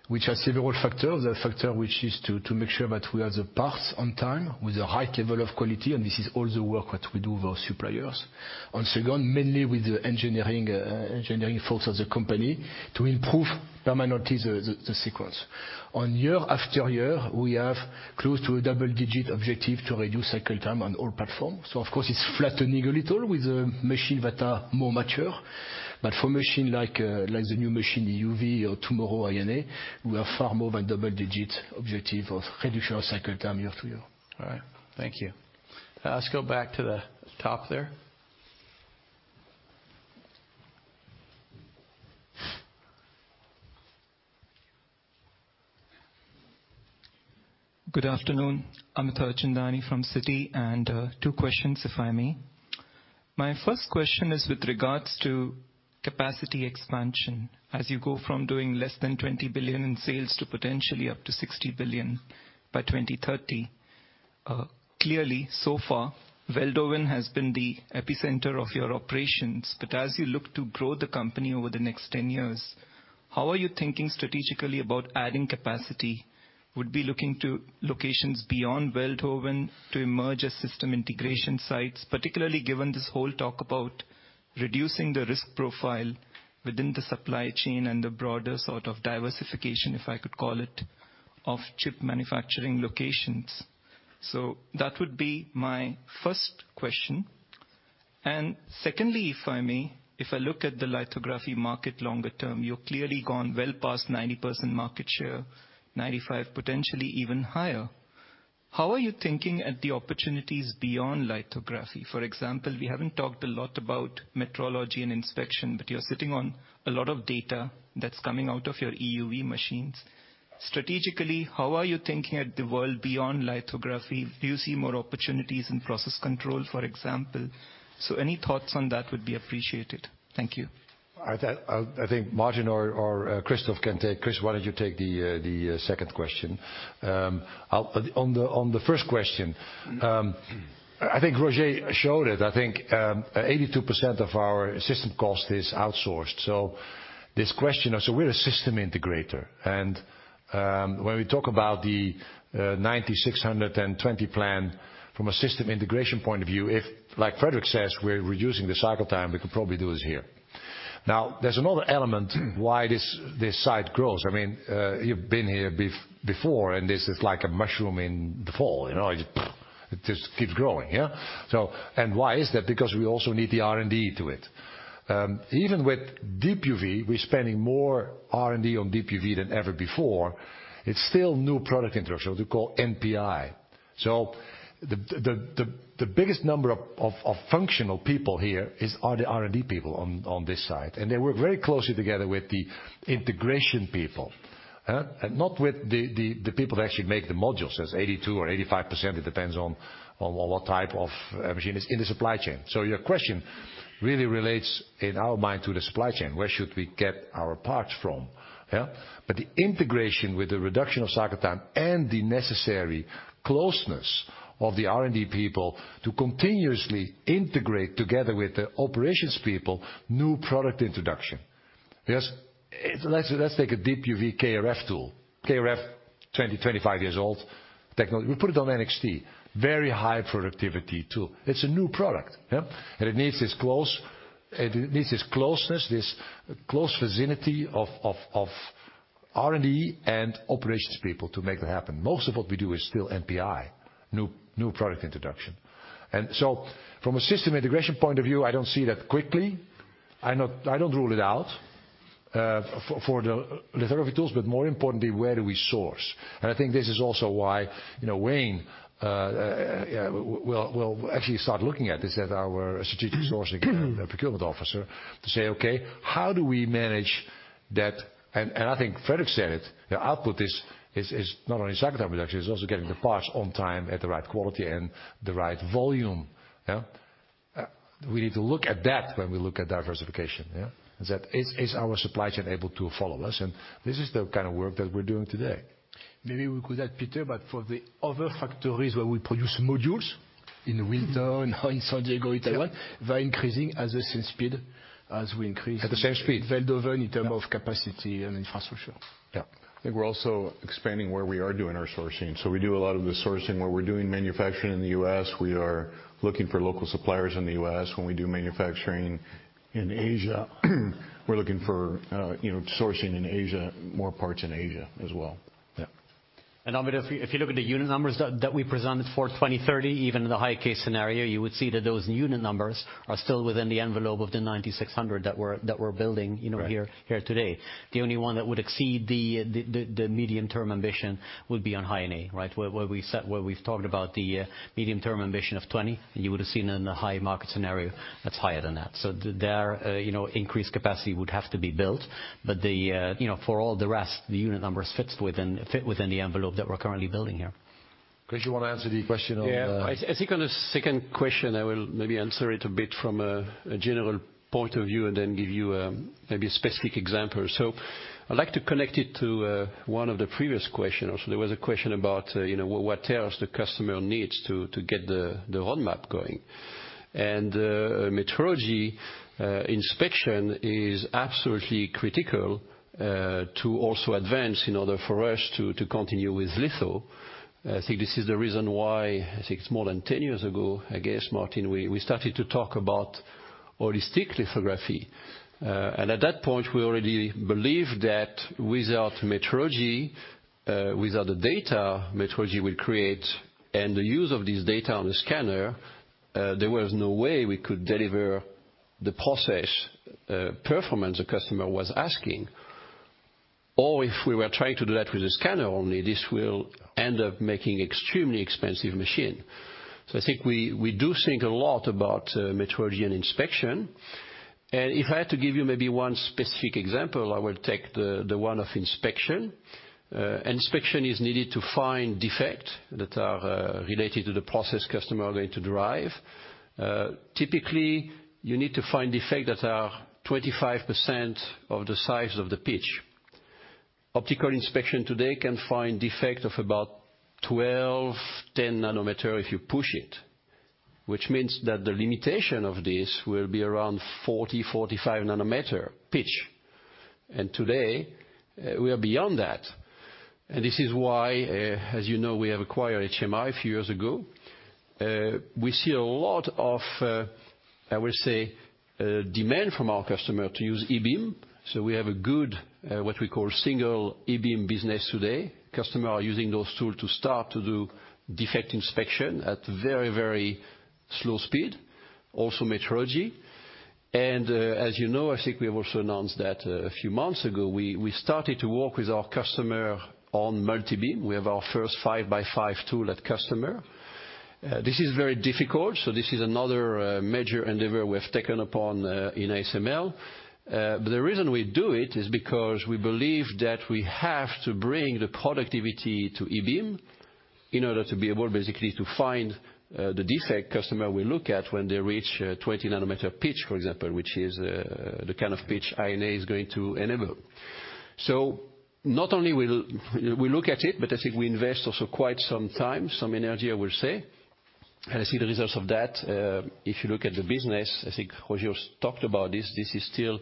which has several factors. A factor which is to make sure that we have the parts on time with a high level of quality, and this is all the work that we do with our suppliers. Second, mainly with the engineering folks of the company to improve permanently the sequence. Year after year, we have close to a double-digit objective to reduce cycle time on all platforms. Of course, it's flattening a little with the machine that are more mature. For machine like the new machine EUV or tomorrow High-NA, we are far more than double digit objective of reduction of cycle time year after year. All right. Thank you. Let's go back to the top there. Good afternoon. Amit Harchandani from Citi, and two questions, if I may. My first question is with regards to capacity expansion. As you go from doing less than 20 billion in sales to potentially up to 60 billion by 2030, clearly, so far, Veldhoven has been the epicenter of your operations. But as you look to grow the company over the next 10 years, how are you thinking strategically about adding capacity? Would be looking to locations beyond Veldhoven to emerge as system integration sites, particularly given this whole talk about reducing the risk profile within the supply chain and the broader sort of diversification, if I could call it, of chip manufacturing locations. That would be my first question. Secondly, if I may, if I look at the lithography market longer term, you're clearly gone well past 90% market share, 95, potentially even higher. How are you thinking at the opportunities beyond lithography? For example, we haven't talked a lot about metrology and inspection, but you're sitting on a lot of data that's coming out of your EUV machines. Strategically, how are you thinking at the world beyond lithography? Do you see more opportunities in process control, for example? Any thoughts on that would be appreciated. Thank you. I think Martin's or Christophe can take. Chris, why don't you take the second question? I'll. On the first question, I think Roger showed it. I think 82% of our system cost is outsourced. This question of. We're a system integrator, and when we talk about the 9,620 plan from a system integration point of view, if, like Frédéric says, we're reducing the cycle time, we could probably do this here. Now, there's another element why this site grows. I mean, you've been here before, and this is like a mushroom in the fall, you know? It just keeps growing, yeah. Why is that? Because we also need the R&D to it. Even with Deep UV, we're spending more R&D on Deep UV than ever before. It's still new product introduction, what we call NPI. The biggest number of functional people here are the R&D people on this side, and they work very closely together with the integration people, huh? And not with the people that actually make the modules. There's 82% or 85%, it depends on what type of machine is in the supply chain. Your question really relates in our mind to the supply chain. Where should we get our parts from, yeah? The integration with the reduction of cycle time and the necessary closeness of the R&D people to continuously integrate together with the operations people, new product introduction. Yes. Let's take a Deep UV KrF tool. KrF, 20-25 years old technology. We put it on NXT. Very high productivity tool. It's a new product, yeah? It needs this closeness, this close vicinity of R&D and operations people to make that happen. Most of what we do is still NPI, new product introduction. From a system integration point of view, I don't see that quickly. I don't rule it out for the lithography tools, but more importantly, where do we source? I think this is also why, you know, Wayne will actually start looking at this, as our strategic sourcing and procurement officer to say, "Okay, how do we manage that?" I think Frédéric said it, the output is not only cycle time reduction, it's also getting the parts on time at the right quality and the right volume, yeah? We need to look at that when we look at diversification, yeah? Is that? Is our supply chain able to follow us? This is the kind of work that we're doing today. Maybe we could add, Peter, but for the other factories where we produce modules, in Wilton or in San Diego, in Taiwan, they're increasing at the same speed as we increase. At the same speed. Veldhoven in terms of capacity and infrastructure. Yeah. I think we're also expanding where we are doing our sourcing. We do a lot of the sourcing where we're doing manufacturing in the U.S. We are looking for local suppliers in the U.S. When we do manufacturing in Asia, we're looking for sourcing in Asia, more parts in Asia as well. Yeah. Amit, if you look at the unit numbers that we presented for 2030, even in the high case scenario, you would see that those unit numbers are still within the envelope of the 9,600 that we're building, you know. Right here today. The only one that would exceed the medium-term ambition would be on High-NA, right? Where we've talked about the medium-term ambition of 20, and you would have seen in the high market scenario, that's higher than that. There, you know, increased capacity would have to be built. The, you know, for all the rest, the unit numbers fit within the envelope that we're currently building here. Chris, you want to answer the question on. Yeah. I think on the second question, I will maybe answer it a bit from a general point of view and then give you maybe a specific example. I'd like to connect it to one of the previous questions. There was a question about, you know, what else the customer needs to get the roadmap going. Metrology inspection is absolutely critical to also advance in order for us to continue with litho. I think this is the reason why. I think it's more than 10 years ago, I guess, Martin, we started to talk about holistic lithography. At that point, we already believed that without metrology, without the data metrology will create and the use of this data on the scanner, there was no way we could deliver the process performance the customer was asking. If we were trying to do that with a scanner only, this will end up making extremely expensive machine. I think we do think a lot about metrology and inspection. If I had to give you maybe one specific example, I would take the one of inspection. Inspection is needed to find defect that are related to the process customer are going to drive. Typically, you need to find defect that are 25% of the size of the pitch. Optical inspection today can find defects of about 12-10 nm if you push it, which means that the limitation of this will be around 40-45 nm pitch. Today we are beyond that. This is why, as you know, we have acquired HMI a few years ago. We see a lot of, I will say, demand from our customers to use Ebeam. We have a good, what we call single Ebeam business today. Customers are using those tools to start to do defect inspection at very, very slow speed. Also metrology. As you know, I think we have also announced that a few months ago, we started to work with our customer on multi-beam. We have our first five by five tool at customer. This is very difficult, so this is another major endeavor we have taken upon in ASML. But the reason we do it is because we believe that we have to bring the productivity to eBeam in order to be able, basically, to find the defect customer will look at when they reach 20 nm pitch, for example, which is the kind of pitch High-NA is going to enable. Not only will we look at it, but I think we invest also quite some time, some energy, I will say. I see the results of that. If you look at the business, I think Roger talked about this is still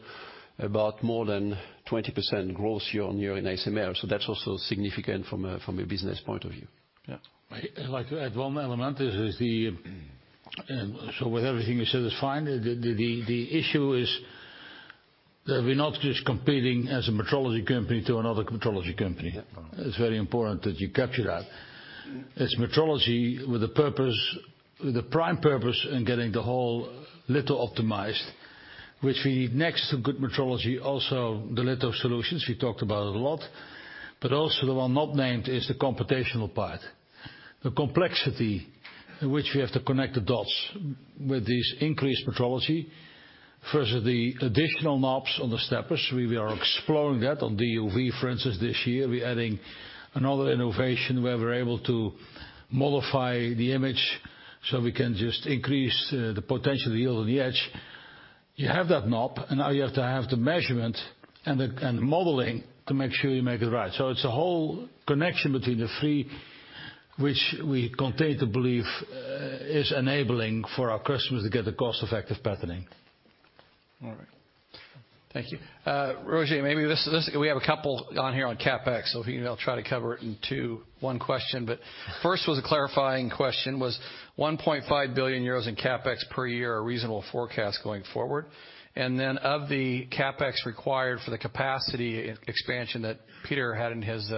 about more than 20% growth year-on-year in ASML. That's also significant from a business point of view. Yeah. I'd like to add one element. With everything you said is fine. The issue is that we're not just competing as a metrology company to another metrology company. Yeah. It's very important that you capture that. It's metrology with a purpose, with a prime purpose in getting the whole litho optimized, which we need next to good metrology, also the litho solutions we talked about a lot, but also the one not named is the computational part. The complexity in which we have to connect the dots with this increased metrology. First are the additional knobs on the steppers. We are exploring that. On DUV, for instance, this year, we're adding another innovation where we're able to modify the image, so we can just increase the potential yield on the edge. You have that knob, and now you have to have the measurement and the modeling to make sure you make it right. It's a whole connection between the three, which we continue to believe is enabling for our customers to get a cost-effective patterning. All right. Thank you. Roger, maybe this. We have a couple on here on CapEx. If you can, I'll try to cover it in one question. But first was a clarifying question, was 1.5 billion euros in CapEx per year a reasonable forecast going forward? And then of the CapEx required for the capacity expansion that Pieter had in his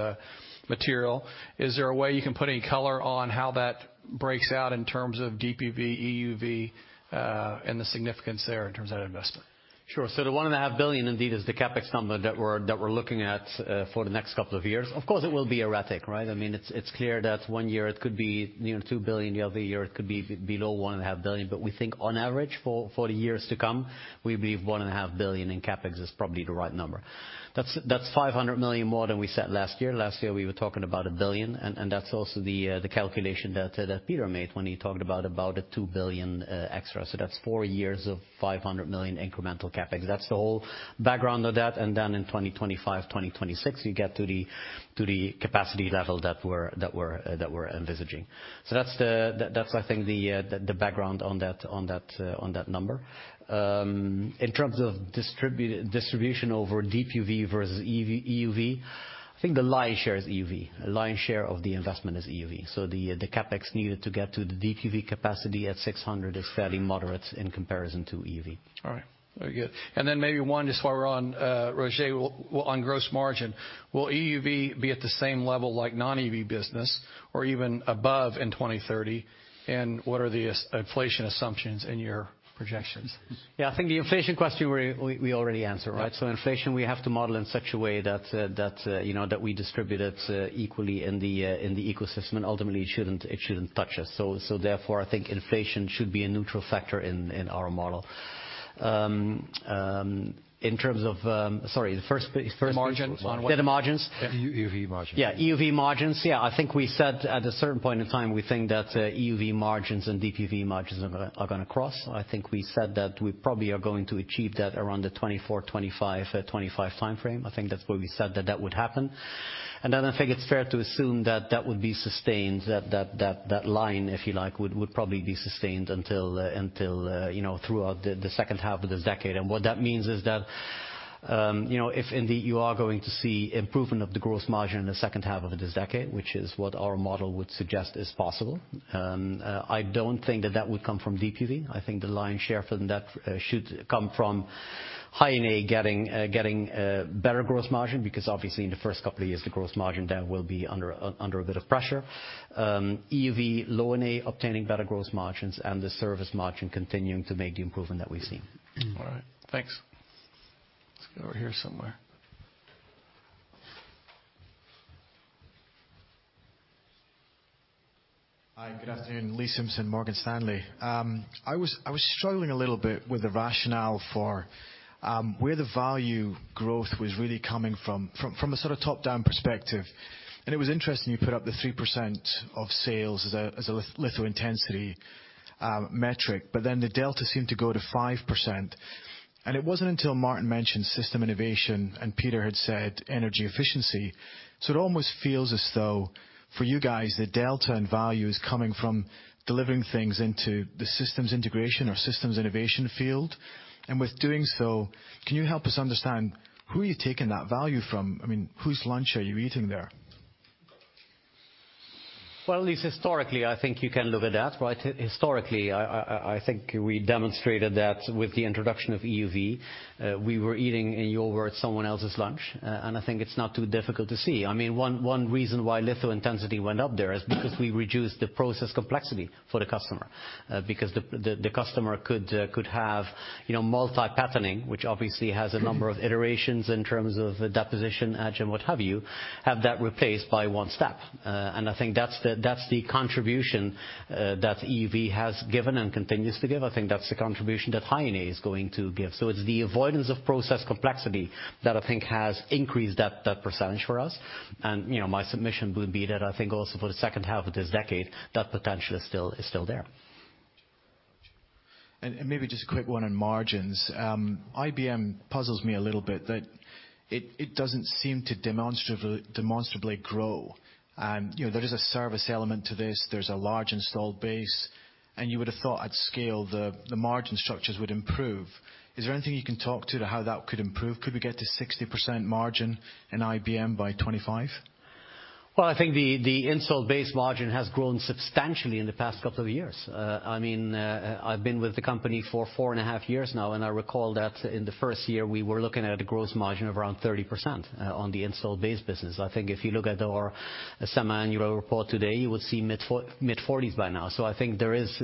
material, is there a way you can put any color on how that breaks out in terms of DUV, EUV, and the significance there in terms of that investment? Sure. The 1.5 billion, indeed, is the CapEx number that we're looking at for the next couple of years. Of course, it will be erratic, right? I mean, it's clear that one year it could be near 2 billion, the other year it could be below 1.5 billion. We think on average for the years to come, we believe 1.5 billion in CapEx is probably the right number. That's 500 million more than we said last year. Last year, we were talking about a billion, and that's also the calculation that Peter made when he talked about a 2 billion extra. That's 4 years of 500 million incremental CapEx. That's the whole background of that. In 2025, 2026, you get to the capacity level that we're envisaging. That's, I think, the background on that number. In terms of distribution over DUV versus EUV, I think the lion's share is EUV. Lion's share of the investment is EUV. The CapEx needed to get to the DUV capacity at 600 is fairly moderate in comparison to EUV. All right. Very good. Then maybe one, just while we're on, Roger, on gross margin, will EUV be at the same level like non-EUV business or even above in 2030? What are the ASP inflation assumptions in your projections? Yeah, I think the inflation question we already answered, right? Yeah. Inflation, we have to model in such a way that you know that we distribute it equally in the ecosystem, and ultimately it shouldn't touch us. Therefore, I think inflation should be a neutral factor in our model. In terms of The margin on what? Yeah, the margins. The EUV margins. Yeah, EUV margins. Yeah, I think we said at a certain point in time, we think that EUV margins and DUV margins are gonna cross. I think we said that we probably are going to achieve that around the 2024-2025 timeframe. I think that's where we said that would happen. I think it's fair to assume that would be sustained, that line, if you like, would probably be sustained until you know, throughout the second half of this decade. What that means is that, you know, if indeed you are going to see improvement of the gross margin in the second half of this decade, which is what our model would suggest is possible, I don't think that would come from DUV. I think the lion's share from that should come from High-NA getting better gross margin, because obviously in the first couple of years, the gross margin there will be under a bit of pressure. EUV Low-NA obtaining better gross margins, and the service margin continuing to make the improvement that we've seen. All right. Thanks. Let's go over here somewhere. Hi, good afternoon. Lee Simpson, Morgan Stanley. I was struggling a little bit with the rationale for where the value growth was really coming from a sort of top-down perspective. It was interesting you put up the 3% of sales as a litho intensity metric, but then the delta seemed to go to 5%. It wasn't until Martin mentioned system innovation and Peter had said energy efficiency. It almost feels as though for you guys, the delta in value is coming from delivering things into the systems integration or systems innovation field. With doing so, can you help us understand who you're taking that value from? I mean, whose lunch are you eating there? Well, at least historically, I think you can look at that, right? Historically, I think we demonstrated that with the introduction of EUV, we were eating someone else's lunch, and I think it's not too difficult to see. I mean, one reason why litho intensity went up there is because we reduced the process complexity for the customer, because the customer could have, you know, multi-patterning, which obviously has a number of iterations in terms of deposition, etch, and what have you, have that replaced by one step. And I think that's the contribution that EUV has given and continues to give. I think that's the contribution that High-NA is going to give. It's the avoidance of process complexity that I think has increased that percentage for us. You know, my submission would be that I think also for the second half of this decade, that potential is still there. Maybe just a quick one on margins. Installed Base Management puzzles me a little bit that it doesn't seem to demonstrably grow. You know, there is a service element to this. There's a large installed base, and you would have thought at scale, the margin structures would improve. Is there anything you can talk about how that could improve? Could we get to 60% margin in Installed Base Management by 2025? Well, I think the installed base margin has grown substantially in the past couple of years. I mean, I've been with the company for four and a half years now, and I recall that in the first year, we were looking at a gross margin of around 30% on the Installed Base business. I think if you look at our semi-annual report today, you would see mid-40s% by now. I think there is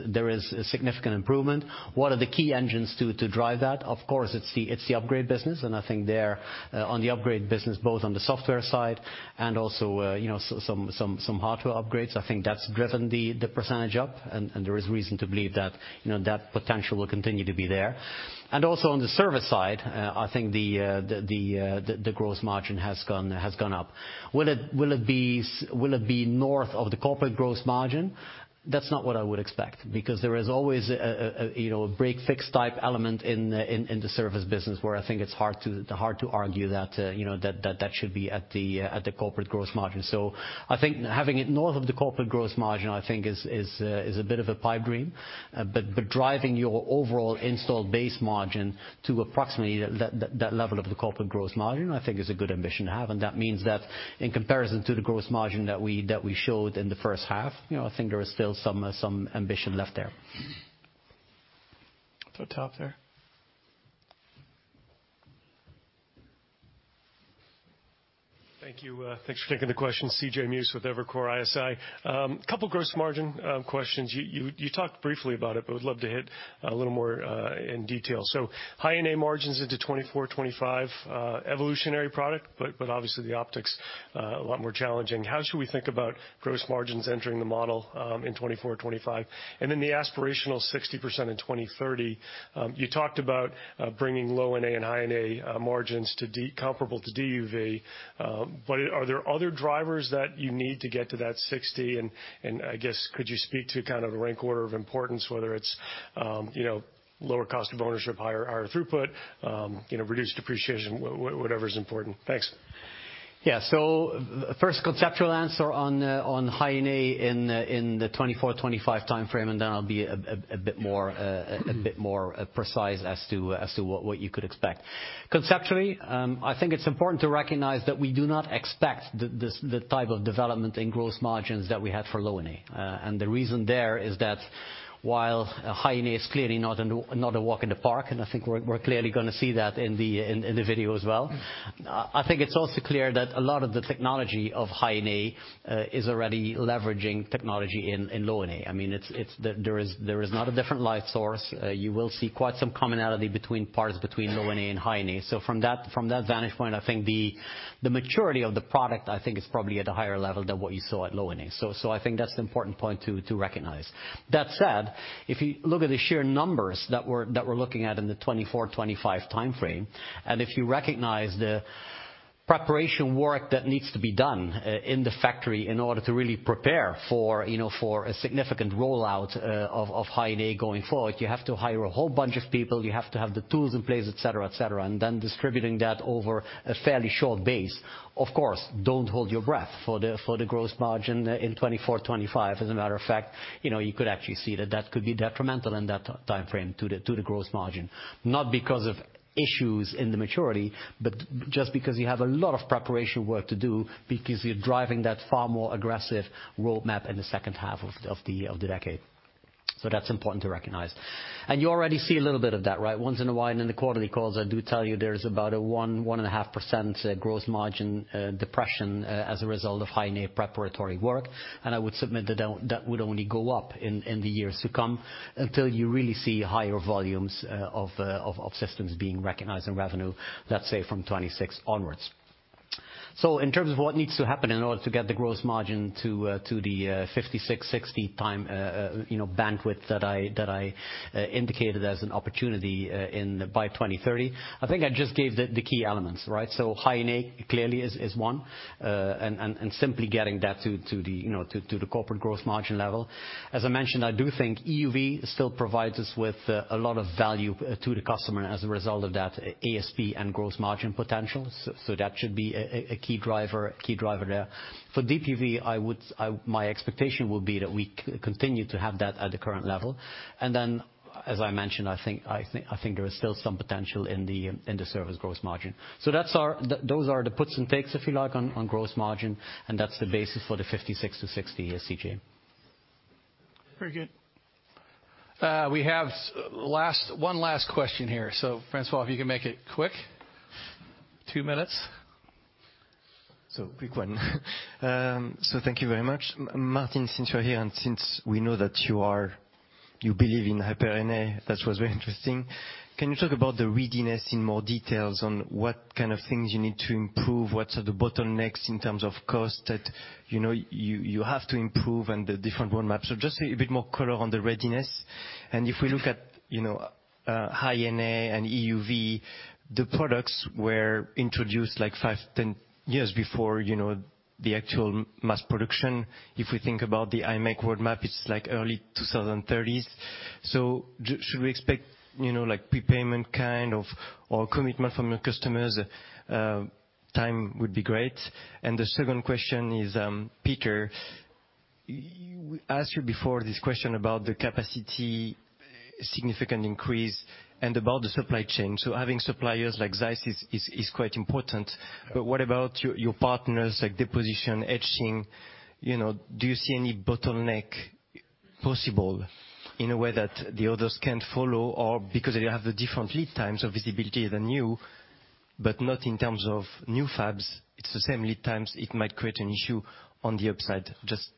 a significant improvement. One of the key engines to drive that, of course, it's the upgrade business. I think there on the upgrade business, both on the software side and also, you know, some hardware upgrades. I think that's driven the percentage up, and there is reason to believe that, you know, that potential will continue to be there. Also on the service side, I think the gross margin has gone up. Will it be north of the corporate gross margin? That's not what I would expect, because there is always a you know, break-fix type element in the service business where I think it's hard to argue that you know, that should be at the corporate gross margin. I think having it north of the corporate gross margin, I think, is a bit of a pipe dream. Driving your overall installed base margin to approximately that level of the corporate gross margin, I think is a good ambition to have. That means that in comparison to the gross margin that we showed in the first half, you know, I think there is still some ambition left there. At the top there. Thank you. Thanks for taking the question. CJ Muse with Evercore ISI. A couple gross margin questions. You talked briefly about it, but I would love to hit a little more in detail. High-NA margins into 2024, 2025, evolutionary product, but obviously the optics a lot more challenging. How should we think about gross margins entering the model in 2024, 2025? Then the aspirational 60% in 2030, you talked about bringing Low-NA and High-NA margins to comparable to DUV. Are there other drivers that you need to get to that 60%? I guess could you speak to kind of the rank order of importance, whether it's you know, lower cost of ownership, higher throughput, you know, reduced depreciation, whatever is important? Thanks. First conceptual answer on High-NA in the 2024-2025 timeframe, and then I'll be a bit more precise as to what you could expect. Conceptually, I think it's important to recognize that we do not expect the type of development in gross margins that we had for Low-NA. The reason there is that while High-NA is clearly not a walk in the park, and I think we're clearly gonna see that in the video as well. I think it's also clear that a lot of the technology of High-NA is already leveraging technology in Low-NA. I mean, it's. There is not a different light source. You will see quite some commonality between parts between Low-NA and High-NA. From that vantage point, I think the maturity of the product, I think, is probably at a higher level than what you saw at Low-NA. I think that's an important point to recognize. That said, if you look at the sheer numbers that we're looking at in the 2024/2025 timeframe, and if you recognize the preparation work that needs to be done in the factory in order to really prepare for, you know, for a significant rollout of High-NA going forward, you have to hire a whole bunch of people, you have to have the tools in place, et cetera, et cetera. Then distributing that over a fairly short base. Of course, don't hold your breath for the gross margin in 2024/2025. As a matter of fact, you know, you could actually see that that could be detrimental in that timeframe to the gross margin, not because of issues in the maturity, but just because you have a lot of preparation work to do because you're driving that far more aggressive roadmap in the second half of the decade. That's important to recognize. You already see a little bit of that, right? Once in a while in the quarterly calls, I do tell you there is about a 1.5% gross margin depression as a result of High-NA preparatory work. I would submit that that would only go up in the years to come until you really see higher volumes of systems being recognized in revenue, let's say, from 2026 onwards. In terms of what needs to happen in order to get the gross margin to the 56%-60% bandwidth that I indicated as an opportunity in by 2030, I think I just gave the key elements, right? High-NA clearly is one, and simply getting that to the corporate gross margin level. As I mentioned, I do think EUV still provides us with a lot of value to the customer as a result of that ASP and gross margin potential. That should be a key driver there. For DUV, my expectation will be that we continue to have that at the current level. As I mentioned, I think there is still some potential in the service gross margin. That's our. Those are the puts and takes, if you like, on gross margin, and that's the basis for the 56%-60%, CJ. Very good. We have one last question here. François, if you can make it quick. Two minutes. Quick one. Thank you very much. Martin, since you're here and since we know that you are. You believe in High-NA, that was very interesting. Can you talk about the readiness in more detail on what kind of things you need to improve? What are the bottlenecks in terms of cost that, you know, you have to improve and the different roadmaps? Just a bit more color on the readiness. If we look at, you know, High-NA and EUV, the products were introduced like five, 10 years before, you know, the actual mass production. If we think about the imec roadmap, it's like early 2030s. Should we expect, you know, like prepayment kind of or commitment from your customers, time would be great. The second question is, Peter, you... We asked you before this question about the capacity significant increase and about the supply chain. Having suppliers like ZEISS is quite important. What about your partners like deposition, etching? You know, do you see any bottleneck possible in a way that the others can't follow or because they have the different lead times of visibility than you, but not in terms of new fabs, it's the same lead times, it might create an issue on the upside. Just.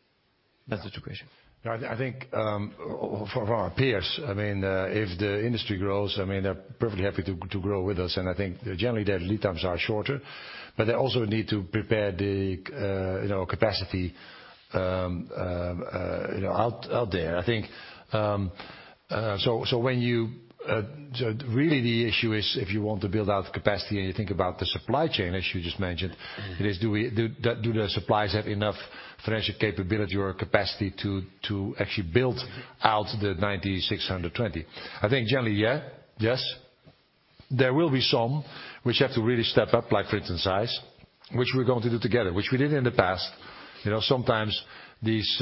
That's the two questions. I think for our peers, I mean, if the industry grows, I mean, they're perfectly happy to grow with us, and I think generally their lead times are shorter. They also need to prepare the, you know, capacity, you know, out there. I think. Really the issue is if you want to build out capacity and you think about the supply chain, as you just mentioned. It is, do the suppliers have enough financial capability or capacity to actually build out the 9,620. I think generally, yeah. Yes. There will be some which have to really step up, like for instance, ZEISS, which we're going to do together, which we did in the past. You know, sometimes these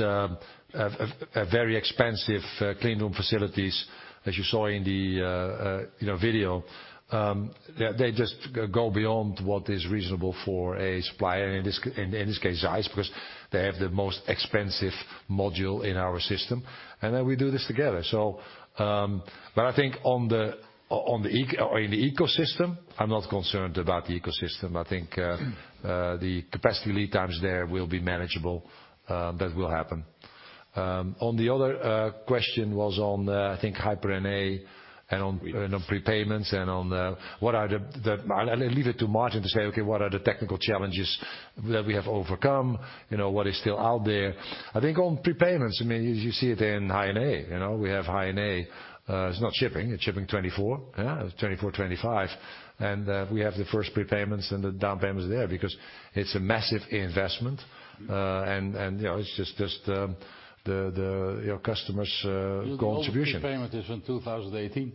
very expensive clean room facilities, as you saw in the you know, video, they just go beyond what is reasonable for a supplier, in this case, ZEISS, because they have the most expensive module in our system, and then we do this together. But I think on the ecosystem, I'm not concerned about the ecosystem. I think the capacity lead times there will be manageable, that will happen. On the other question was on, I think High-NA and on prepayments and on what are the. I'll leave it to Martin to say, okay, what are the technical challenges that we have overcome? You know, what is still out there? I think on prepayments, I mean, you see it in High-NA. You know, we have High-NA, it's not shipping. It's shipping 2024. 2024, 2025. We have the first prepayments and the down payments there because it's a massive investment. You know, it's just their customers' contribution. The oldest prepayment is from 2018.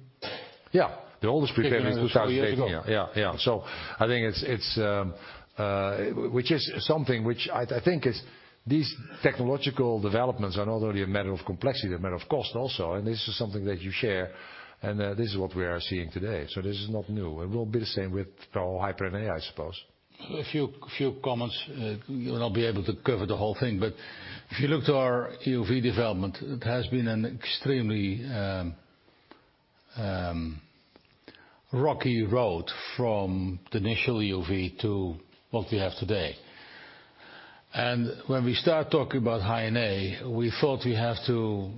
Yeah. The oldest prepayment is 2018. Yeah. Four years ago. Yeah, yeah. I think it's which is something which I think is these technological developments are not only a matter of complexity, they're a matter of cost also. This is something that you share, and this is what we are seeing today. This is not new. It will be the same with the whole High-NA, I suppose. A few comments. We'll not be able to cover the whole thing. If you look to our EUV development, it has been an extremely rocky road from the initial EUV to what we have today. When we start talking about High-NA, we thought we have to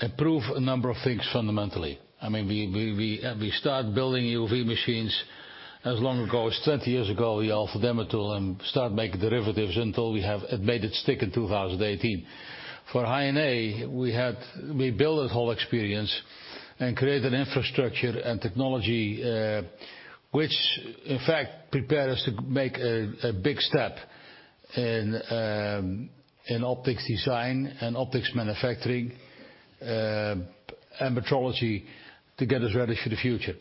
improve a number of things fundamentally. I mean, we start building EUV machines as long ago as 20 years ago, we offer demo tool and start making derivatives until we made it stick in 2018. For High-NA, we had we built a whole experience and created infrastructure and technology, which in fact prepared us to make a big step in optics design and optics manufacturing, and metrology to get us ready for the future.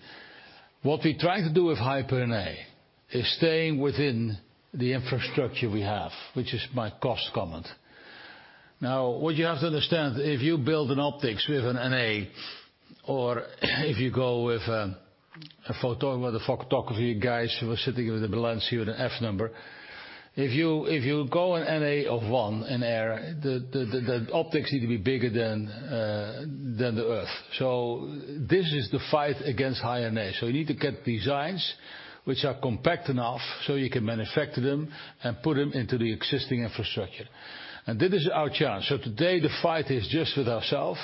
What we try to do with High-NA is staying within the infrastructure we have, which is my cost comment. Now, what you have to understand, if you build an optics with an NA or if you go with the photolithography guys who are sitting with the balance sheet with an F-number. If you go to an NA of one in air, the optics need to be bigger than the Earth. This is the fight against High-NA. You need to get designs which are compact enough so you can manufacture them and put them into the existing infrastructure. This is our chance. Today the fight is just with ourselves,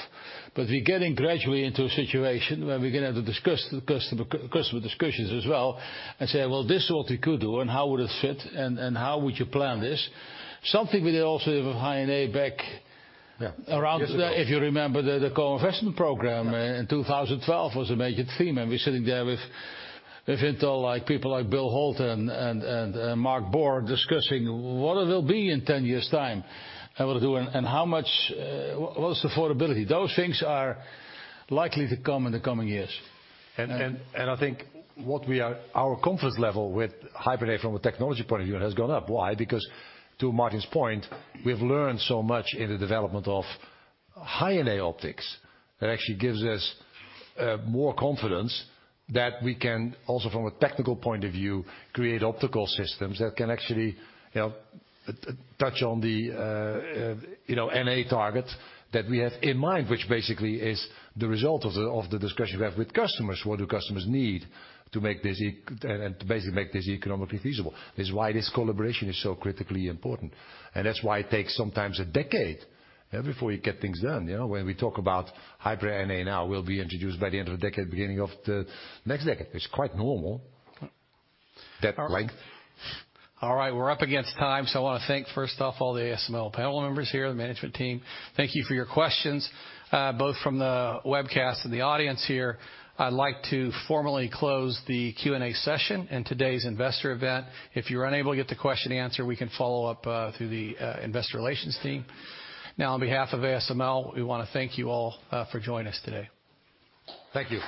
but we're getting gradually into a situation where we're gonna have to discuss the customer discussions as well and say, "Well, this is what we could do, and how would it fit, and how would you plan this?" Something we did also with High-NA back- Yeah. Around, if you remember, the co-investment program in 2012 was a major theme. We're sitting there with Intel, like people like Bill Holt and Mark Bohr discussing what it will be in 10 years' time and what to do and how much, what's the affordability. Those things are likely to come in the coming years. I think our confidence level with High-NA from a technology point of view has gone up. Why? Because to Martin's point, we've learned so much in the development of High-NA optics that actually gives us more confidence that we can also, from a technical point of view, create optical systems that can actually, you know, touch on the NA target that we have in mind, which basically is the result of the discussion we have with customers. What do customers need to make this economically feasible? This is why this collaboration is so critically important, and that's why it takes sometimes a decade, yeah, before you get things done. You know, when we talk about High-NA now will be introduced by the end of the decade, beginning of the next decade. It's quite normal, that length. All right. We're up against time, so I want to thank first off all the ASML panel members here, the management team. Thank you for your questions, both from the webcast and the audience here. I'd like to formally close the Q&A session and today's investor event. If you're unable to get the question answered, we can follow up through the investor relations team. Now, on behalf of ASML, we wanna thank you all for joining us today. Thank you.